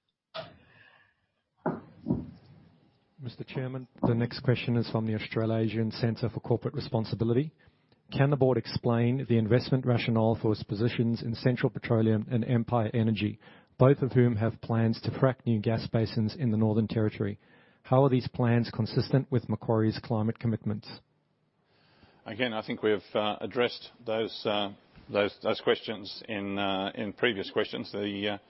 Mr. Chairman, the next question is from the Australasian Centre for Corporate Responsibility. Can the board explain the investment rationale for its positions in Central Petroleum and Empire Energy, both of whom have plans to frack new gas basins in the Northern Territory? How are these plans consistent with Macquarie's climate commitments? Again, I think we've addressed those questions in previous questions. The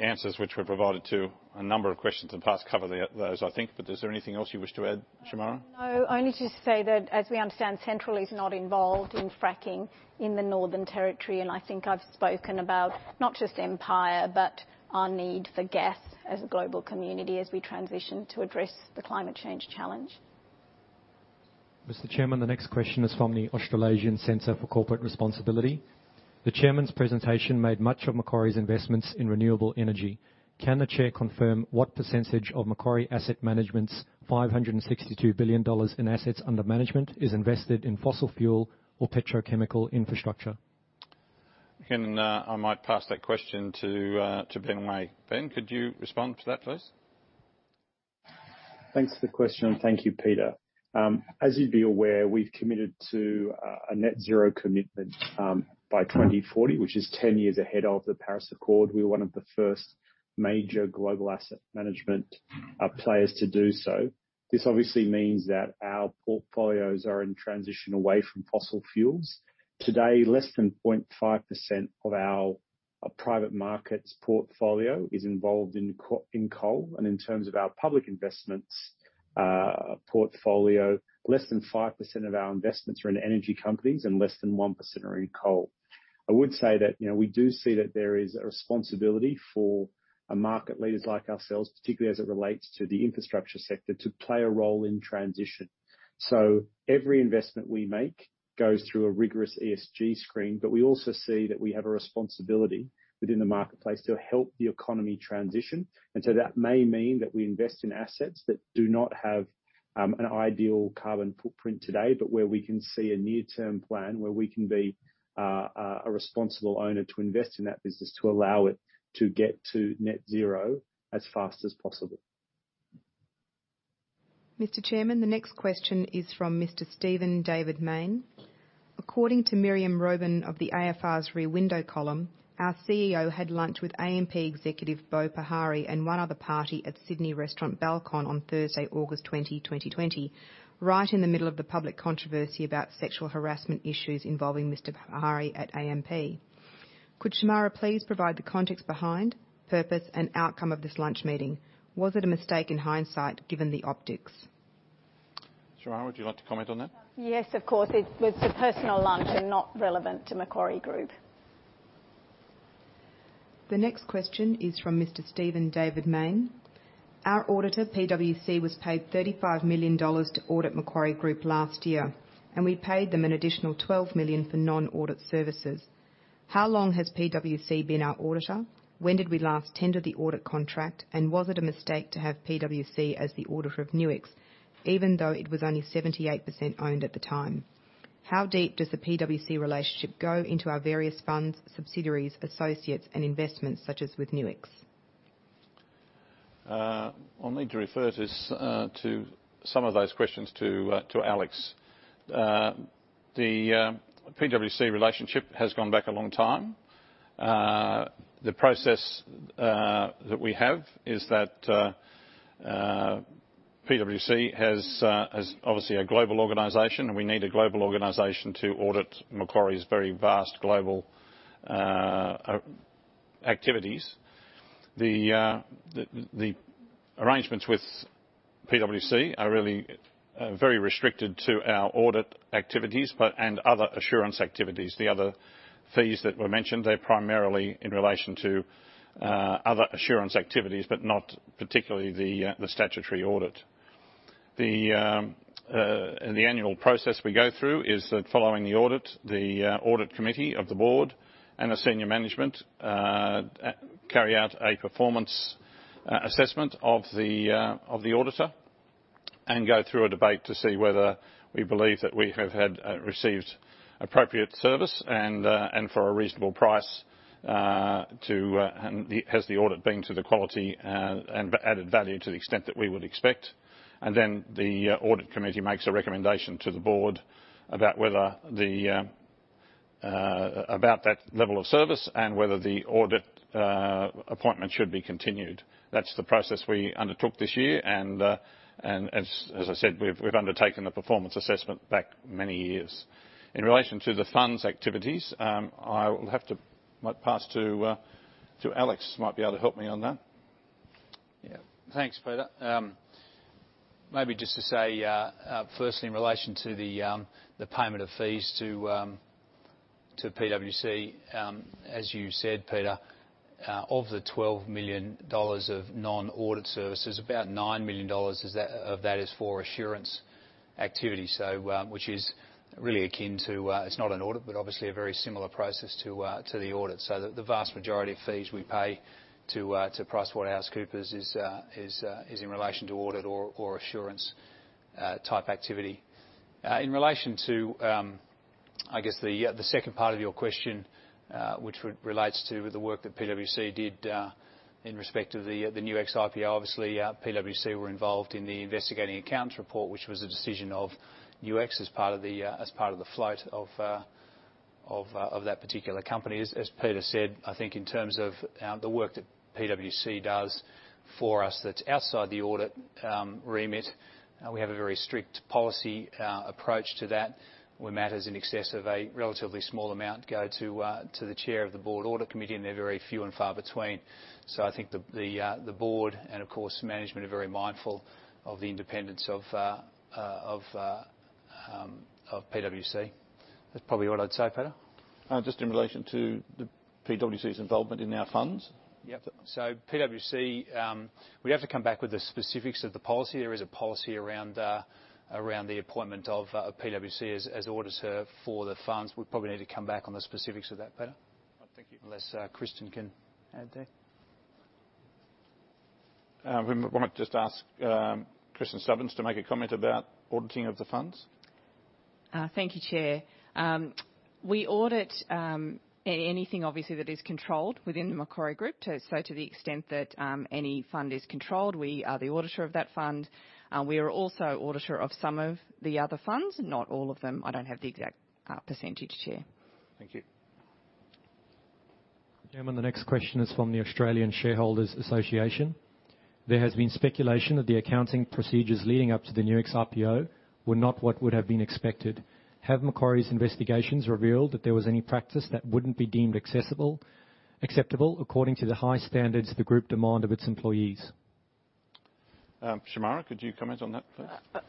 answers which were provided to a number of questions in the past cover those, I think. Is there anything else you wish to add, Shemara? No. Only to say that, as we understand, Central is not involved in fracking in the Northern Territory. I think I've spoken about not just Empire, but our need for gas as a global community, as we transition to address the climate change challenge. Mr. Chairman, the next question is from the Australasian Centre for Corporate Responsibility. The chairman's presentation made much of Macquarie's investments in renewable energy. Can the chair confirm what percentage of Macquarie Asset Management's 562 billion dollars in assets under management is invested in fossil fuel or petrochemical infrastructure? I might pass that question to Ben Way. Ben, could you respond to that, please? Thanks for the question, and thank you, Peter. As you'd be aware, we've committed to a net zero commitment by 2040, which is 10 years ahead of the Paris Agreement. We're one of the first major global asset management players to do so. This obviously means that our portfolios are in transition away from fossil fuels. Today, less than 0.5% of our private markets portfolio is involved in coal. In terms of our public investments portfolio, less than 5% of our investments are in energy companies and less than 1% are in coal. I would say that we do see that there is a responsibility for market leaders like ourselves, particularly as it relates to the infrastructure sector, to play a role in transition. Every investment we make goes through a rigorous ESG screen. We also see that we have a responsibility within the marketplace to help the economy transition. That may mean that we invest in assets that do not have an ideal carbon footprint today, but where we can see a near-term plan where we can be a responsible owner to invest in that business to allow it to get to net zero as fast as possible. Mr. Chairman, the next question is from Mr. Stephen David Mayne. According to Myriam Robin of the AFR's Rear Window column, our CEO had lunch with AMP executive Boe Pahari and one other party at Sydney restaurant Balcon on Thursday, August 20, 2020, right in the middle of the public controversy about sexual harassment issues involving Mr. Pahari at AMP. Could Shemara please provide the context behind, purpose, and outcome of this lunch meeting? Was it a mistake in hindsight, given the optics? Shemara, would you like to comment on that? Yes, of course. It was a personal lunch and not relevant to Macquarie Group. The next question is from Mr. Stephen David Mayne. Our auditor, PwC, was paid 35 million dollars to audit Macquarie Group last year, and we paid them an additional 12 million for non-audit services. How long has PwC been our auditor? When did we last tender the audit contract? Was it a mistake to have PwC as the auditor of Nuix, even though it was only 78% owned at the time? How deep does the PwC relationship go into our various funds, subsidiaries, associates and investments, such as with Nuix? I'll need to refer some of those questions to Alex. The PwC relationship has gone back a long time. The process that we have is that PwC is obviously a global organization, and we need a global organization to audit Macquarie's very vast global activities. The arrangements with PwC are really very restricted to our audit activities and other assurance activities. The other fees that were mentioned, they're primarily in relation to other assurance activities, but not particularly the statutory audit. The annual process we go through is that following the audit, the audit committee of the board and the senior management carry out a performance assessment of the auditor and go through a debate to see whether we believe that we have received appropriate service and for a reasonable price. Has the audit been to the quality and added value to the extent that we would expect? The audit committee makes a recommendation to the board about that level of service and whether the audit appointment should be continued. That's the process we undertook this year. As I said, we've undertaken the performance assessment back many years. In relation to the funds activities, I will have to pass to Alex, who might be able to help me on that. Thanks, Peter. Maybe just to say, firstly, in relation to the payment of fees to PwC. As you said, Peter, of the 12 million dollars of non-audit services, about 9 million dollars of that is for assurance activities. Which is really akin to, it's not an audit, but obviously a very similar process to the audit. The vast majority of fees we pay to PricewaterhouseCoopers is in relation to audit or assurance type activity. In relation to the second part of your question, which relates to the work that PwC did in respect of the Nuix IPO. Obviously, PwC were involved in the investigating accountant's report, which was a decision of Nuix as part of the float of that particular company. As Peter said, I think in terms of the work that PwC does for us that's outside the audit remit, we have a very strict policy approach to that, where matters in excess of a relatively small amount go to the chair of the board audit committee, and they're very few and far between. I think the board and of course management are very mindful of the independence of PwC. That's probably what I'd say, Peter. Just in relation to the PwC's involvement in our funds. Yep. PwC, we'd have to come back with the specifics of the policy. There is a policy around the appointment of PwC as auditor for the funds. We probably need to come back on the specifics of that, Peter. Thank you. Unless Kristin can add there. I want to just ask Kristin Stubbins to make a comment about auditing of the funds. Thank you, Chair. We audit anything obviously that is controlled within the Macquarie Group. To the extent that any fund is controlled, we are the auditor of that fund. We are also auditor of some of the other funds, not all of them. I don't have the exact percentage, Chair. Thank you. Chairman, the next question is from the Australian Shareholders' Association. There has been speculation that the accounting procedures leading up to the Nuix IPO were not what would have been expected. Have Macquarie's investigations revealed that there was any practice that wouldn't be deemed acceptable according to the high standards the group demand of its employees? Shemara, could you comment on that, please?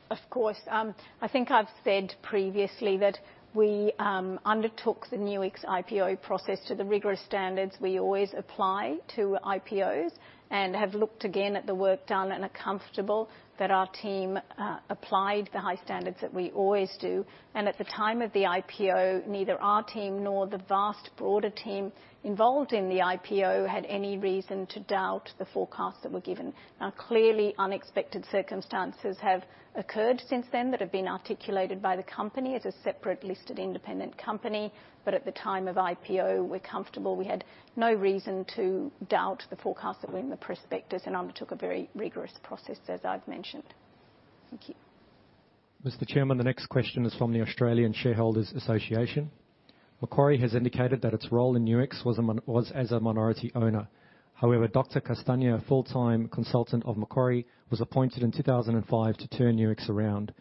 Of course. I think I've said previously that we undertook the Nuix IPO process to the rigorous standards we always apply to IPOs, and have looked again at the work done and are comfortable that our team applied the high standards that we always do. At the time of the IPO, neither our team nor the vast broader team involved in the IPO had any reason to doubt the forecasts that were given. Clearly unexpected circumstances have occurred since then that have been articulated by the company as a separate listed independent company. At the time of IPO, we're comfortable we had no reason to doubt the forecast that were in the prospectus and undertook a very rigorous process, as I've mentioned. Thank you. Mr. Chairman, the next question is from the Australian Shareholders' Association. Macquarie has indicated that its role in Nuix was as a minority owner. Dr. Castagna, a full-time consultant of Macquarie, was appointed in 2005 to turn Nuix around.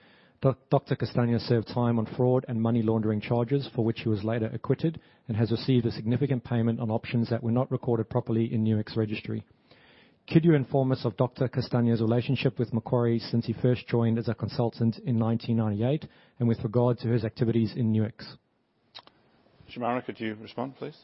Dr. Castagna served time on fraud and money laundering charges, for which he was later acquitted and has received a significant payment on options that were not recorded properly in Nuix registry. Could you inform us of Dr. Castagna's relationship with Macquarie since he first joined as a consultant in 1998 and with regard to his activities in Nuix? Shemara, could you respond, please?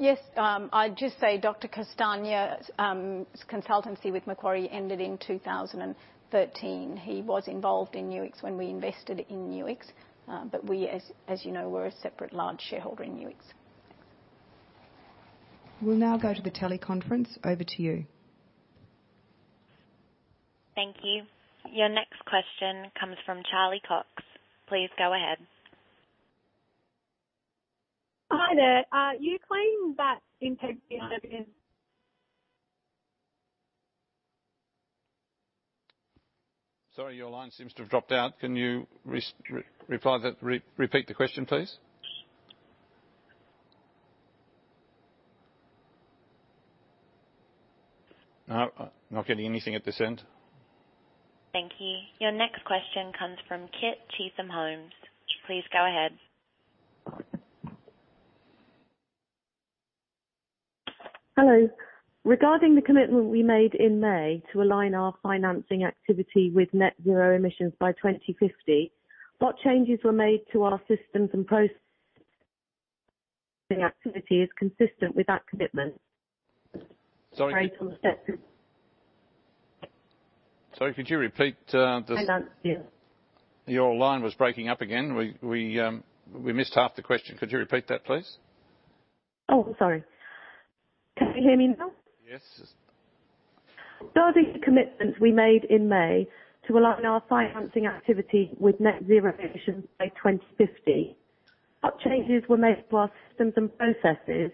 Yes. I'd just say Dr. Castagna's consultancy with Macquarie ended in 2013. He was involved in Nuix when we invested in Nuix. We, as you know, we're a separate large shareholder in Nuix. We'll now go to the teleconference. Over to you. Thank you. Your next question comes from Charlie Cox. Please go ahead. Hi there. You claim that integrity. Sorry, your line seems to have dropped out. Can you repeat the question, please? No, not getting anything at this end. Thank you. Your next question comes from Kit Cheetham-Holmes. Please go ahead. Hello. Regarding the commitment we made in May to align our financing activity with net zero emissions by 2050, what changes were made to our systems and processes to ensure our financing activity is consistent with that commitment? Sorry- Elaborate on the steps. Sorry, could you repeat? Finance, yeah. Your line was breaking up again. We missed half the question. Could you repeat that, please? Oh, sorry. Can you hear me now? Yes. Regarding the commitment we made in May to align our financing activity with net zero emissions by 2050, what changes were made to our systems and processes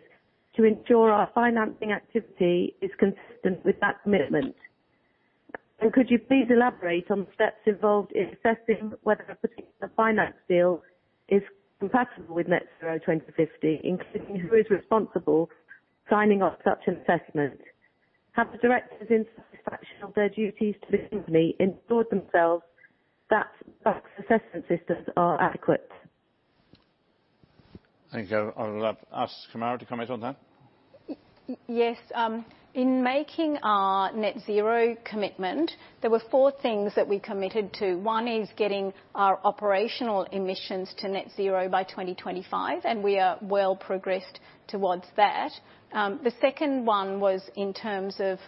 to ensure our financing activity is consistent with that commitment? Could you please elaborate on the steps involved in assessing whether a particular finance deal is compatible with net zero 2050, including who is responsible for signing off such an assessment? Have the directors, in satisfaction of their duties to this company, ensured themselves that such assessment systems are adequate? I think I'll ask Shemara to comment on that. Yes. In making our net zero commitment, there were four things that we committed to. One is getting our operational emissions to net zero by 2025. We are well progressed towards that. The second one was in terms of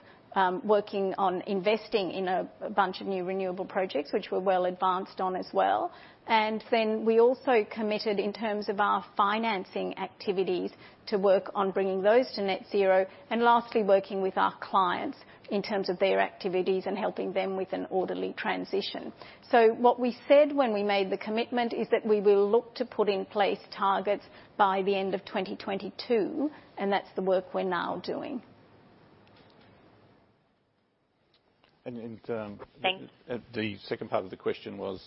working on investing in a bunch of new renewable projects, which we're well advanced on as well. We also committed in terms of our financing activities, to work on bringing those to net zero, and lastly working with our clients in terms of their activities and helping them with an orderly transition. What we said when we made the commitment is that we will look to put in place targets by the end of 2022. That's the work we're now doing. The second part of the question was,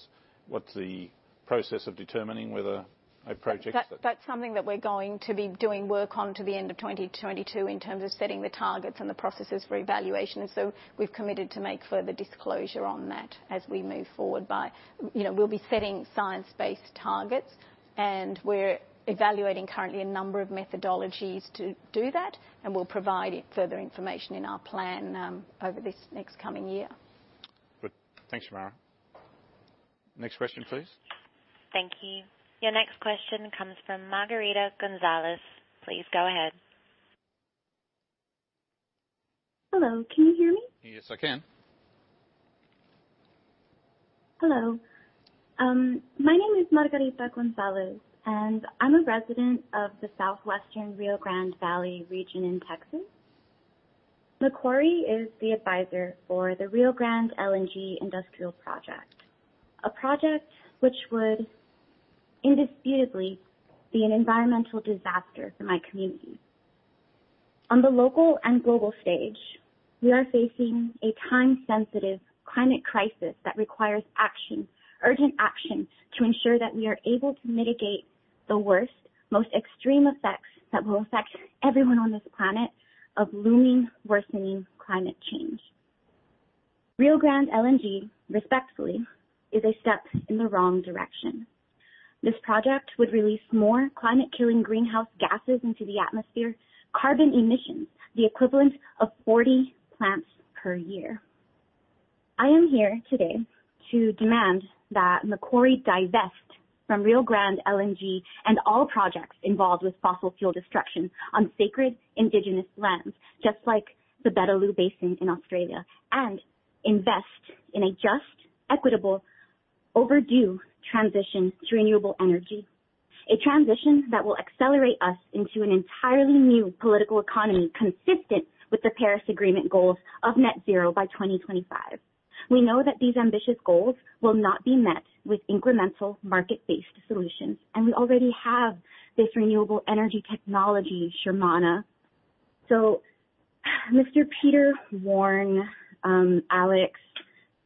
what's the process of determining whether a project. That's something that we're going to be doing work on to the end of 2022 in terms of setting the targets and the processes for evaluation. We've committed to make further disclosure on that as we move forward. We'll be setting science-based targets, and we're evaluating currently a number of methodologies to do that, and we'll provide further information in our plan over this next coming year. Good. Thanks, Shemara. Next question, please. Thank you. Your next question comes from Margarita Gonzalez. Please go ahead. Hello, can you hear me? Yes, I can. Hello. My name is Margarita Gonzalez, and I'm a resident of the Southwestern Rio Grande Valley region in Texas. Macquarie is the advisor for the Rio Grande LNG industrial project, a project which would indisputably be an environmental disaster for my community. On the local and global stage, we are facing a time-sensitive climate crisis that requires action, urgent action, to ensure that we are able to mitigate the worst, most extreme effects that will affect everyone on this planet of looming worsening climate change. Rio Grande LNG, respectfully, is a step in the wrong direction. This project would release more climate-killing greenhouse gases into the atmosphere, carbon emissions, the equivalent of 40 plants per year. I am here today to demand that Macquarie divest from Rio Grande LNG and all projects involved with fossil fuel destruction on sacred indigenous lands, just like the Beetaloo Basin in Australia, and invest in a just, equitable, overdue transition to renewable energy. A transition that will accelerate us into an entirely new political economy consistent with the Paris Agreement goals of net zero by 2025. We know that these ambitious goals will not be met with incremental market-based solutions, and we already have this renewable energy technology, Shemara. Mr. Peter Warne, Alex,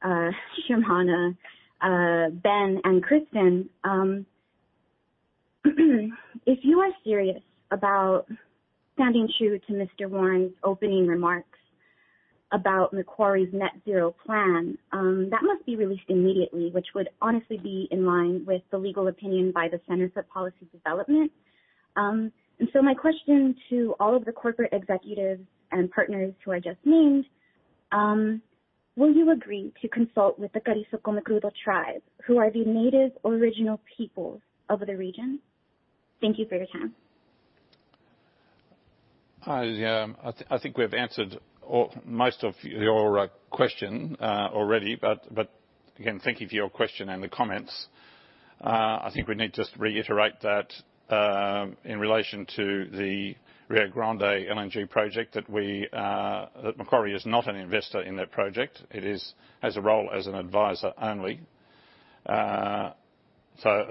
Shemara, Ben, and Kristin if you are serious about standing true to Mr. Warne's opening remarks about Macquarie's net zero plan, that must be released immediately, which would honestly be in line with the legal opinion by the Centre for Policy Development. My question to all of the corporate executives and partners who I just named, will you agree to consult with the Carrizo Comecrudo Tribe, who are the native original peoples of the region? Thank you for your time. I think we've answered most of your question already. Again, thank you for your question and the comments. I think we need to just reiterate that in relation to the Rio Grande LNG project, that Macquarie is not an investor in that project. It has a role as an advisor only. We have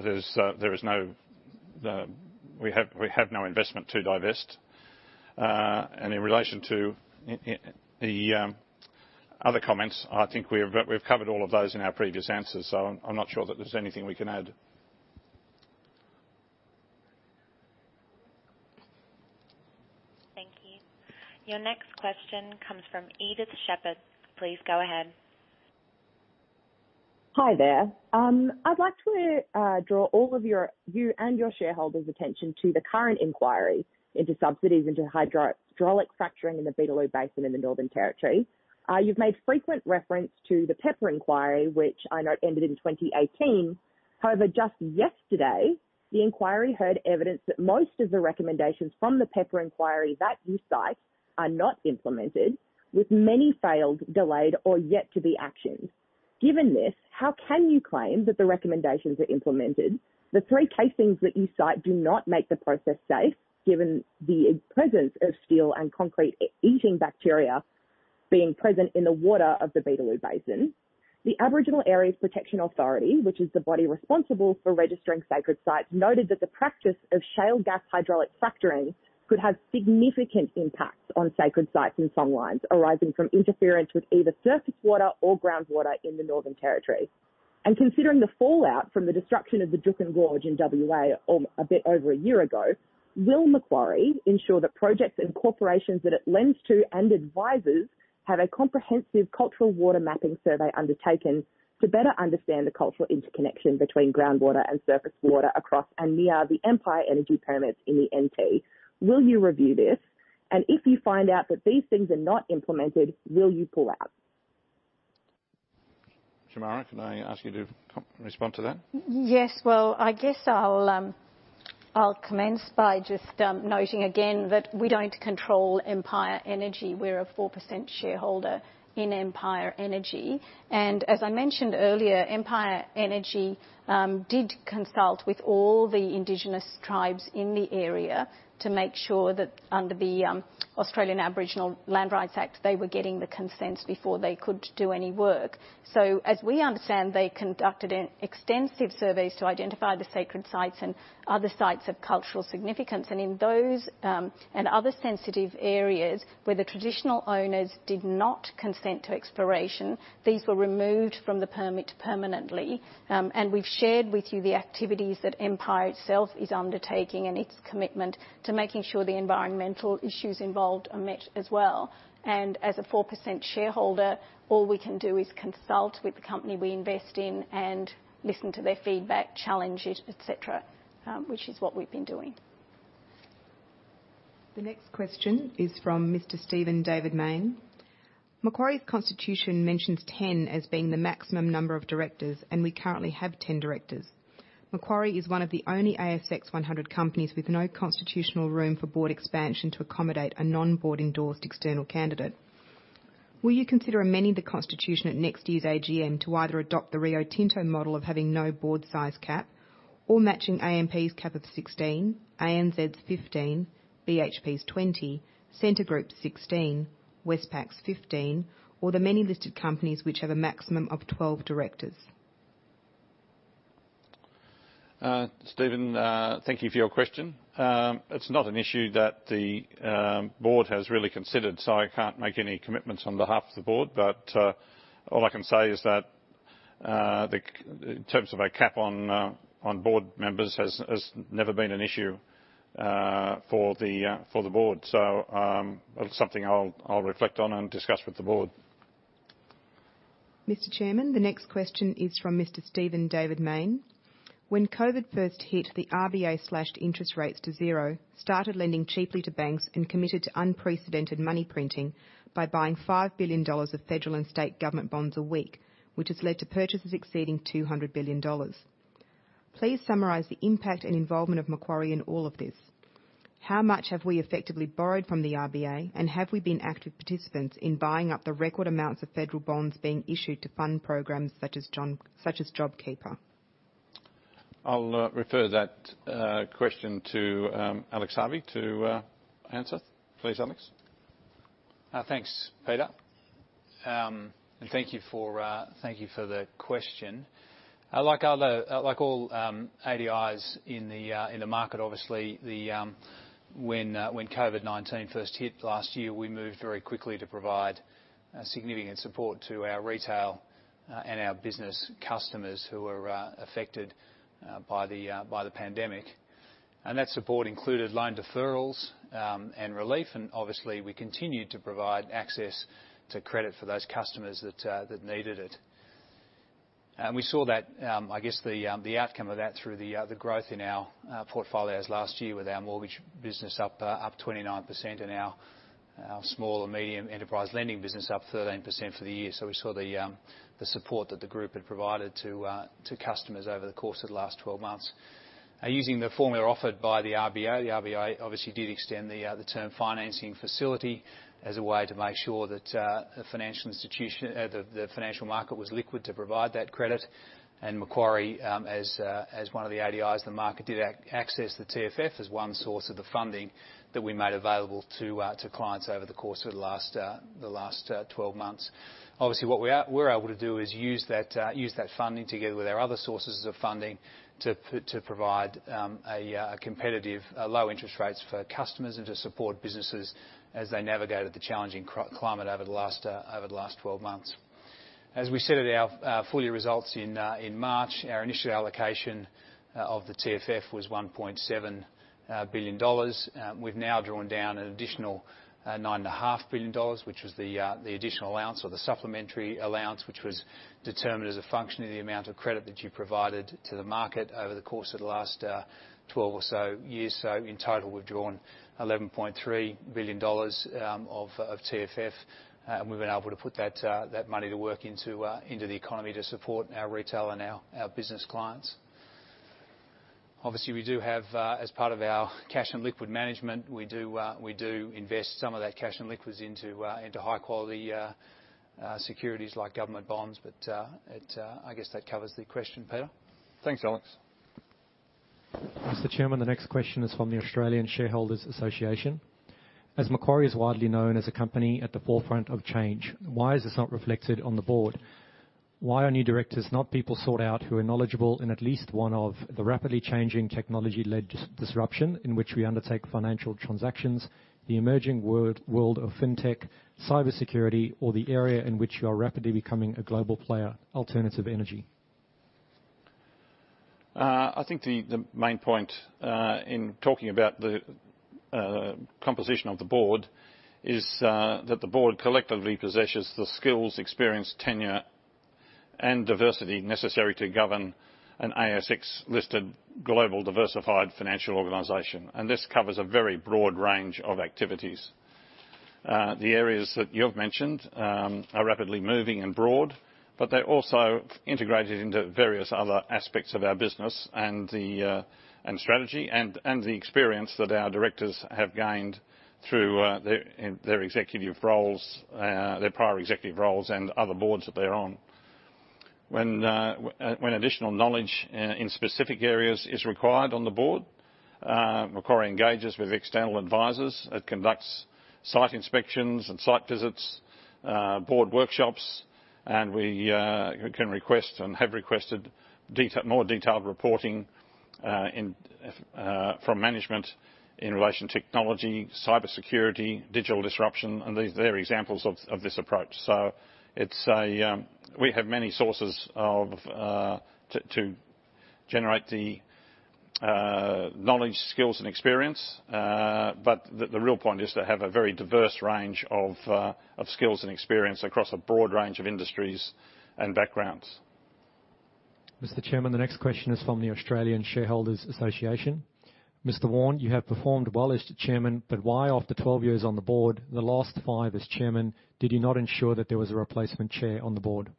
no investment to divest. In relation to the other comments, I think we've covered all of those in our previous answers. I'm not sure that there's anything we can add. Thank you. Your next question comes from Edith Sheppard. Please go ahead. Hi there. I'd like to draw all of you and your shareholders' attention to the current inquiry into subsidies into hydraulic fracturing in the Beetaloo Basin in the Northern Territory. You've made frequent reference to the Pepper inquiry, which I note ended in 2018. Just yesterday, the inquiry heard evidence that most of the recommendations from the Pepper inquiry that you cite are not implemented, with many failed, delayed, or yet to be actioned. Given this, how can you claim that the recommendations are implemented? The three casings that you cite do not make the process safe, given the presence of steel and concrete-eating bacteria being present in the water of the Beetaloo Basin. The Aboriginal Areas Protection Authority, which is the body responsible for registering sacred sites, noted that the practice of shale gas hydraulic fracturing could have significant impacts on sacred sites and song lines arising from interference with either surface water or groundwater in the Northern Territory. Considering the fallout from the destruction of the Juukan Gorge in W.A. a bit over a year ago, will Macquarie ensure that projects and corporations that it lends to and advises have a comprehensive cultural water mapping survey undertaken to better understand the cultural interconnection between groundwater and surface water across and near the Empire Energy permits in the N.T.? Will you review this? If you find out that these things are not implemented, will you pull out? Shemara, can I ask you to respond to that? Yes. Well, I guess I'll commence by just noting again that we don't control Empire Energy. We're a 4% shareholder in Empire Energy. As I mentioned earlier, Empire Energy did consult with all the indigenous tribes in the area to make sure that under the Australian Aboriginal Land Rights Act, they were getting the consents before they could do any work. As we understand, they conducted extensive surveys to identify the sacred sites and other sites of cultural significance. In those and other sensitive areas where the traditional owners did not consent to exploration, these were removed from the permit permanently. We've shared with you the activities that Empire itself is undertaking and its commitment to making sure the environmental issues involved are met as well. As a 4% shareholder, all we can do is consult with the company we invest in and listen to their feedback, challenge it, et cetera, which is what we've been doing. The next question is from Mr. Stephen David Mayne. Macquarie's constitution mentions 10 as being the maximum number of directors, and we currently have 10 directors. Macquarie is one of the only ASX 100 companies with no constitutional room for board expansion to accommodate a non-board endorsed external candidate. Will you consider amending the constitution at next year's AGM to either adopt the Rio Tinto model of having no board size cap or matching AMP's cap of 16, ANZ's 15, BHP's 20, Scentre Group's 16, Westpac's 15, or the many listed companies which have a maximum of 12 directors? Stephen, thank you for your question. It's not an issue that the board has really considered. I can't make any commitments on behalf of the board. All I can say is that in terms of a cap on board members has never been an issue for the board. It's something I'll reflect on and discuss with the board. Mr. Chairman, the next question is from Mr. Stephen David Mayne. When COVID first hit, the RBA slashed interest rates to 0, started lending cheaply to banks, and committed to unprecedented money printing by buying AUD 5 billion of federal and state government bonds a week, which has led to purchases exceeding AUD 200 billion. Please summarize the impact and involvement of Macquarie in all of this. How much have we effectively borrowed from the RBA, and have we been active participants in buying up the record amounts of federal bonds being issued to fund programs such as JobKeeper? I'll refer that question to Alex Harvey to answer. Please, Alex. Thanks, Peter. Thank you for the question. Like all ADIs in the market, obviously, when COVID-19 first hit last year, we moved very quickly to provide significant support to our retail and our business customers who were affected by the pandemic. That support included loan deferrals and relief, and obviously, we continued to provide access to credit for those customers that needed it. We saw the outcome of that through the growth in our portfolios last year with our mortgage business up 29%, and our small and medium enterprise lending business up 13% for the year. We saw the support that the group had provided to customers over the course of the last 12 months. Using the formula offered by the RBA, the RBA obviously did extend the Term Funding Facility as a way to make sure that the financial market was liquid to provide that credit. Macquarie, as one of the ADIs in the market, did access the TFF as one source of the funding that we made available to clients over the course of the last 12 months. Obviously, what we're able to do is use that funding together with our other sources of funding to provide competitive low interest rates for customers and to support businesses as they navigated the challenging climate over the last 12 months. As we said at our full year results in March, our initial allocation of the TFF was 1.7 billion dollars. We've now drawn down an additional 9.5 billion dollars, which was the additional allowance or the supplementary allowance, which was determined as a function of the amount of credit that you provided to the market over the course of the last 12 or so years. In total, we've drawn 11.3 billion dollars of TFF, and we've been able to put that money to work into the economy to support our retail and our business clients. Obviously, we do have, as part of our cash and liquid management, we do invest some of that cash and liquids into high-quality securities like government bonds. I guess that covers the question, Peter. Thanks, Alex. Mr. Chairman, the next question is from the Australian Shareholders' Association. As Macquarie is widely known as a company at the forefront of change, why is this not reflected on the board? Why are new directors not people sought out who are knowledgeable in at least one of the rapidly changing technology-led disruption in which we undertake financial transactions, the emerging world of fintech, cybersecurity, or the area in which you are rapidly becoming a global player, alternative energy? I think the main point in talking about the composition of the board is that the board collectively possesses the skills, experience, tenure, and diversity necessary to govern an ASX-listed global diversified financial organization. This covers a very broad range of activities. The areas that you've mentioned are rapidly moving and broad, but they're also integrated into various other aspects of our business and strategy and the experience that our directors have gained through their prior executive roles and other boards that they're on. When additional knowledge in specific areas is required on the board, Macquarie engages with external advisors. It conducts site inspections and site visits, board workshops, and we can request and have requested more detailed reporting from management in relation to technology, cybersecurity, digital disruption. They're examples of this approach. We have many sources to generate the knowledge, skills, and experience. The real point is to have a very diverse range of skills and experience across a broad range of industries and backgrounds. Mr. Chairman, the next question is from the Australian Shareholders' Association. Mr. Warne, you have performed well as the Chairman. Why after 12 years on the board, the last five as Chairman, did you not ensure that there was a replacement chair on the board?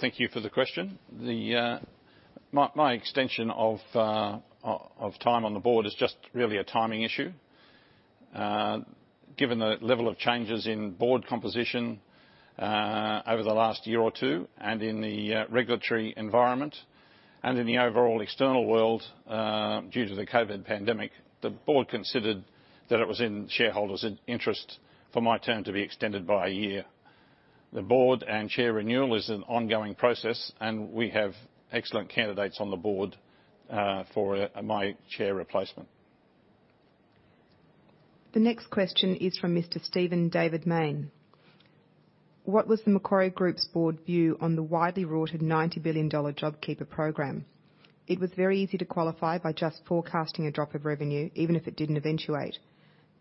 Thank you for the question. My extension of time on the board is just really a timing issue. Given the level of changes in board composition over the last year or two, and in the regulatory environment, and in the overall external world due to the COVID pandemic, the board considered that it was in shareholders' interest for my term to be extended by a year. The board and chair renewal is an ongoing process, and we have excellent candidates on the board for my chair replacement. The next question is from Mr. Stephen David Mayne. What was the Macquarie Group's board view on the widely rorted 90 billion dollar JobKeeper Payment? It was very easy to qualify by just forecasting a drop of revenue, even if it didn't eventuate.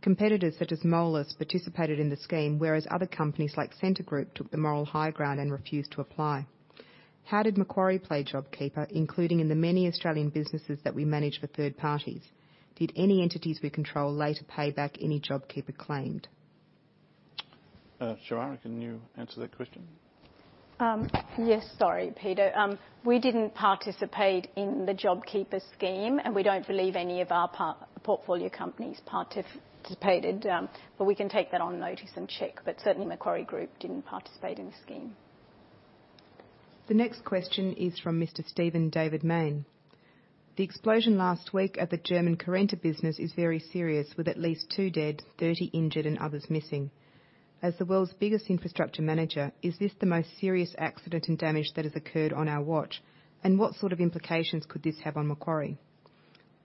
Competitors such as Moelis participated in the scheme, whereas other companies like Scentre Group took the moral high ground and refused to apply. How did Macquarie play JobKeeper Payment, including in the many Australian businesses that we manage for third parties? Did any entities we control later pay back any JobKeeper Payment claimed? Shemara, can you answer that question? Yes. Sorry, Peter. We didn't participate in the JobKeeper scheme, and we don't believe any of our portfolio companies participated. We can take that on notice and check. Certainly Macquarie Group didn't participate in the scheme. The next question is from Mr. Stephen David Mayne. The explosion last week at the Currenta business is very serious, with at least two dead, 30 injured, and others missing. As the world's biggest infrastructure manager, is this the most serious accident and damage that has occurred on our watch? What sort of implications could this have on Macquarie?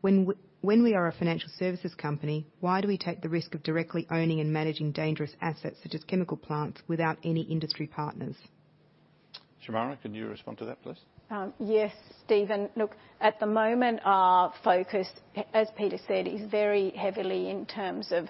When we are a financial services company, why do we take the risk of directly owning and managing dangerous assets such as chemical plants without any industry partners? Shemara, can you respond to that, please? Yes, Stephen. Look, at the moment, our focus, as Peter said, is very heavily in terms of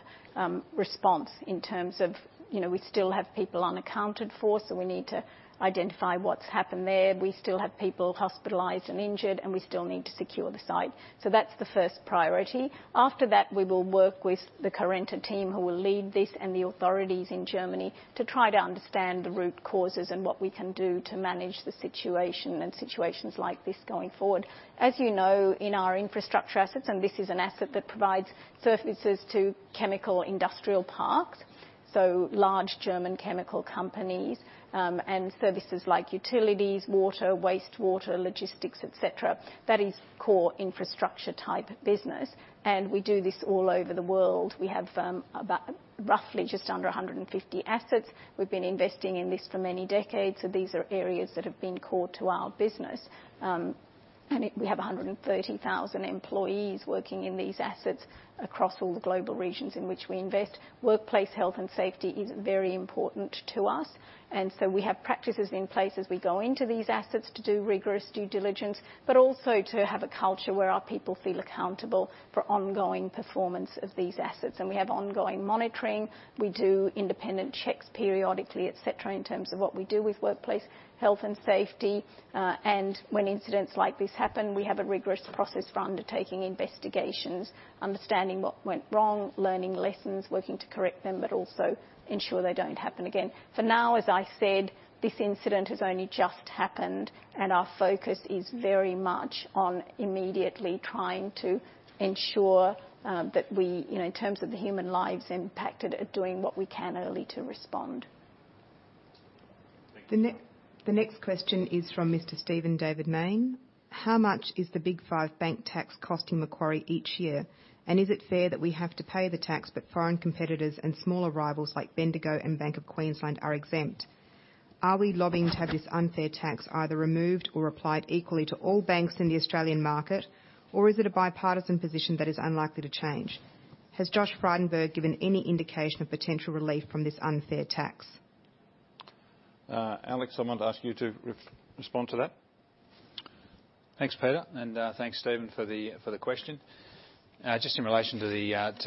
response, in terms of we still have people unaccounted for, so we need to identify what's happened there. We still have people hospitalized and injured, and we still need to secure the site. That's the first priority. After that, we will work with the Currenta team who will lead this and the authorities in Germany to try to understand the root causes and what we can do to manage the situation and situations like this going forward. As you know, in our infrastructure assets, and this is an asset that provides services to chemical industrial parks, so large German chemical companies, and services like utilities, water, wastewater, logistics, et cetera. That is core infrastructure type business. We do this all over the world. We have roughly just under 150 assets. We've been investing in this for many decades. These are areas that have been core to our business. We have 130,000 employees working in these assets across all the global regions in which we invest. Workplace health and safety is very important to us, and so we have practices in place as we go into these assets to do rigorous due diligence, but also to have a culture where our people feel accountable for ongoing performance of these assets. We have ongoing monitoring. We do independent checks periodically, et cetera, in terms of what we do with workplace health and safety. When incidents like this happen, we have a rigorous process for undertaking investigations, understanding what went wrong, learning lessons, working to correct them, but also ensure they don't happen again. For now, as I said, this incident has only just happened, and our focus is very much on immediately trying to ensure that we, in terms of the human lives impacted, are doing what we can early to respond. The next question is from Mr. Stephen David Mayne. How much is the Big Five bank tax costing Macquarie each year? Is it fair that we have to pay the tax, but foreign competitors and smaller rivals like Bendigo and Bank of Queensland are exempt? Are we lobbying to have this unfair tax either removed or applied equally to all banks in the Australian market? Is it a bipartisan position that is unlikely to change? Has Josh Frydenberg given any indication of potential relief from this unfair tax? Alex, I want to ask you to respond to that. Thanks, Peter. Thanks, Stephen, for the question. Just in relation to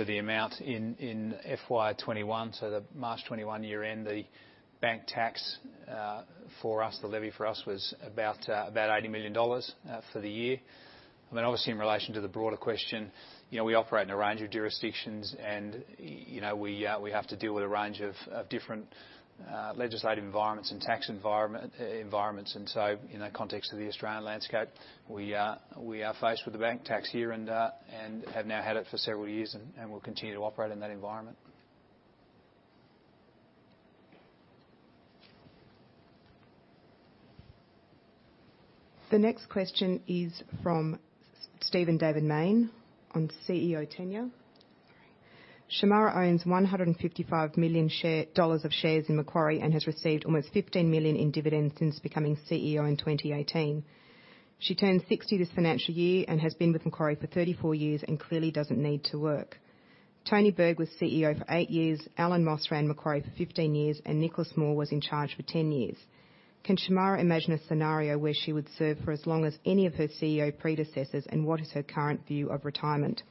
the amount in FY 2021, so the March 2021 year-end, the bank tax, for us, the levy for us was about 80 million dollars for the year. Obviously, in relation to the broader question, we operate in a range of jurisdictions, and we have to deal with a range of different legislative environments and tax environments. In the context of the Australian landscape, we are faced with the bank tax here and have now had it for several years and will continue to operate in that environment. The next question is from Stephen David Mayne on CEO tenure. Shemara owns 155 million dollars of shares in Macquarie and has received almost 15 million in dividends since becoming CEO in 2018. She turns 60 this financial year and has been with Macquarie for 34 years and clearly doesn't need to work. Tony Berg was CEO for eight years, Allan Moss ran Macquarie for 15 years, and Nicholas Moore was in charge for 10 years. Can Shemara imagine a scenario where she would serve for as long as any of her CEO predecessors, and what is her current view of retirement?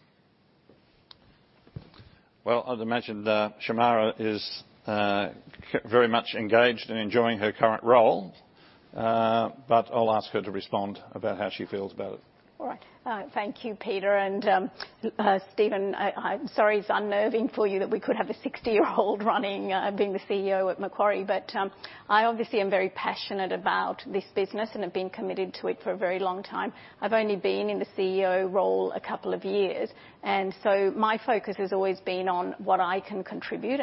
Well, I'd imagine Shemara is very much engaged and enjoying her current role. I'll ask her to respond about how she feels about it. All right. Thank you, Peter and Stephen. I'm sorry it's unnerving for you that we could have a 60-year-old running, being the CEO at Macquarie. I obviously am very passionate about this business and have been committed to it for a very long time. I've only been in the CEO role a couple of years, my focus has always been on what I can contribute.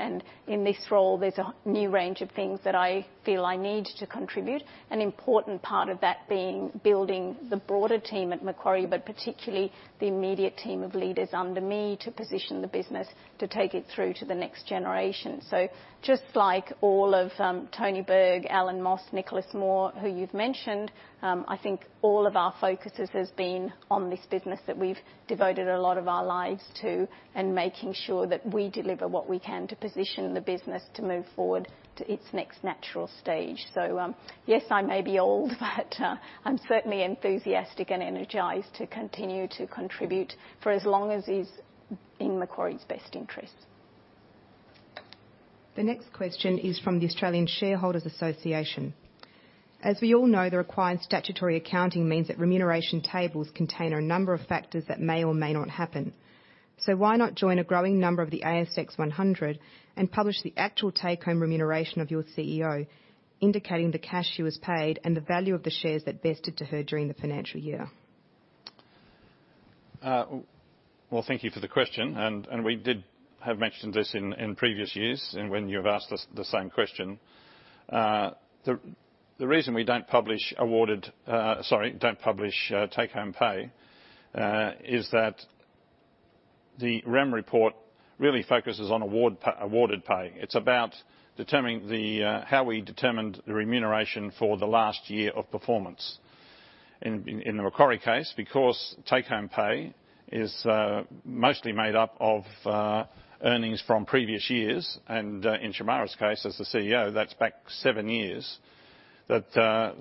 In this role, there's a new range of things that I feel I need to contribute. An important part of that being building the broader team at Macquarie, but particularly the immediate team of leaders under me to position the business to take it through to the next generation. Just like all of Tony Berg, Allan Moss, Nicholas Moore, who you've mentioned, I think all of our focuses has been on this business that we've devoted a lot of our lives to, and making sure that we deliver what we can to position the business to move forward to its next natural stage. Yes, I may be old, but I'm certainly enthusiastic and energized to continue to contribute for as long as is in Macquarie's best interest. The next question is from the Australian Shareholders' Association. As we all know, the required statutory accounting means that remuneration tables contain a number of factors that may or may not happen. Why not join a growing number of the ASX 100 and publish the actual take-home remuneration of your CEO, indicating the cash she was paid and the value of the shares that vested to her during the financial year? Well, thank you for the question. We did have mentioned this in previous years and when you've asked us the same question. The reason we don't publish take-home pay is that the REM report really focuses on awarded pay. It is about how we determined the remuneration for the last year of performance. In the Macquarie case, because take-home pay is mostly made up of earnings from previous years, and in Shemara's case, as the CEO, that is back seven years. The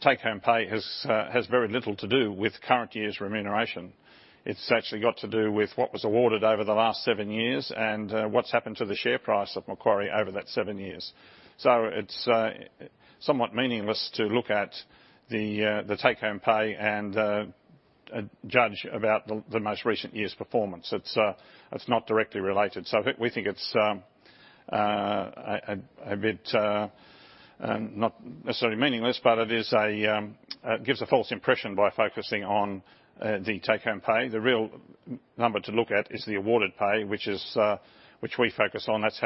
take-home pay has very little to do with current year's remuneration. It is actually got to do with what was awarded over the last seven years and what has happened to the share price of Macquarie over that seven years. It is somewhat meaningless to look at the take-home pay and judge about the most recent year's performance. It is not directly related. We think it's a bit, not necessarily meaningless, but it gives a false impression by focusing on the take-home pay. The real number to look at is the awarded pay, which we focus on. That's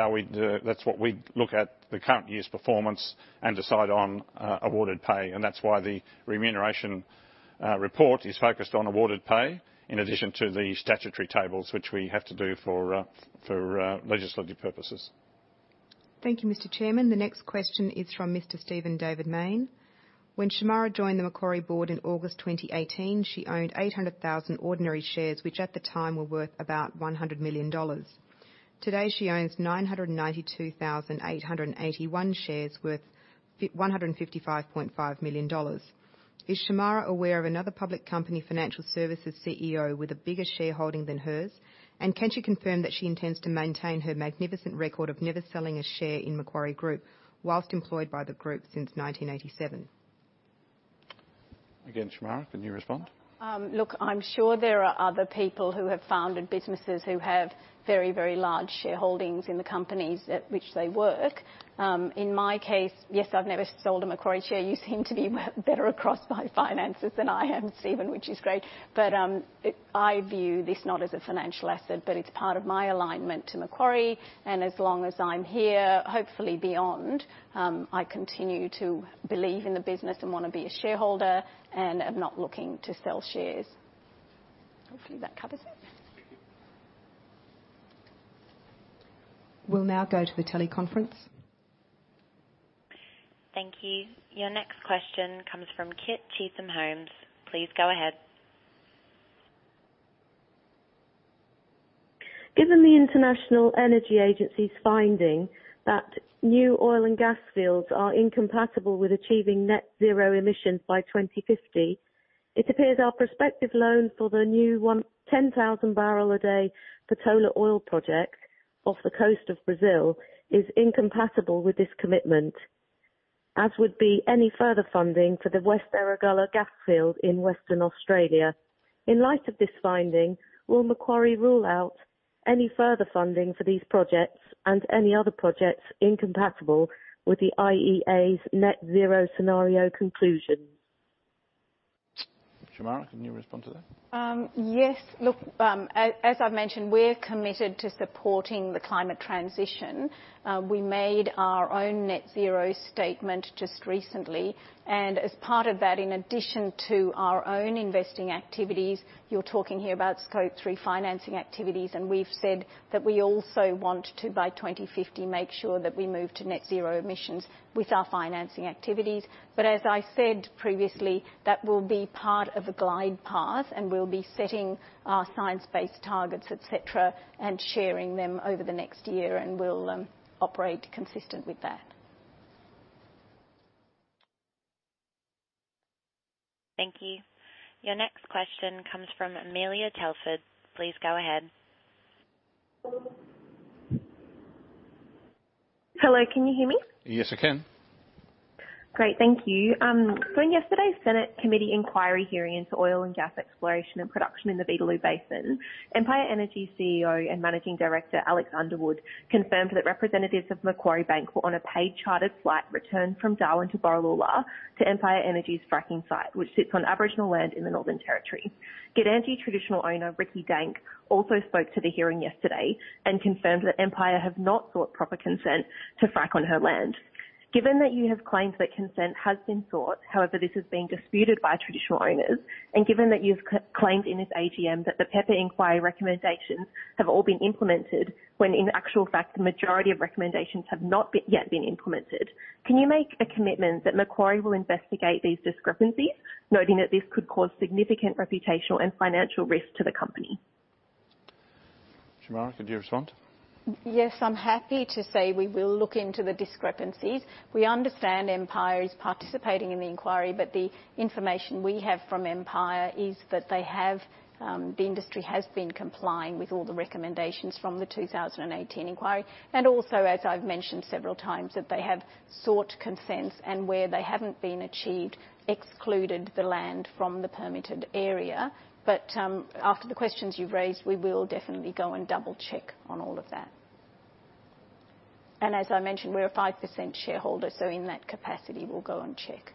what we look at the current year's performance and decide on awarded pay. That's why the remuneration report is focused on awarded pay in addition to the statutory tables, which we have to do for legislative purposes. Thank you, Mr. Chairman. The next question is from Mr. Stephen David Mayne. When Shemara joined the Macquarie board in August 2018, she owned 800,000 ordinary shares, which at the time were worth about 100 million dollars. Today, she owns 992,881 shares worth 155.5 million dollars. Is Shemara aware of another public company financial services CEO with a bigger shareholding than hers? Can she confirm that she intends to maintain her magnificent record of never selling a share in Macquarie Group whilst employed by the group since 1987? Again, Shemara, can you respond? Look, I'm sure there are other people who have founded businesses who have very, very large shareholdings in the companies at which they work. In my case, yes, I've never sold a Macquarie share. You seem to be better across my finances than I am, Stephen, which is great. I view this not as a financial asset, but it's part of my alignment to Macquarie, and as long as I'm here, hopefully beyond, I continue to believe in the business and want to be a shareholder and am not looking to sell shares. Hopefully that covers it. We'll now go to the teleconference. Thank you. Your next question comes from Kit Cheetham-Holmes. Please go ahead. Given the International Energy Agency's finding that new oil and gas fields are incompatible with achieving net zero emissions by 2050, it appears our prospective loan for the new 10,000 bbl a day Patola oil project off the coast of Brazil is incompatible with this commitment, as would be any further funding for the West Erregulla gas field in Western Australia. In light of this finding, will Macquarie rule out any further funding for these projects and any other projects incompatible with the IEA's net zero scenario conclusions? Shemara, can you respond to that? Yes. Look, as I've mentioned, we're committed to supporting the climate transition. We made our own net zero statement just recently. As part of that, in addition to our own investing activities, you're talking here about Scope 3 financing activities, and we've said that we also want to, by 2050, make sure that we move to net zero emissions with our financing activities. As I said previously, that will be part of a glide path and we'll be setting our science-based targets, et cetera, and sharing them over the next year, and we'll operate consistent with that. Thank you. Your next question comes from Amelia Telford. Please go ahead. Hello. Can you hear me? Yes, I can. Great, thank you. During yesterday's Senate Committee inquiry hearing into oil and gas exploration and production in the Beetaloo Basin, Empire Energy CEO and Managing Director, Alex Underwood, confirmed that representatives of Macquarie Bank were on a paid chartered flight return from Darwin to Borroloola to Empire Energy's fracking site, which sits on Aboriginal land in the Northern Territory. Gudanji Traditional Owner, Rikki Dank, also spoke to the hearing yesterday and confirmed that Empire have not sought proper consent to frack on her land. Given that you have claimed that consent has been sought, however, this has been disputed by Traditional Owners, and given that you've claimed in its AGM that the Pepper Inquiry recommendations have all been implemented, when in actual fact the majority of recommendations have not yet been implemented, can you make a commitment that Macquarie will investigate these discrepancies, noting that this could cause significant reputational and financial risk to the company? Shemara, could you respond? Yes, I'm happy to say we will look into the discrepancies. We understand Empire is participating in the inquiry, but the information we have from Empire is that the industry has been complying with all the recommendations from the 2018 inquiry, and also, as I've mentioned several times, that they have sought consents and where they haven't been achieved, excluded the land from the permitted area. After the questions you've raised, we will definitely go and double-check on all of that. As I mentioned, we're a 5% shareholder, so in that capacity, we'll go and check.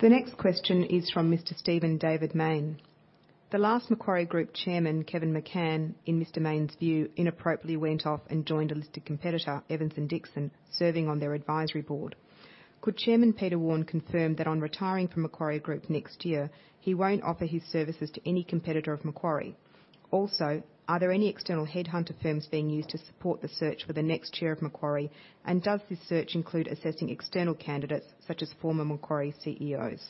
The next question is from Mr. Stephen David Mayne. The last Macquarie Group chairman, Kevin McCann, in Mr. Mayne's view, inappropriately went off and joined a listed competitor, Evans Dixon, serving on their advisory board. Could Chairman Peter Warne confirm that on retiring from Macquarie Group next year, he won't offer his services to any competitor of Macquarie? Are there any external headhunter firms being used to support the search for the next chair of Macquarie? Does this search include assessing external candidates such as former Macquarie CEOs?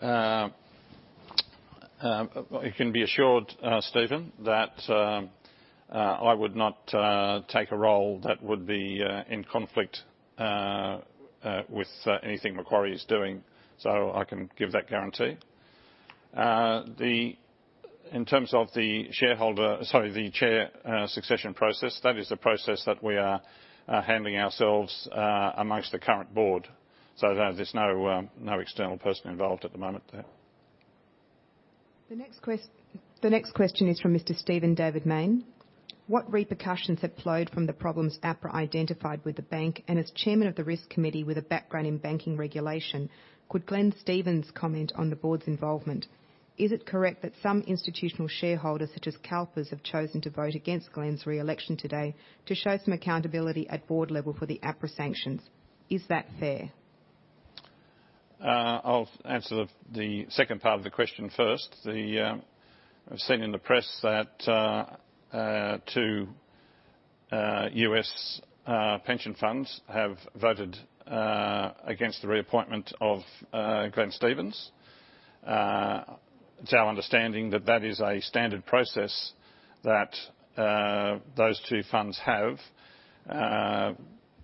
You can be assured, Stephen, that I would not take a role that would be in conflict with anything Macquarie is doing. I can give that guarantee. In terms of the chair succession process, that is the process that we are handling ourselves amongst the current board. There's no external person involved at the moment there. The next question is from Mr. Stephen David Mayne. What repercussions have flowed from the problems APRA identified with the bank? As chairman of the Risk Committee with a background in banking regulation, could Glenn Stephens comment on the board's involvement? Is it correct that some institutional shareholders, such as CalPERS, have chosen to vote against Glenn's re-election today to show some accountability at board level for the APRA sanctions? Is that fair? I'll answer the second part of the question first. I've seen in the press that two U.S. pension funds have voted against the reappointment of Glenn Stephens. It's our understanding that that is a standard process that those two funds have.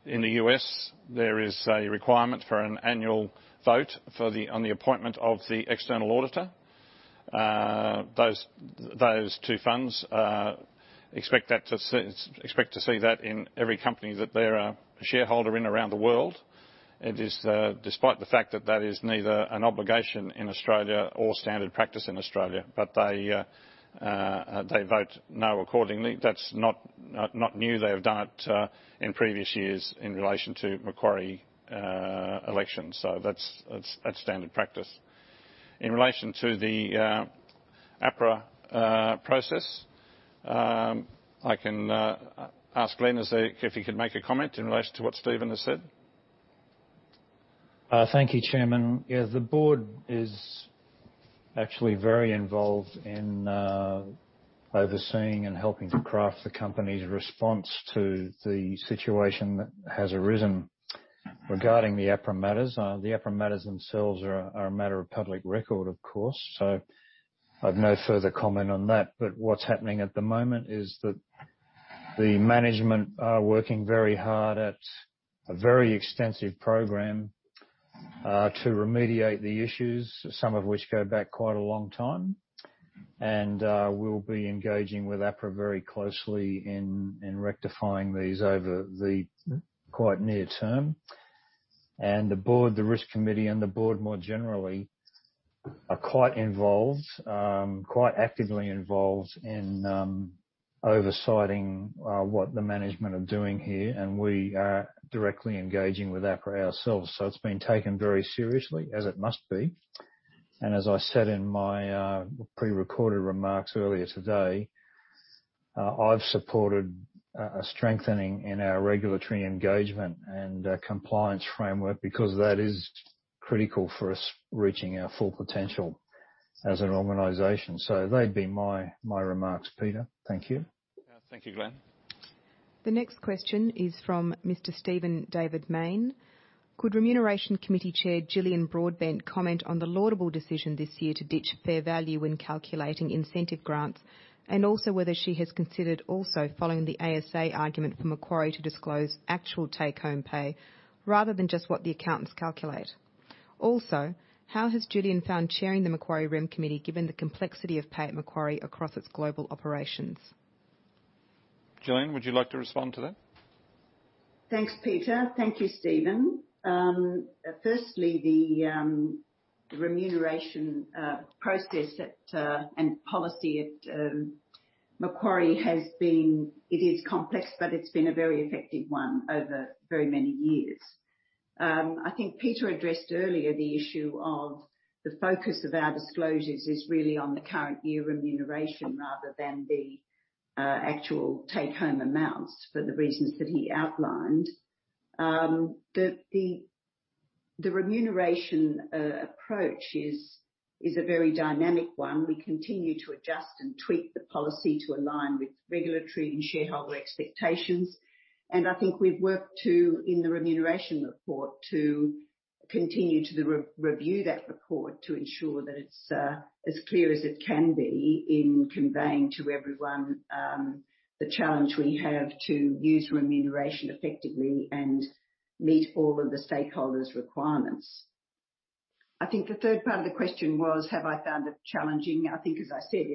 In the U.S., there is a requirement for an annual vote on the appointment of the external auditor. Those two funds expect to see that in every company that they are a shareholder in around the world. It is despite the fact that that is neither an obligation in Australia or standard practice in Australia, but they vote no accordingly. That's not new. They have done it in previous years in relation to Macquarie elections. That's standard practice. In relation to the APRA process, I can ask Glenn if he could make a comment in relation to what Stephen has said. Thank you, Chairman. The board is actually very involved in overseeing and helping to craft the company's response to the situation that has arisen regarding the APRA matters. The APRA matters themselves are a matter of public record, of course, so I've no further comment on that. What's happening at the moment is that the management are working very hard at a very extensive program to remediate the issues, some of which go back quite a long time. We'll be engaging with APRA very closely in rectifying these over the quite near term. The board, the Risk Committee and the board more generally, are quite actively involved in oversighting what the management are doing here, and we are directly engaging with APRA ourselves. It's being taken very seriously, as it must be. As I said in my prerecorded remarks earlier today, I have supported a strengthening in our regulatory engagement and compliance framework because that is critical for us reaching our full potential as an organization. They would be my remarks, Peter. Thank you. Thank you, Glenn. The next question is from Mr. Stephen David Mayne. Could Remuneration Committee Chair, Jillian Broadbent, comment on the laudable decision this year to ditch fair value when calculating incentive grants, and also whether she has considered also following the ASA argument for Macquarie to disclose actual take-home pay rather than just what the accountants calculate? How has Jillian found chairing the Macquarie Rem Committee given the complexity of pay at Macquarie across its global operations? Jillian, would you like to respond to that? Thanks, Peter Warne. Thank you, Stephen. Firstly, the remuneration process and policy at Macquarie, it is complex, but it's been a very effective one over very many years. I think Peter Warne addressed earlier the issue of the focus of our disclosures is really on the current year remuneration rather than the actual take-home amounts for the reasons that he outlined. The remuneration approach is a very dynamic one. We continue to adjust and tweak the policy to align with regulatory and shareholder expectations. I think we've worked, in the Remuneration Report, to continue to review that report to ensure that it's as clear as it can be in conveying to everyone the challenge we have to use remuneration effectively and meet all of the stakeholders' requirements. I think the third part of the question was, have I found it challenging? I think, as I said,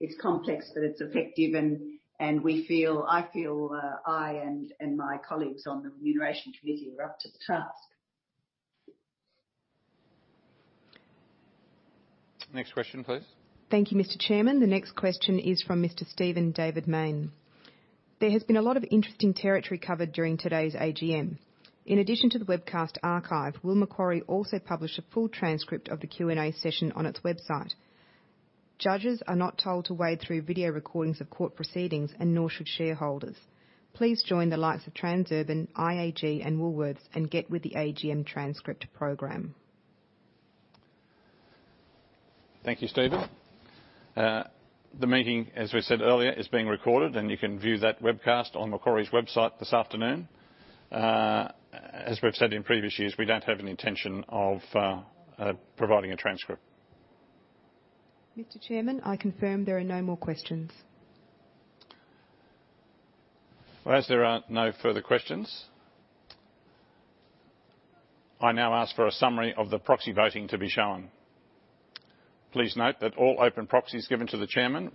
it's complex, but it's effective and I feel I and my colleagues on the Remuneration Committee are up to the task. Next question, please. Thank you, Mr. Chairman. The next question is from Mr. Stephen David Mayne. There has been a lot of interesting territory covered during today's AGM. In addition to the webcast archive, will Macquarie also publish a full transcript of the Q&A session on its website? Judges are not told to wade through video recordings of court proceedings. Nor should shareholders. Please join the likes of Transurban, IAG, and Woolworths and get with the AGM transcript program. Thank you, Stephen. The meeting, as we said earlier, is being recorded, and you can view that webcast on Macquarie's website this afternoon. As we've said in previous years, we don't have any intention of providing a transcript. Mr. Chairman, I confirm there are no more questions. As there are no further questions, I now ask for a summary of the proxy voting to be shown. Please note that all open proxies given to the chairman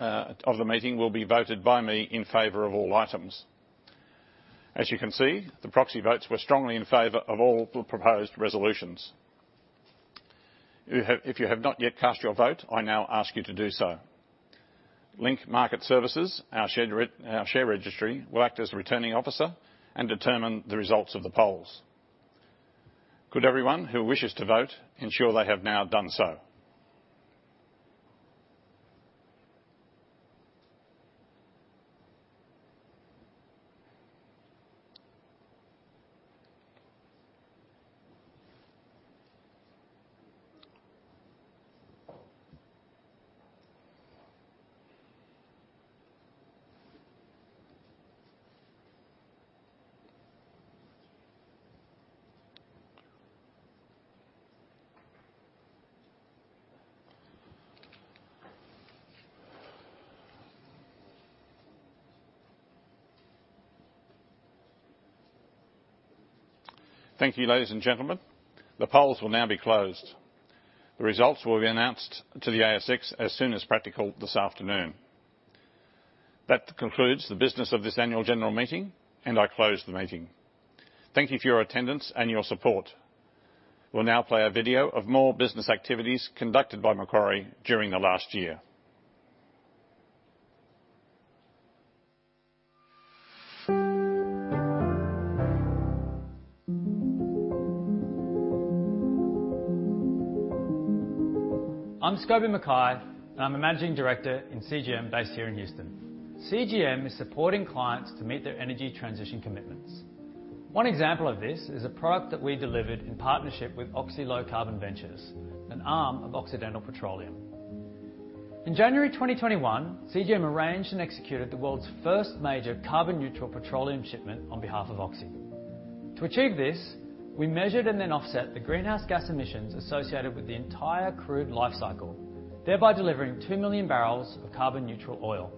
of the meeting will be voted by me in favor of all items. As you can see, the proxy votes were strongly in favor of all the proposed resolutions. If you have not yet cast your vote, I now ask you to do so. Link Market Services, our share registry, will act as returning officer and determine the results of the polls. Could everyone who wishes to vote ensure they have now done so? Thank you, ladies and gentlemen. The polls will now be closed. The results will be announced to the ASX as soon as practical this afternoon. That concludes the business of this annual general meeting, and I close the meeting. Thank you for your attendance and your support. We'll now play a video of more business activities conducted by Macquarie during the last year. I'm Scobie Mackay, and I'm a managing director in CGM based here in Houston. CGM is supporting clients to meet their energy transition commitments. One example of this is a product that we delivered in partnership with Oxy Low Carbon Ventures, an arm of Occidental Petroleum. In January 2021, CGM arranged and executed the world's first major carbon neutral petroleum shipment on behalf of Oxy. To achieve this, we measured and then offset the greenhouse gas emissions associated with the entire crude life cycle, thereby delivering 2 million barrels of carbon neutral oil.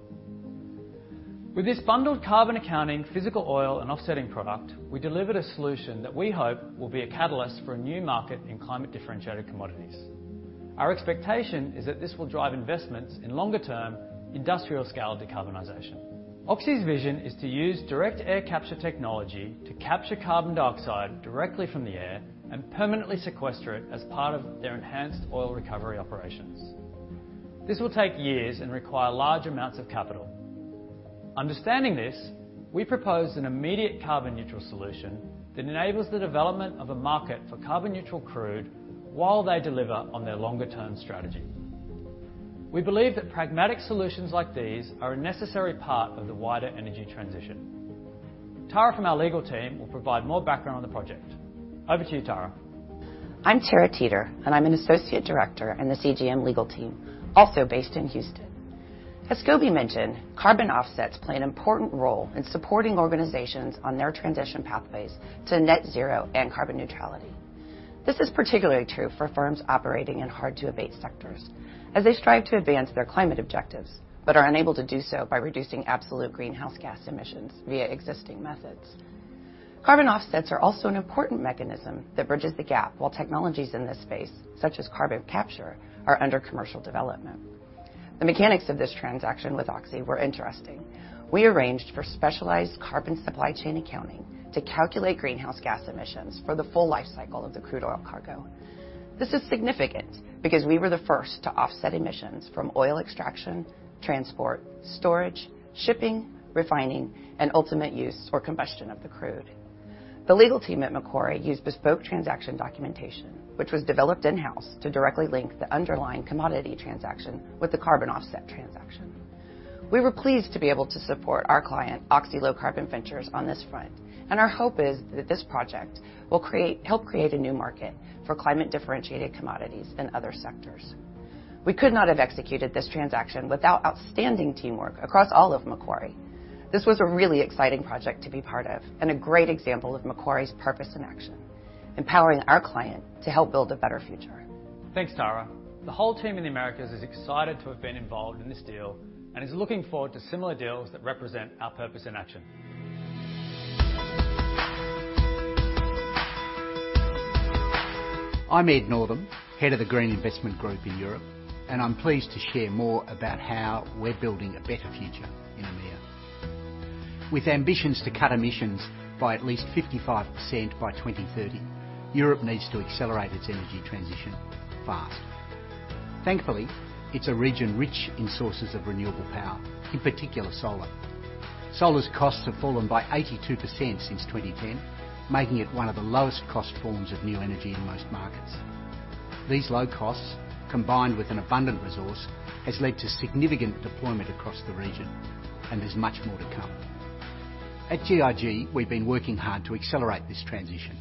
With this bundled carbon accounting, physical oil, and offsetting product, we delivered a solution that we hope will be a catalyst for a new market in climate differentiated commodities. Our expectation is that this will drive investments in longer term industrial scale decarbonization. Oxy's vision is to use direct air capture technology to capture carbon dioxide directly from the air and permanently sequester it as part of their enhanced oil recovery operations. This will take years and require large amounts of capital. Understanding this, we proposed an immediate carbon neutral solution that enables the development of a market for carbon neutral crude while they deliver on their longer term strategy. We believe that pragmatic solutions like these are a necessary part of the wider energy transition. Tara from our legal team will provide more background on the project. Over to you, Tara. I'm Tara Teeter, and I'm an associate director in the CGM legal team, also based in Houston. As Scobie mentioned, carbon offsets play an important role in supporting organizations on their transition pathways to net zero and carbon neutrality. This is particularly true for firms operating in hard to abate sectors as they strive to advance their climate objectives, but are unable to do so by reducing absolute greenhouse gas emissions via existing methods. Carbon offsets are also an important mechanism that bridges the gap while technologies in this space, such as carbon capture, are under commercial development. The mechanics of this transaction with Oxy were interesting. We arranged for specialized carbon supply chain accounting to calculate greenhouse gas emissions for the full life cycle of the crude oil cargo. This is significant because we were the first to offset emissions from oil extraction, transport, storage, shipping, refining, and ultimate use or combustion of the crude. The legal team at Macquarie used bespoke transaction documentation, which was developed in-house to directly link the underlying commodity transaction with the carbon offset transaction. We were pleased to be able to support our client, Oxy Low Carbon Ventures, on this front, and our hope is that this project will help create a new market for climate differentiated commodities in other sectors. We could not have executed this transaction without outstanding teamwork across all of Macquarie. This was a really exciting project to be part of and a great example of Macquarie's purpose in action, empowering our client to help build a better future. Thanks, Tara. The whole team in the Americas is excited to have been involved in this deal and is looking forward to similar deals that represent our purpose in action. I'm Ed Northam, head of the Green Investment Group in Europe, and I'm pleased to share more about how we're building a better future in EMEA. With ambitions to cut emissions by at least 55% by 2030, Europe needs to accelerate its energy transition fast. Thankfully, it's a region rich in sources of renewable power, in particular solar. Solar's costs have fallen by 82% since 2010, making it one of the lowest cost forms of new energy in most markets. These low costs, combined with an abundant resource, has led to significant deployment across the region and there's much more to come. At GIG, we've been working hard to accelerate this transition.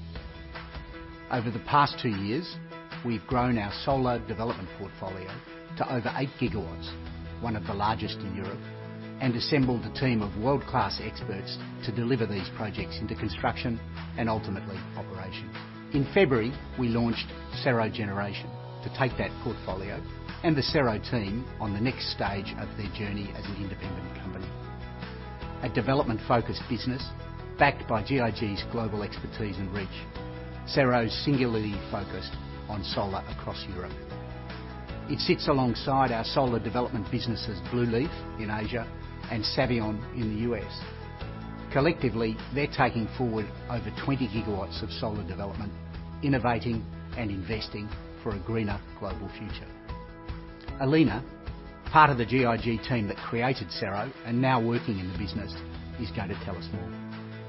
Over the past two years, we've grown our solar development portfolio to over 8 GW, one of the largest in Europe, and assembled a team of world-class experts to deliver these projects into construction and ultimately operation. In February, we launched Cero Generation to take that portfolio and the Cero team on the next stage of their journey as an independent company. A development-focused business backed by GIG's global expertise and reach, Cero's singularly focused on solar across Europe. It sits alongside our solar development businesses, Blueleaf in Asia and Savion in the U.S. Collectively, they're taking forward over 20 GW of solar development, innovating and investing for a greener global future. Alina, part of the GIG team that created Cero and now working in the business, is going to tell us more.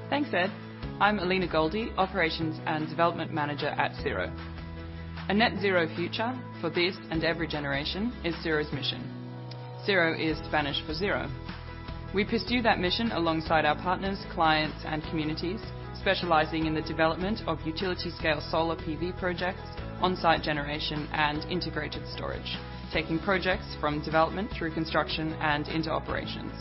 Thanks, Ed. I'm Alina Goldie, Operations and Development Manager at Cero. A net zero future for this and every generation is Cero's mission. Cero is Spanish for zero. We pursue that mission alongside our partners, clients, and communities, specializing in the development of utility scale solar PV projects, on-site generation, and integrated storage, taking projects from development through construction and into operations.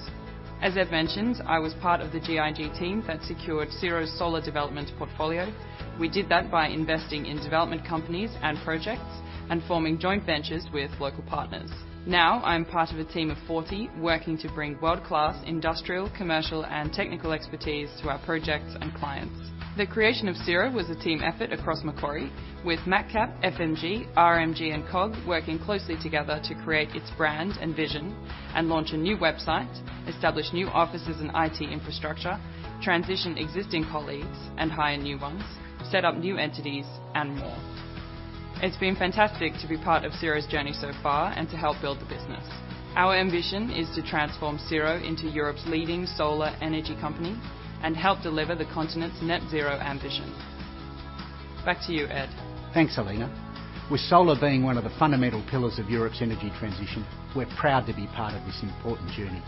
As Ed mentioned, I was part of the GIG team that secured Cero's solar development portfolio. We did that by investing in development companies and projects and forming joint ventures with local partners. Now, I'm part of a team of 40, working to bring world-class industrial, commercial, and technical expertise to our projects and clients. The creation of Cero was a team effort across Macquarie, with MacCap, FMG, RMG, and COG working closely together to create its brand and vision and launch a new website, establish new offices and IT infrastructure, transition existing colleagues and hire new ones, set up new entities, and more. It's been fantastic to be part of Cero's journey so far and to help build the business. Our ambition is to transform Cero into Europe's leading solar energy company and help deliver the continent's net zero ambition. Back to you, Ed. Thanks, Alina. With solar being one of the fundamental pillars of Europe's energy transition, we're proud to be part of this important journey